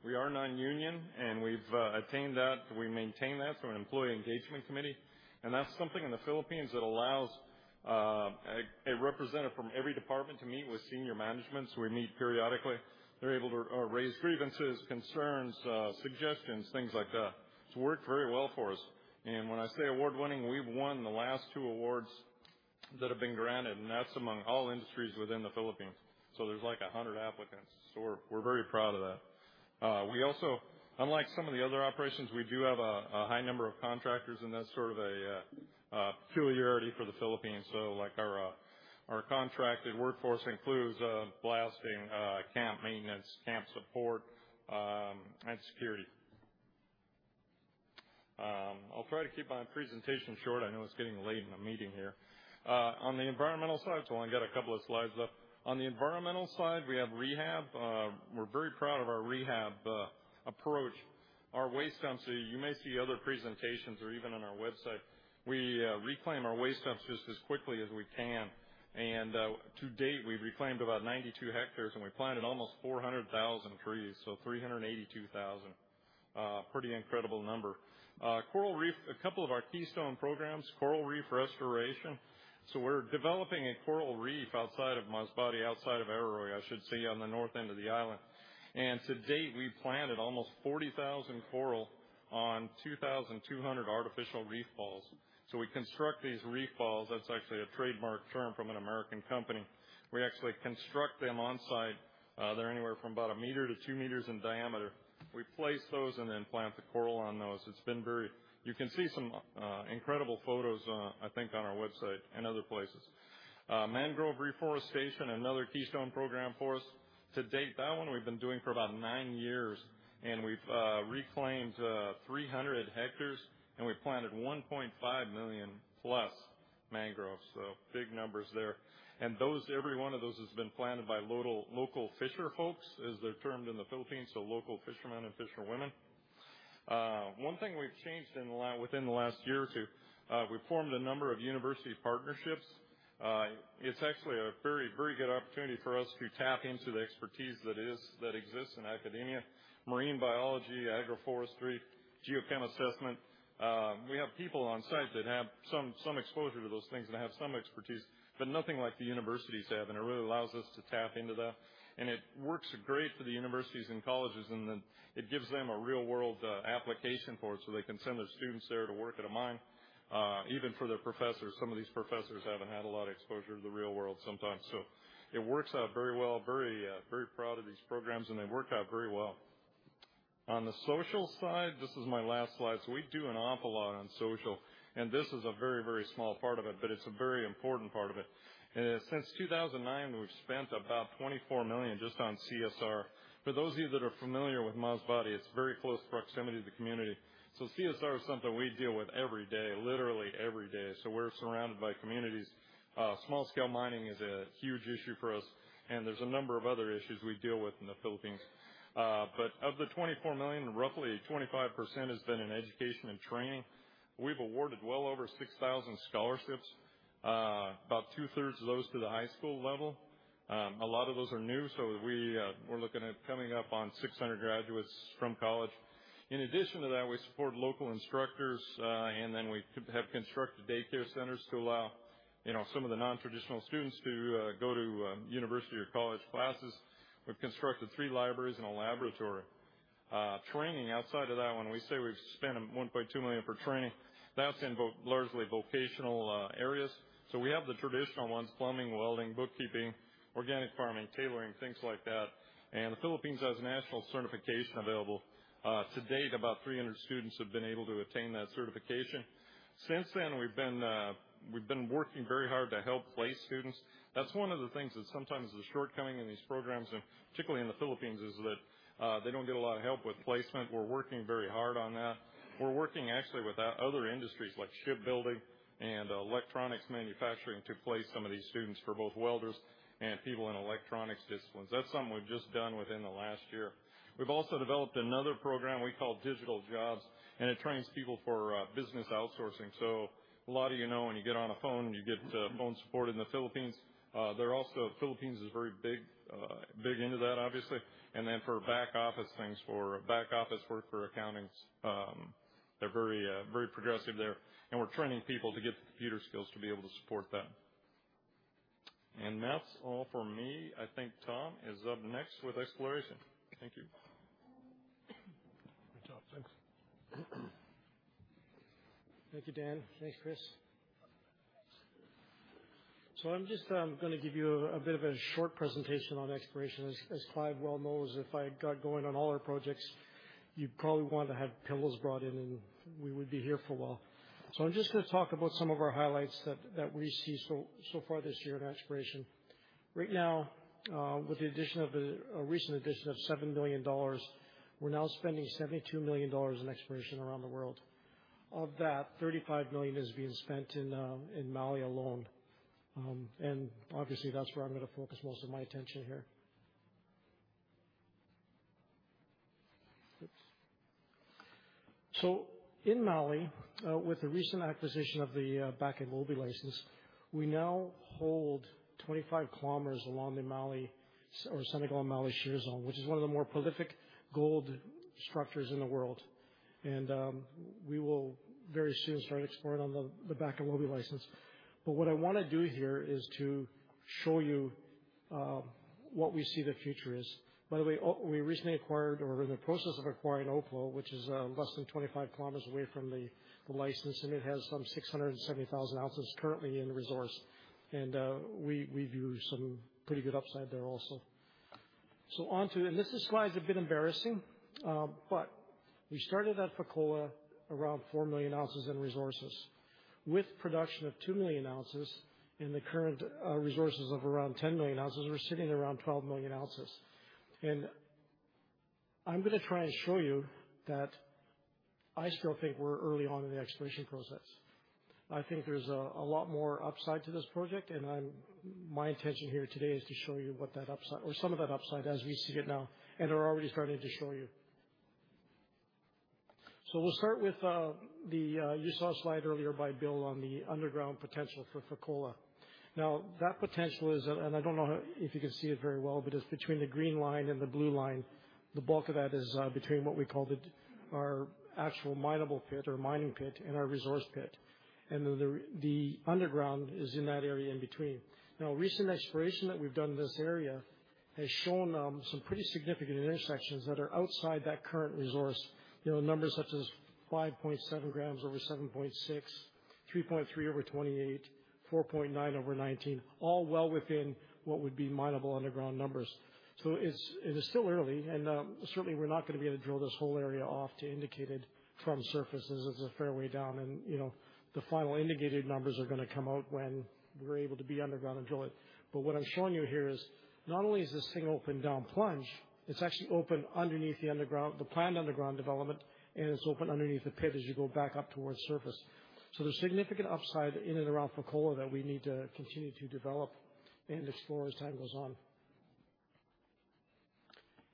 We are non-union, and we've attained that. We maintain that through an employee engagement committee, and that's something in the Philippines that allows a representative from every department to meet with senior management. We meet periodically. They're able to raise grievances, concerns, suggestions, things like that. It's worked very well for us. When I say award-winning, we've won the last two awards that have been granted, and that's among all industries within the Philippines. There's like 100 applicants. We're very proud of that. We also, unlike some of the other operations, we do have a high number of contractors, and that's sort of a peculiarity for the Philippines. Like our contracted workforce includes blasting, camp maintenance, camp support, and security. I'll try to keep my presentation short. I know it's getting late in the meeting here. On the environmental side, I only got a couple of slides left. On the environmental side, we have rehab. We're very proud of our rehab approach. Our waste dumps, so you may see other presentations or even on our website. We reclaim our waste dumps just as quickly as we can. To date, we've reclaimed about 92 hectares, and we planted almost 400,000 trees, so 382,000. Pretty incredible number. Coral reef, a couple of our keystone programs, coral reef restoration. We're developing a coral reef outside of Masbate, outside of Aroroy, I should say, on the north end of the island. To date, we've planted almost 40,000 coral on 2,200 artificial reef balls. We construct these reef balls. That's actually a trademarked term from an American company. We actually construct them on-site. They're anywhere from about a meter to two meters in diameter. We place those and then plant the coral on those. You can see some incredible photos I think on our website and other places. Mangrove reforestation, another keystone program for us. To date, that one we've been doing for about nine years, and we've reclaimed 300 hectares, and we planted 1.5 million plus mangroves. Big numbers there. Those, every one of those has been planted by local fisherfolks, as they're termed in the Philippines, so local fishermen and fisherwomen. One thing we've changed within the last year or two, we formed a number of university partnerships. It's actually a very good opportunity for us to tap into the expertise that exists in academia, marine biology, agroforestry, geochemical assessment. We have people on site that have some exposure to those things and have some expertise, but nothing like the universities have. It really allows us to tap into that. It works great for the universities and colleges, and then it gives them a real-world application for it, so they can send their students there to work at a mine. Even for their professors, some of these professors haven't had a lot of exposure to the real world sometimes. It works out very well. Very proud of these programs, and they've worked out very well. On the social side, this is my last slide. We do an awful lot on social, and this is a very, very small part of it, but it's a very important part of it. Since 2009, we've spent about $24 million just on CSR. For those of you that are familiar with Masbate, it's very close proximity to the community. CSR is something we deal with every day, literally every day, so we're surrounded by communities. Small-scale mining is a huge issue for us, and there's a number of other issues we deal with in the Philippines. Of the $24 million, roughly 25% has been in education and training. We've awarded well over 6,000 scholarships. About 2/3 of those to the high school level. A lot of those are new, so we're looking at coming up on 600 graduates from college. In addition to that, we support local instructors, and then we have constructed daycare centers to allow, you know, some of the non-traditional students to go to university or college classes. We've constructed three libraries and a laboratory. Training outside of that one, we say we've spent $1.2 million for training. That's largely vocational areas. So we have the traditional ones, plumbing, welding, bookkeeping, organic farming, tailoring, things like that. The Philippines has national certification available. To date, about 300 students have been able to obtain that certification. Since then, we've been working very hard to help place students. That's one of the things that sometimes is a shortcoming in these programs, and particularly in the Philippines, is that they don't get a lot of help with placement. We're working very hard on that. We're working actually with other industries like shipbuilding and electronics manufacturing to place some of these students for both welders and people in electronics disciplines. That's something we've just done within the last year. We've also developed another program we call Digital Jobs, and it trains people for business outsourcing. A lot of you know, when you get on a phone, you get phone support in the Philippines. They're also. Philippines is very big into that, obviously. For back office things, for back office work, for accountings, they're very, very progressive there. We're training people to get the computer skills to be able to support that. That's all for me. I think Tom is up next with exploration. Thank you. Good job, thanks. Thank you, Dan. Thanks, Cris. I'm just gonna give you a bit of a short presentation on exploration. As Clive well knows, if I got going on all our projects, you'd probably want to have pillows brought in, and we would be here for a while. I'm just gonna talk about some of our highlights that we see so far this year in exploration. Right now, with the addition of a recent addition of $7 million, we're now spending $72 million in exploration around the world. Of that, $35 million is being spent in Mali alone. And obviously, that's where I'm gonna focus most of my attention here. In Mali, with the recent acquisition of the Bakolobi license, we now hold 25 km along the Senegal-Mali Shear Zone, which is one of the more prolific gold structures in the world. We will very soon start exploring on the Bakolobi license. What I wanna do here is to show you what we see the future is. By the way, we recently acquired or we're in the process of acquiring Oklo, which is less than 25 km away from the license, and it has some 670,000 ounces currently in resource. We view some pretty good upside there also. Onto this slide's a bit embarrassing, we started at Fekola around 4 million ounces in resources. With production of 2 million ounces and the current resources of around 10 million ounces, we're sitting around 12 million ounces. I'm gonna try and show you that I still think we're early on in the exploration process. I think there's a lot more upside to this project, and my intention here today is to show you what that upside or some of that upside as we see it now and are already starting to show you. We'll start with you saw a slide earlier by Bill on the underground potential for Fekola. Now, that potential is, and I don't know if you can see it very well, but it's between the green line and the blue line. The bulk of that is between what we call our actual mineable pit or mining pit and our resource pit. The underground is in that area in between. Now, recent exploration that we've done in this area has shown some pretty significant intersections that are outside that current resource. You know, numbers such as 5.7 grams over 7.6, 3.3 over 28, 4.9 over 19, all well within what would be mineable underground numbers. It is still early, and certainly we're not gonna be able to drill this whole area off to indicated from surface as it's a fair way down. You know, the final indicated numbers are gonna come out when we're able to be underground and drill it. What I'm showing you here is not only is this thing open down plunge, it's actually open underneath the underground, the planned underground development, and it's open underneath the pit as you go back up towards surface. There's significant upside in and around Fekola that we need to continue to develop and explore as time goes on.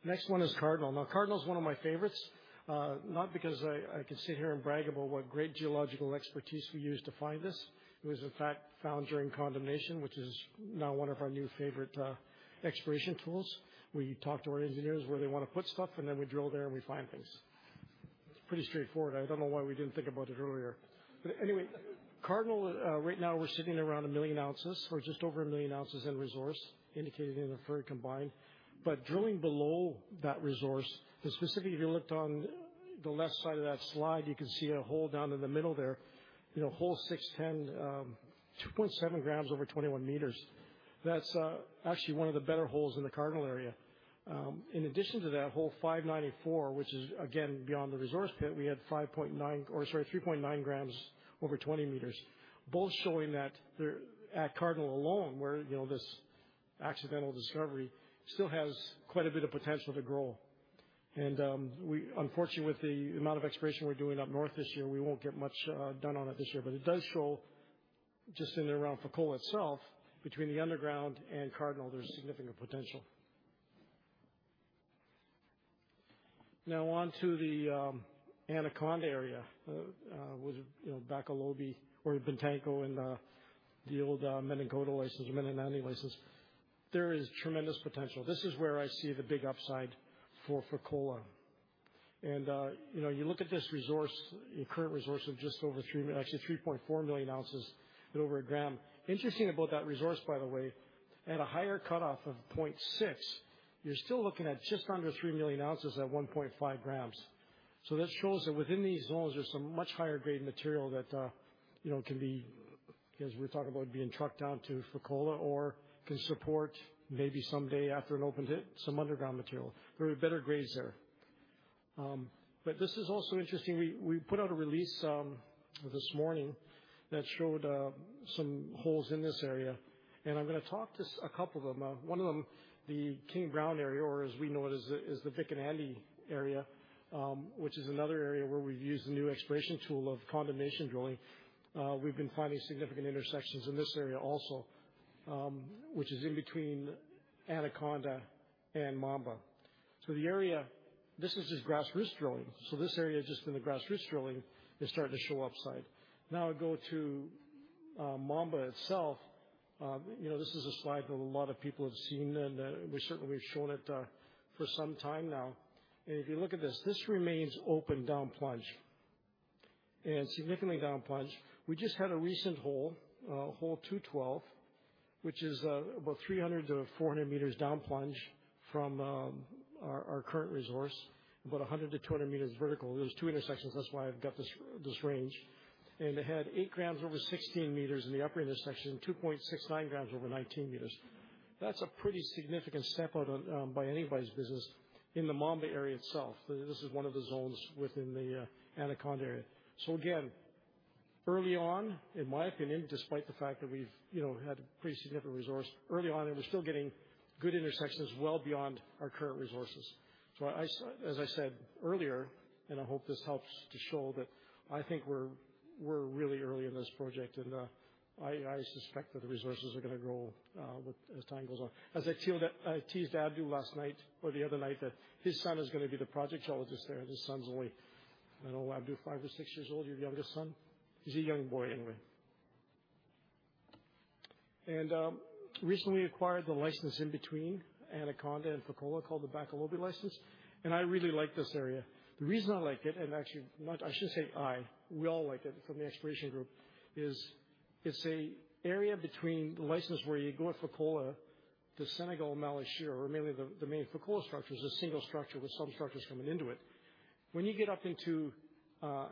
Next one is Cardinal. Now, Cardinal is one of my favorites, not because I can sit here and brag about what great geological expertise we used to find this. It was, in fact, found during condemnation, which is now one of our new favorite exploration tools. We talk to our engineers where they wanna put stuff, and then we drill there, and we find things. It's pretty straightforward. I don't know why we didn't think about it earlier. Anyway, Cardinal, right now we're sitting around 1 million ounces or just over 1 million ounces in resource indicated in the [fir] combined. Drilling below that resource, and specifically if you looked on the left side of that slide, you can see a hole down in the middle there. You know, hole 610, 2.7 grams over 21 meters. That's actually one of the better holes in the Cardinal area. In addition to that, hole 594, which is again beyond the resource pit, we had 5.9 or sorry, 3.9 grams over 20 meters, both showing that there at Cardinal alone, where, you know, this accidental discovery still has quite a bit of potential to grow. Unfortunately, with the amount of exploration we're doing up north this year, we won't get much done on it this year. It does show just in and around Fekola itself, between the underground and Cardinal, there's significant potential. Now on to the Anaconda area with, you know, Bakolobi or Bantako and the old Menankoto license or Medinandi license. There is tremendous potential. This is where I see the big upside for Fekola. You know, you look at this resource, your current resource of just over 3.4 million ounces at over a gram. Interesting about that resource, by the way, at a higher cut off of 0.6, you're still looking at just under 3 million ounces at 1.5 grams. That shows that within these zones, there's some much higher grade material that, you know, can be, as we talk about being trucked down to Fekola or can support maybe someday after it opened it, some underground material. There are better grades there. This is also interesting. We put out a release this morning that showed some holes in this area, and I'm gonna talk just a couple of them. One of them, the King Brown area, or as we know it, the Vic and Andy area, which is another area where we've used the new exploration tool of combination drilling. We've been finding significant intersections in this area also, which is in between Anaconda and Mamba. The area. This is just grassroots drilling, so this area, just in the grassroots drilling, is starting to show upside. Now I go to Mamba itself. You know, this is a slide that a lot of people have seen, and we've shown it for some time now. If you look at this remains open down plunge and significantly down plunge. We just had a recent hole 212, which is about 300 meters-400 meters down plunge from our current resource, about 100 meters -200 meters vertical. There's two intersections that's why I've got this range. It had 8 grams over 16 meters in the upper intersection, 2.69 grams over 19 meters. That's a pretty significant step out by anybody's business in the Mamba area itself. This is one of the zones within the Anaconda area. Again, early on, in my opinion, despite the fact that we've, you know, had a pretty significant resource early on, and we're still getting good intersections well beyond our current resources. As I said earlier, and I hope this helps to show that I think we're really early in this project, and I suspect that the resources are gonna grow with as time goes on. I teased Abdoul last night or the other night that his son is gonna be the project geologist there, and his son's only, I don't know, Abdoul, five or six years old, your youngest son? He's a young boy anyway. Recently acquired the license in between Anaconda and Fekola called the Bakolobi license, and I really like this area. The reason we all like it from the exploration group is it's an area between the license where you go at Fekola to the Senegal-Mali Shear Zone, or mainly the main Fekola structure is a single structure with some structures coming into it. When you get up into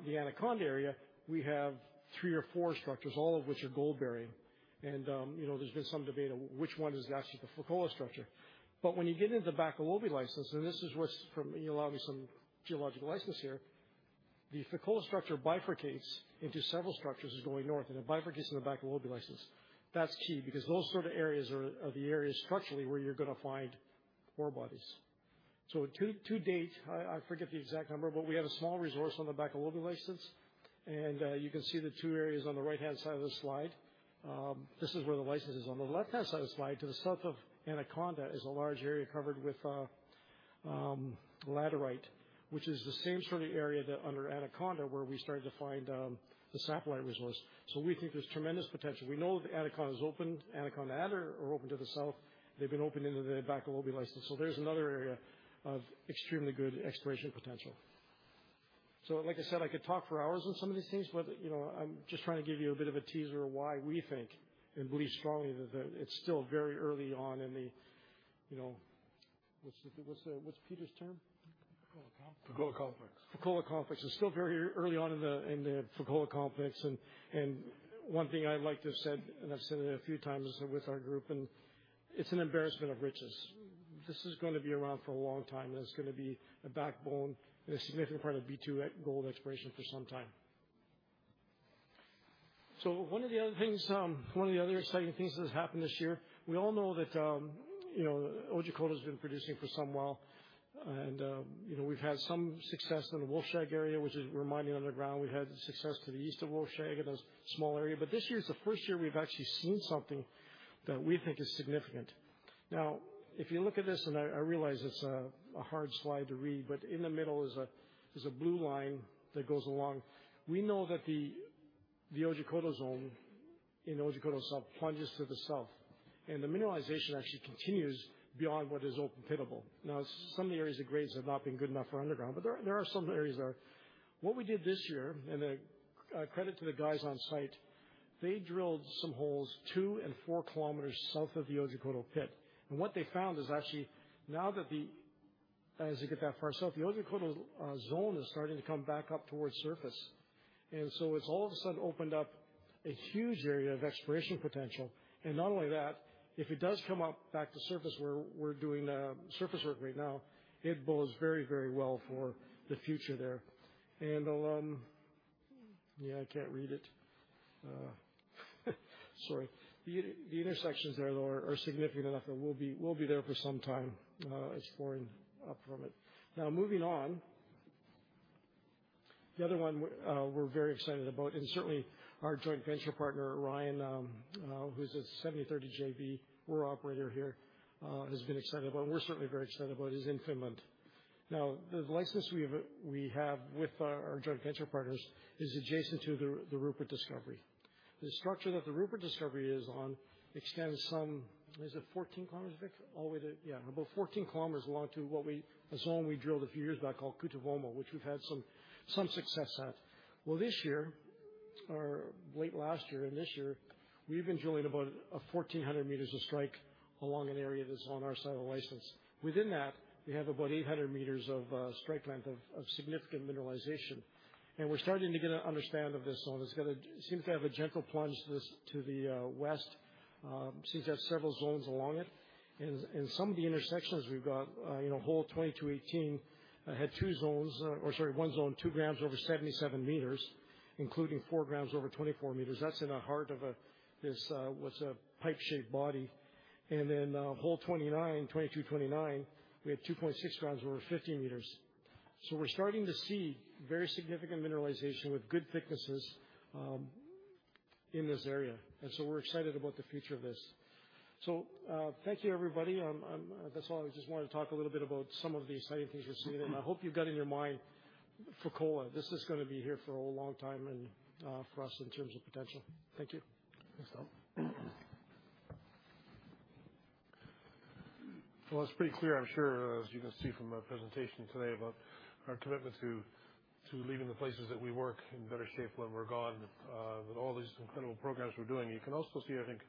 the Anaconda area, we have three or four structures, all of which are gold bearing. You know, there's been some debate on which one is actually the Fekola structure. When you get into the Bakolobi license, you allow me some geological license here. The Fekola structure bifurcates into several structures as you're going north, and it bifurcates in the Bakolobi license. That's key because those sort of areas are the areas structurally where you're gonna find ore bodies. To date, I forget the exact number, but we have a small resource on the Bakolobi license, and you can see the two areas on the right-hand side of the slide. This is where the license is. On the left-hand side of the slide to the south of Anaconda is a large area covered with laterite, which is the same sort of area that under Anaconda where we started to find the satellite resource. We think there's tremendous potential. We know that Anaconda is opened, Anaconda and/or open to the south. They've been open into the Bakolobi license, so there's another area of extremely good exploration potential. Like I said, I could talk for hours on some of these things, but, you know, I'm just trying to give you a bit of a teaser why we think and believe strongly that the... It's still very early on in the, you know... What's Peter's term? Fekola Complex. Fekola Complex. It's still very early on in the Fekola Complex and one thing I like to have said, and I've said it a few times with our group, and it's an embarrassment of riches. This is gonna be around for a long time, and it's gonna be a backbone and a significant part of B2Gold exploration for some time. One of the other things, one of the other exciting things that has happened this year, we all know that, you know, Otjikoto has been producing for some while, and, you know, we've had some success in the Wolfshag area, which is an underground. We've had success to the east of Wolfshag in a small area. This year is the first year we've actually seen something that we think is significant. Now, if you look at this, I realize it's a hard slide to read, but in the middle is a blue line that goes along. We know that the Otjikoto zone in Otjikoto South plunges to the south, and the mineralization actually continues beyond what is open pittable. Some of the areas of grades have not been good enough for underground, but there are some areas that are. What we did this year, credit to the guys on site, they drilled some holes 2 km and 4 km south of the Otjikoto pit. What they found is actually now that as you get that far south, the Otjikoto zone is starting to come back up towards surface. It's all of a sudden opened up a huge area of exploration potential. Not only that, if it does come up back to surface where we're doing surface work right now, it bodes very, very well for the future there. Yeah, I can't read it. Sorry. The intersections there, though, are significant enough that we'll be there for some time exploring up from it. Now, moving on. The other one we're very excited about, and certainly our joint venture partner, Rupert, who's a 70/30 JV. We're operator here has been excited about, and we're certainly very excited about is in Finland. Now, the license we have with our joint venture partners is adjacent to the Rupert discovery. The structure that the Rupert discovery is on extends some. Is it 14 km, Vic? All the way to. Yeah, about 14 km along to what we. A zone we drilled a few years back called Kutuvuoma, which we've had some success at. Well, this year or late last year and this year, we've been drilling about 1,400 meters of strike along an area that's on our side of the license. Within that, we have about 800 meters of strike length of significant mineralization. We're starting to get an understanding of this zone. It's got a gentle plunge to the west. It seems to have several zones along it. Some of the intersections we've got, you know, hole 22-18 had one zone, 2 grams over 77 meters, including 4 grams over 24 meters. That's in the heart of this pipe-shaped body. Hole 29, 22-29, we have 2.6 grams over 50 meters. We're starting to see very significant mineralization with good thicknesses in this area. We're excited about the future of this. Thank you, everybody. That's all. I just wanted to talk a little bit about some of the exciting things we're seeing, and I hope you've got in your mind Fekola. This is gonna be here for a long time and for us in terms of potential. Thank you. Thanks, Tom. Well, it's pretty clear, I'm sure, as you can see from our presentation today, about our commitment to leaving the places that we work in better shape when we're gone, with all these incredible programs we're doing. You can also see, I think,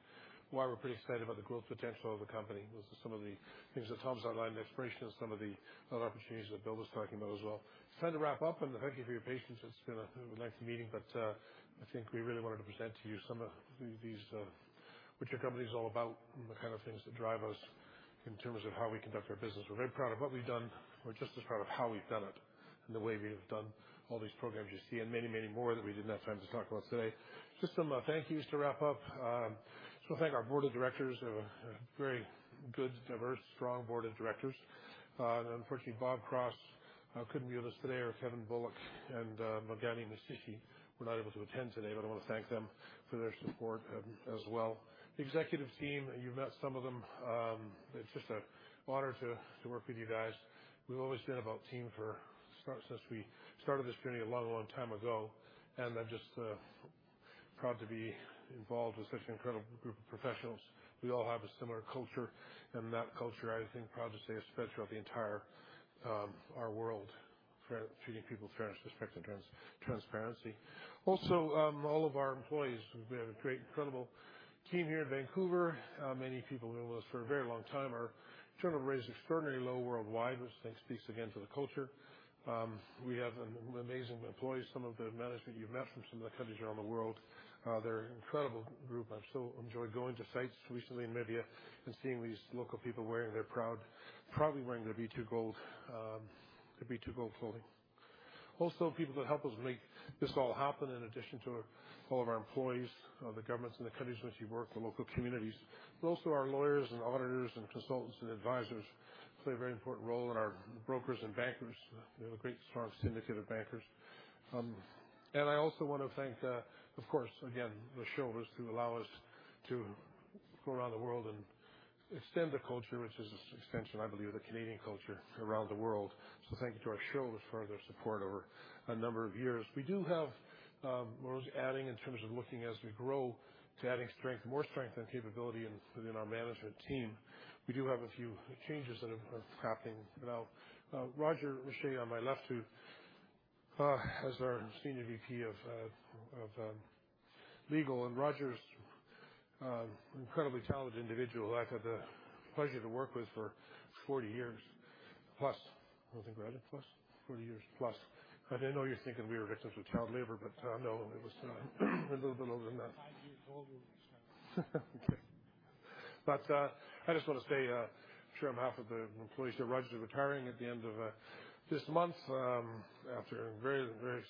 why we're pretty excited about the growth potential of the company with some of the things that Tom's outlined in exploration and some of the other opportunities that Bill was talking about as well. It's time to wrap up, and thank you for your patience. It's been a nice meeting, but I think we really wanted to present to you some of these, what your company is all about and the kind of things that drive us in terms of how we conduct our business. We're very proud of what we've done. We're just as proud of how we've done it and the way we have done all these programs you see and many, many more that we didn't have time to talk about today. Just some thank yous to wrap up. Just wanna thank our board of directors. We have a very good, diverse, strong board of directors. Unfortunately, Bob Cross couldn't be with us today, or Kevin Bullock and Bongani Mtshisi were not able to attend today, but I wanna thank them for their support as well. The executive team, you've met some of them. It's just an honor to work with you guys. We've always been about team first since we started this journey a long, long time ago, and I'm just proud to be involved with such an incredible group of professionals. We all have a similar culture and that culture, I think, proud to say, is spread throughout the entire our world. Fairly treating people with fairness, respect, and transparency. Also, all of our employees. We have a great, incredible team here in Vancouver. Many people have been with us for a very long time. Our turnover rate is extraordinarily low worldwide, which I think speaks again to the culture. We have amazing employees, some of the management you've met from some of the countries around the world. They're an incredible group. I've so enjoyed going to sites recently in Mali and seeing these local people proudly wearing their B2Gold clothing. Also, people that help us make this all happen in addition to all of our employees, the governments in the countries in which we work, the local communities, but also our lawyers and auditors and consultants and advisors play a very important role, and our brokers and bankers. We have a great, strong syndicate of bankers. I also wanna thank, of course, again, the shareholders who allow us to go around the world and extend the culture, which is an extension, I believe, of the Canadian culture around the world. Thank you to our shareholders for their support over a number of years. We do have, we're adding in terms of looking as we grow to adding strength, more strength and capability in, within our management team. We do have a few changes that are happening now. Roger Richer on my left, who is our Senior VP of Legal, and Roger's incredibly talented individual I've had the pleasure to work with for 40+ years. Wasn't that right? I know you're thinking we were victims of child labor, but no, it was a little bit older than that. Five years older than that. Okay. I just wanna say, sure on behalf of the employees that Roger's retiring at the end of this month, after a very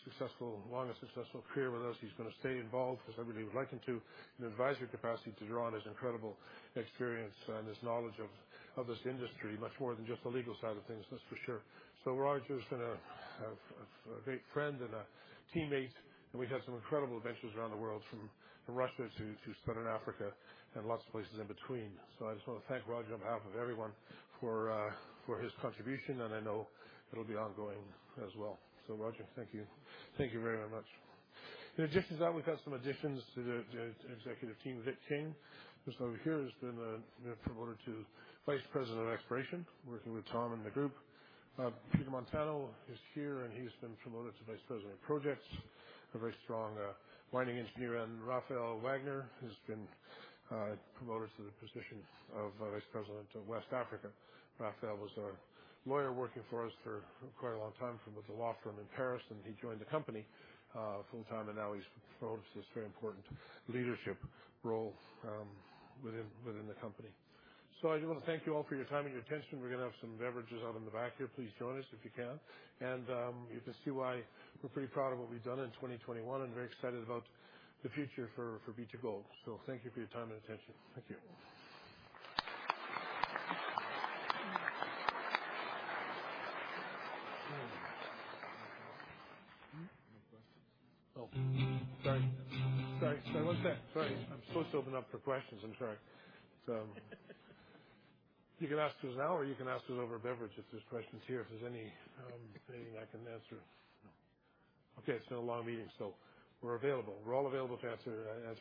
successful, long and successful career with us. He's gonna stay involved because I really would like him to, in an advisory capacity, to draw on his incredible experience and his knowledge of this industry, much more than just the legal side of things, that's for sure. Roger's been a great friend and a teammate, and we've had some incredible adventures around the world from Russia to Southern Africa and lots of places in between. I just wanna thank Roger on behalf of everyone for his contribution, and I know it'll be ongoing as well. Roger, thank you. Thank you very much. Just as that, we've had some additions to the executive team. Vic King, who's over here, has been, you know, promoted to Vice President of Exploration, working with Tom and the group. Peter Montano is here, and he's been promoted to Vice President of Projects, a very strong mining engineer. Raphaël Wagner, who's been promoted to the position of Vice President of West Africa. Raphaël was our lawyer working for us for quite a long time from with the law firm in Paris, and he joined the company full-time, and now he's promoted to this very important leadership role within the company. I do wanna thank you all for your time and your attention. We're gonna have some beverages out in the back here. Please join us if you can. You can see why we're pretty proud of what we've done in 2021 and very excited about the future for B2Gold. Thank you for your time and attention. Thank you. No questions? Oh, sorry. What's that? Sorry. I'm supposed to open up for questions. I'm sorry. You can ask us now, or you can ask us over a beverage if there's questions here, if there's any, anything I can answer. Okay. It's been a long meeting, so we're available. We're all available to answer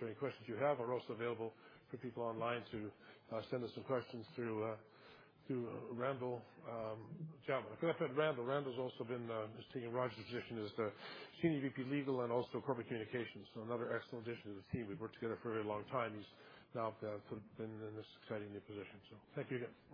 any questions you have. We're also available for people online to send us some questions through Randall Chatwin. I forgot Randall. Randall's also been just taking Roger's position as the Senior VP, Legal and Corporate Communications. Another excellent addition to the team. We've worked together for a very long time. He's now been in this exciting new position. Thank you again.